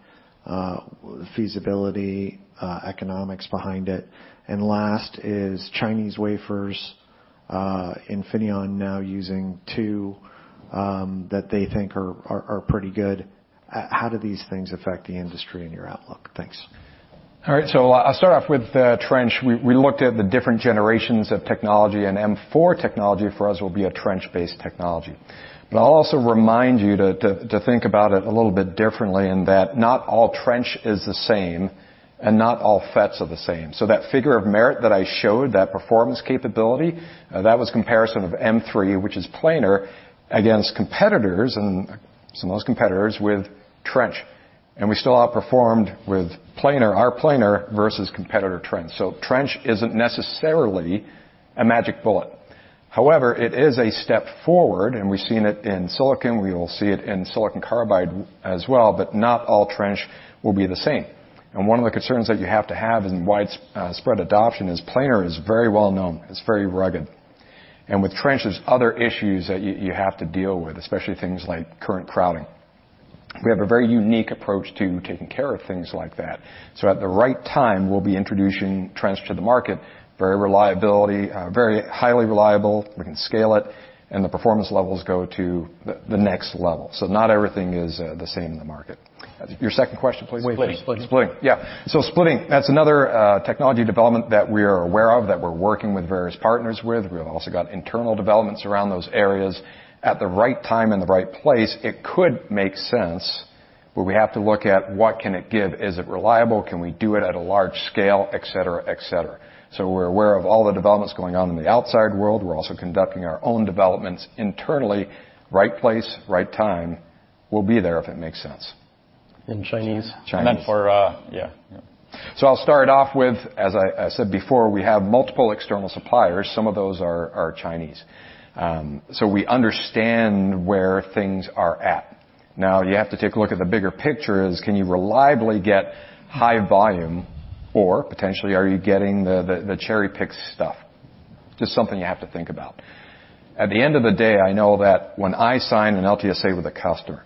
feasibility, economics behind it. Last is Chinese wafers, Infineon now using 2, that they think are pretty good. How do these things affect the industry and your outlook? Thanks. All right. I'll start off with the trench. We looked at the different generations of technology, and M4 technology for us will be a trench-based technology. I'll also remind you to think about it a little bit differently in that not all trench is the same and not all FETs are the same. That figure of merit that I showed, that performance capability, that was comparison of M3, which is planar, against competitors and some of those competitors with trench. We still outperformed with planar, our planar versus competitor trench. Trench isn't necessarily a magic bullet. However, it is a step forward, and we've seen it in silicon. We will see it in silicon carbide as well, but not all trench will be the same. One of the concerns that you have to have in widespread adoption is planar is very well known. It's very rugged. With trench, there's other issues that you have to deal with, especially things like current crowding. We have a very unique approach to taking care of things like that. At the right time, we'll be introducing trench to the market, very reliability, very highly reliable. We can scale it, and the performance levels go to the next level. Not everything is the same in the market. Your second question, please? Wafer splitting. Splitting. Yeah. Splitting, that's another technology development that we are aware of, that we're working with various partners with. We've also got internal developments around those areas. At the right time and the right place, it could make sense, but we have to look at what can it give? Is it reliable? Can we do it at a large scale, et cetera, et cetera. We're aware of all the developments going on in the outside world. We're also conducting our own developments internally. Right place, right time, we'll be there if it makes sense. Chinese? Chinese. Meant for, yeah. I'll start off with, as I said before, we have multiple external suppliers. Some of those are Chinese. We understand where things are at. You have to take a look at the bigger picture is can you reliably get high volume or potentially are you getting the cherry-picked stuff? Just something you have to think about. At the end of the day, I know that when I sign an LTSA with a customer,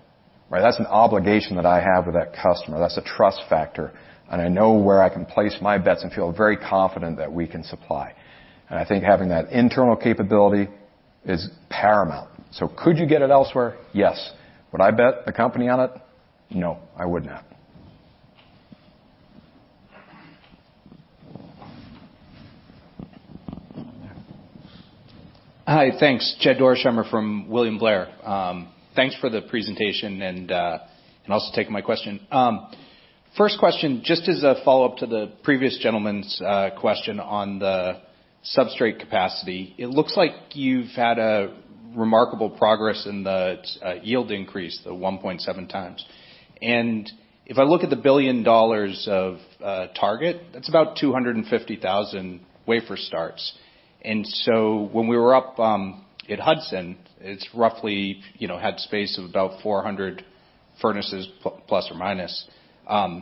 right? That's an obligation that I have with that customer. That's a trust factor, and I know where I can place my bets and feel very confident that we can supply. I think having that internal capability is paramount. Could you get it elsewhere? Yes. Would I bet the company on it? No, I would not. Hi. Thanks. Jed Dorsheimer from William Blair. Thanks for the presentation and also taking my question. First question, just as a follow-up to the previous gentleman's question on the substrate capacity. It looks like you've had a remarkable progress in the yield increase, the 1.7x. If I look at the $1 billion of target, that's about 250,000 wafer starts. When we were up at Hudson, it's roughly, you know, had space of about 400 furnaces, plus or minus. I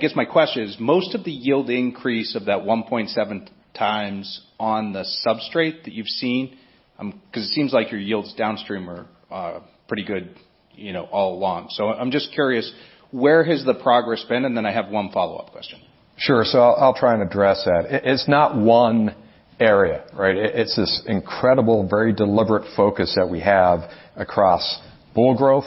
guess my question is, most of the yield increase of that 1.7x on the substrate that you've seen, 'cause it seems like your yields downstream are pretty good, you know, all along. I'm just curious, where has the progress been? Then I have one follow-up question. Sure. I'll try and address that. It, it's not one area, right? It, it's this incredible, very deliberate focus that we have across boule growth,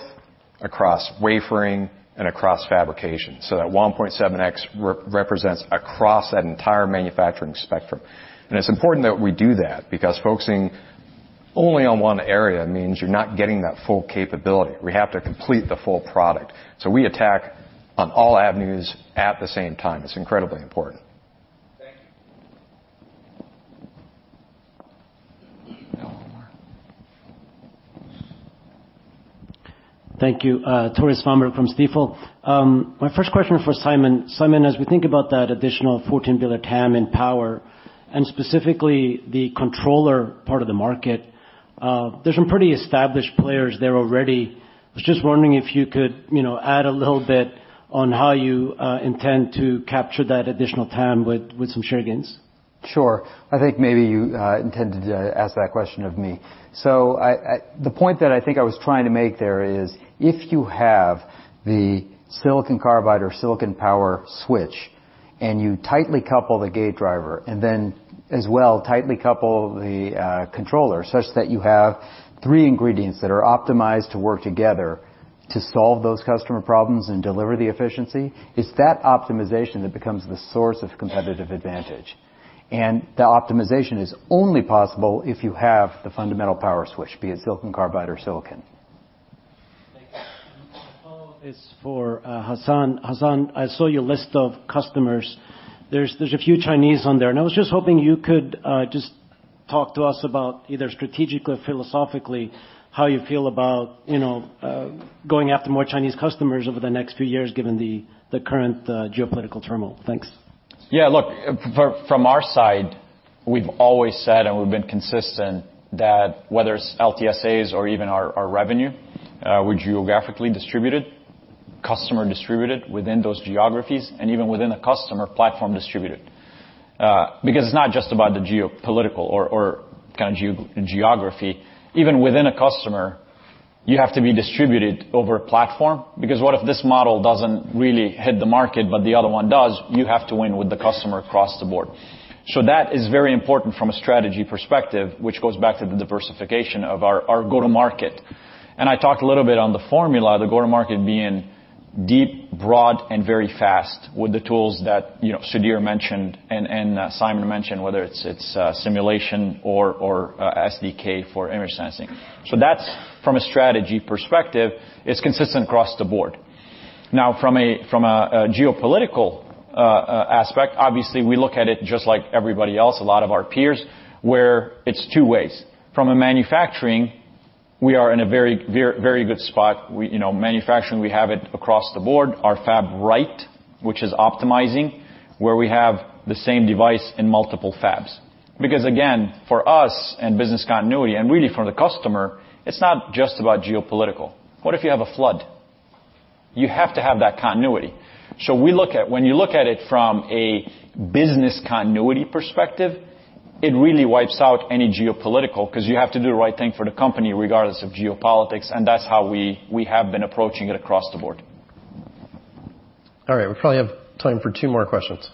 across wafering and across fabrication. That 1.7x represents across that entire manufacturing spectrum. It's important that we do that because focusing only on one area means you're not getting that full capability. We have to complete the full product. We attack on all avenues at the same time. It's incredibly important. Thank you. Got one more. Thank you. Tore Svanberg from Stifel. My first question is for Simon. Simon, as we think about that additional $14 billion TAM in power, and specifically the controller part of the market, there's some pretty established players there already. I was just wondering if you could, you know, add a little bit on how you intend to capture that additional TAM with some share gains. Sure. I think maybe you intended to ask that question of me. The point that I think I was trying to make there is, if you have the silicon carbide or silicon power switch and you tightly couple the gate driver, and then as well tightly couple the controller such that you have three ingredients that are optimized to work together to solve those customer problems and deliver the efficiency, it's that optimization that becomes the source of competitive advantage. The optimization is only possible if you have the fundamental power switch, be it silicon carbide or silicon. Thank you. My follow-up is for Hassan. Hassan, I saw your list of customers. There's a few Chinese on there, and I was just hoping you could just talk to us about either strategically or philosophically, how you feel about, you know, going after more Chinese customers over the next few years given the current geopolitical turmoil. Thanks. Yeah, look, from our side, we've always said, and we've been consistent, that whether it's LTSAs or even our revenue, we're geographically distributed, customer distributed within those geographies and even within a customer, platform distributed. Because it's not just about the geopolitical or kinda geo-geography. Even within a customer, you have to be distributed over a platform because what if this model doesn't really hit the market, but the other one does? You have to win with the customer across the board. That is very important from a strategy perspective, which goes back to the diversification of our go-to-market. I talked a little bit on the formula, the go-to-market being deep, broad, and very fast with the tools that, you know, Sudhir mentioned and Simon mentioned, whether it's simulation or SDK for image sensing. That's from a strategy perspective, it's consistent across the board. From a, from a geopolitical aspect, obviously, we look at it just like everybody else, a lot of our peers, where it's two ways. From a manufacturing, we are in a very, very good spot. We, you know, manufacturing, we have it across the board. Our fab right, which is optimizing, where we have the same device in multiple fabs. Because again, for us and business continuity and really for the customer, it's not just about geopolitical. What if you have a flood? You have to have that continuity. We look at when you look at it from a business continuity perspective, it really wipes out any geopolitical 'cause you have to do the right thing for the company regardless of geopolitics, and that's how we have been approaching it across the board. All right. We probably have time for two more questions.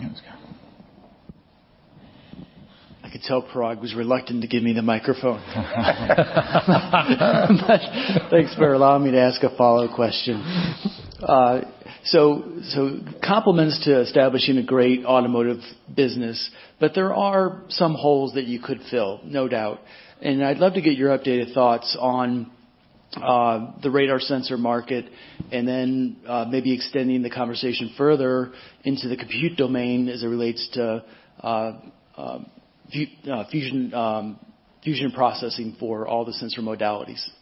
Yeah, let's go. I could tell Parag was reluctant to give me the microphone. Thanks for allowing me to ask a follow question. So compliments to establishing a great automotive business, but there are some holes that you could fill, no doubt. I'd love to get your updated thoughts on the radar sensor market and then maybe extending the conversation further into the compute domain as it relates to fusion processing for all the sensor modalities. Yeah.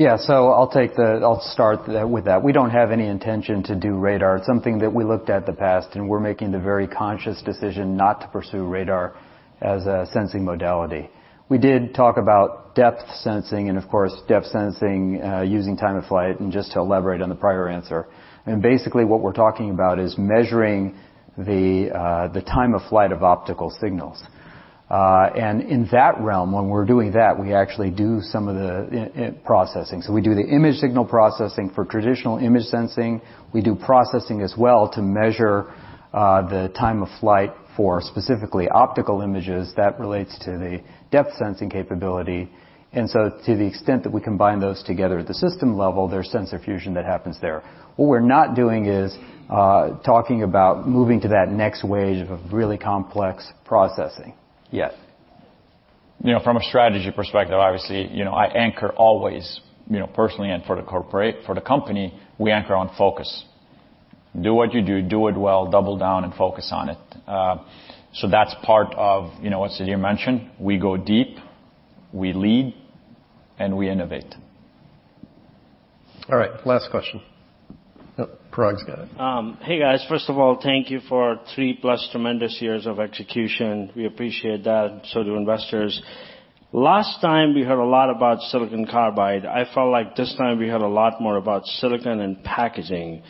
I'll start with that. We don't have any intention to do radar. It's something that we looked at in the past, and we're making the very conscious decision not to pursue radar as a sensing modality. We did talk about depth sensing and of course, depth sensing, using Time-of-Flight and just to elaborate on the prior answer. Basically, what we're talking about is measuring the Time-of-Flight of optical signals. In that realm, when we're doing that, we actually do some of the processing. We do the image signal processing for traditional image sensing. We do processing as well to measure the Time-of-Flight for specifically optical images that relates to the depth sensing capability. To the extent that we combine those together at the system level, there's sensor fusion that happens there. What we're not doing is, talking about moving to that next wave of really complex processing yet. You know, from a strategy perspective, obviously, you know, I anchor always, you know, personally and for the corporate, for the company, we anchor on focus. Do what you do it well, double down and focus on it. That's part of, you know, what Sudhir mentioned. We go deep, we lead, and we innovate. All right, last question. Parag's got it. Hey guys. First of all, thank you for three-plus tremendous years of execution. We appreciate that, so do investors. Last time, we heard a lot about silicon carbide. I felt like this time we heard a lot more about silicon and packaging.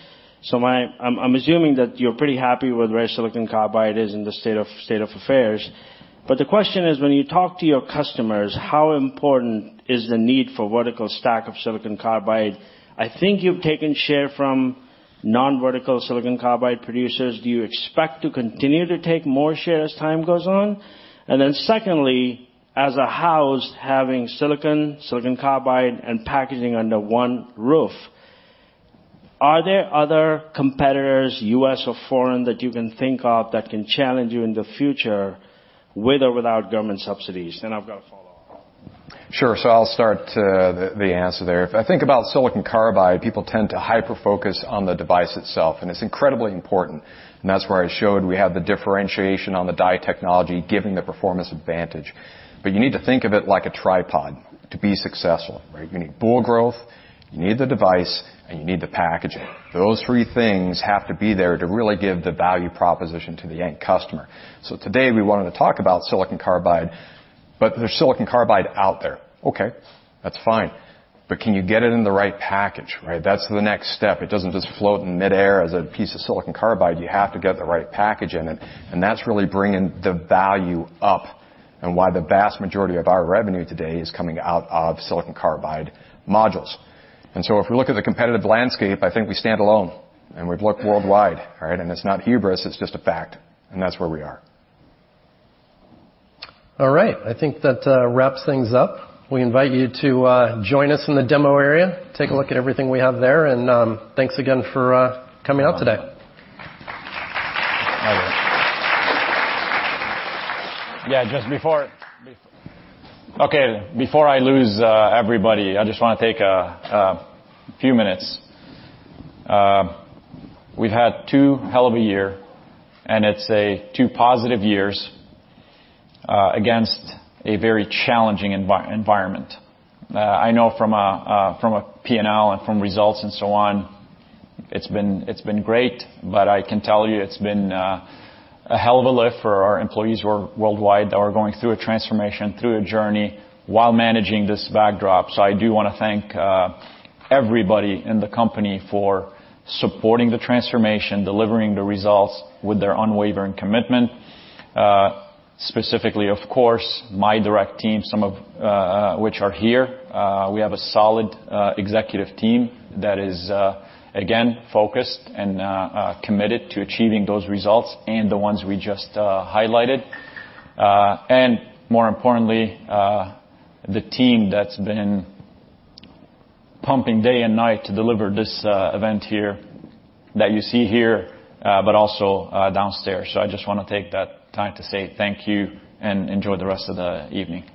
I'm assuming that you're pretty happy with where silicon carbide is in the state of affairs. The question is, when you talk to your customers, how important is the need for vertical stack of silicon carbide? I think you've taken share from non-vertical silicon carbide producers. Do you expect to continue to take more share as time goes on? Secondly, as a house having silicon carbide, and packaging under one roof, are there other competitors, U.S. or foreign, that you can think of that can challenge you in the future with or without government subsidies? I've got a follow-up. I'll start the answer there. If I think about silicon carbide, people tend to hyper-focus on the device itself, and it's incredibly important, and that's where I showed we have the differentiation on the die technology, giving the performance advantage. You need to think of it like a tripod to be successful, right? You need boule growth, you need the device, and you need the packaging. Those three things have to be there to really give the value proposition to the end customer. Today we wanted to talk about silicon carbide, but there's silicon carbide out there. Okay, that's fine. Can you get it in the right package, right? That's the next step. It doesn't just float in midair as a piece of silicon carbide. You have to get the right package in it, that's really bringing the value up and why the vast majority of our revenue today is coming out of silicon carbide modules. If we look at the competitive landscape, I think we stand alone, and we've looked worldwide, right? It's not hubris, it's just a fact. That's where we are. All right. I think that wraps things up. We invite you to join us in the demo area, take a look at everything we have there, and thanks again for coming out today. My pleasure. Just before. Okay. Before I lose everybody, I just wanna take a few minutes. We've had two hell of a year. It's a two positive years, against a very challenging environment. I know from a P&L and from results and so on, it's been great. I can tell you it's been a hell of a lift for our employees who are worldwide, that are going through a transformation, through a journey while managing this backdrop. I do wanna thank everybody in the company for supporting the transformation, delivering the results with their unwavering commitment. Specifically, of course, my direct team, some of which are here. We have a solid executive team that is again focused and committed to achieving those results and the ones we just highlighted. More importantly, the team that's been pumping day and night to deliver this event here that you see here, but also downstairs. I just wanna take that time to say thank you, and enjoy the rest of the evening.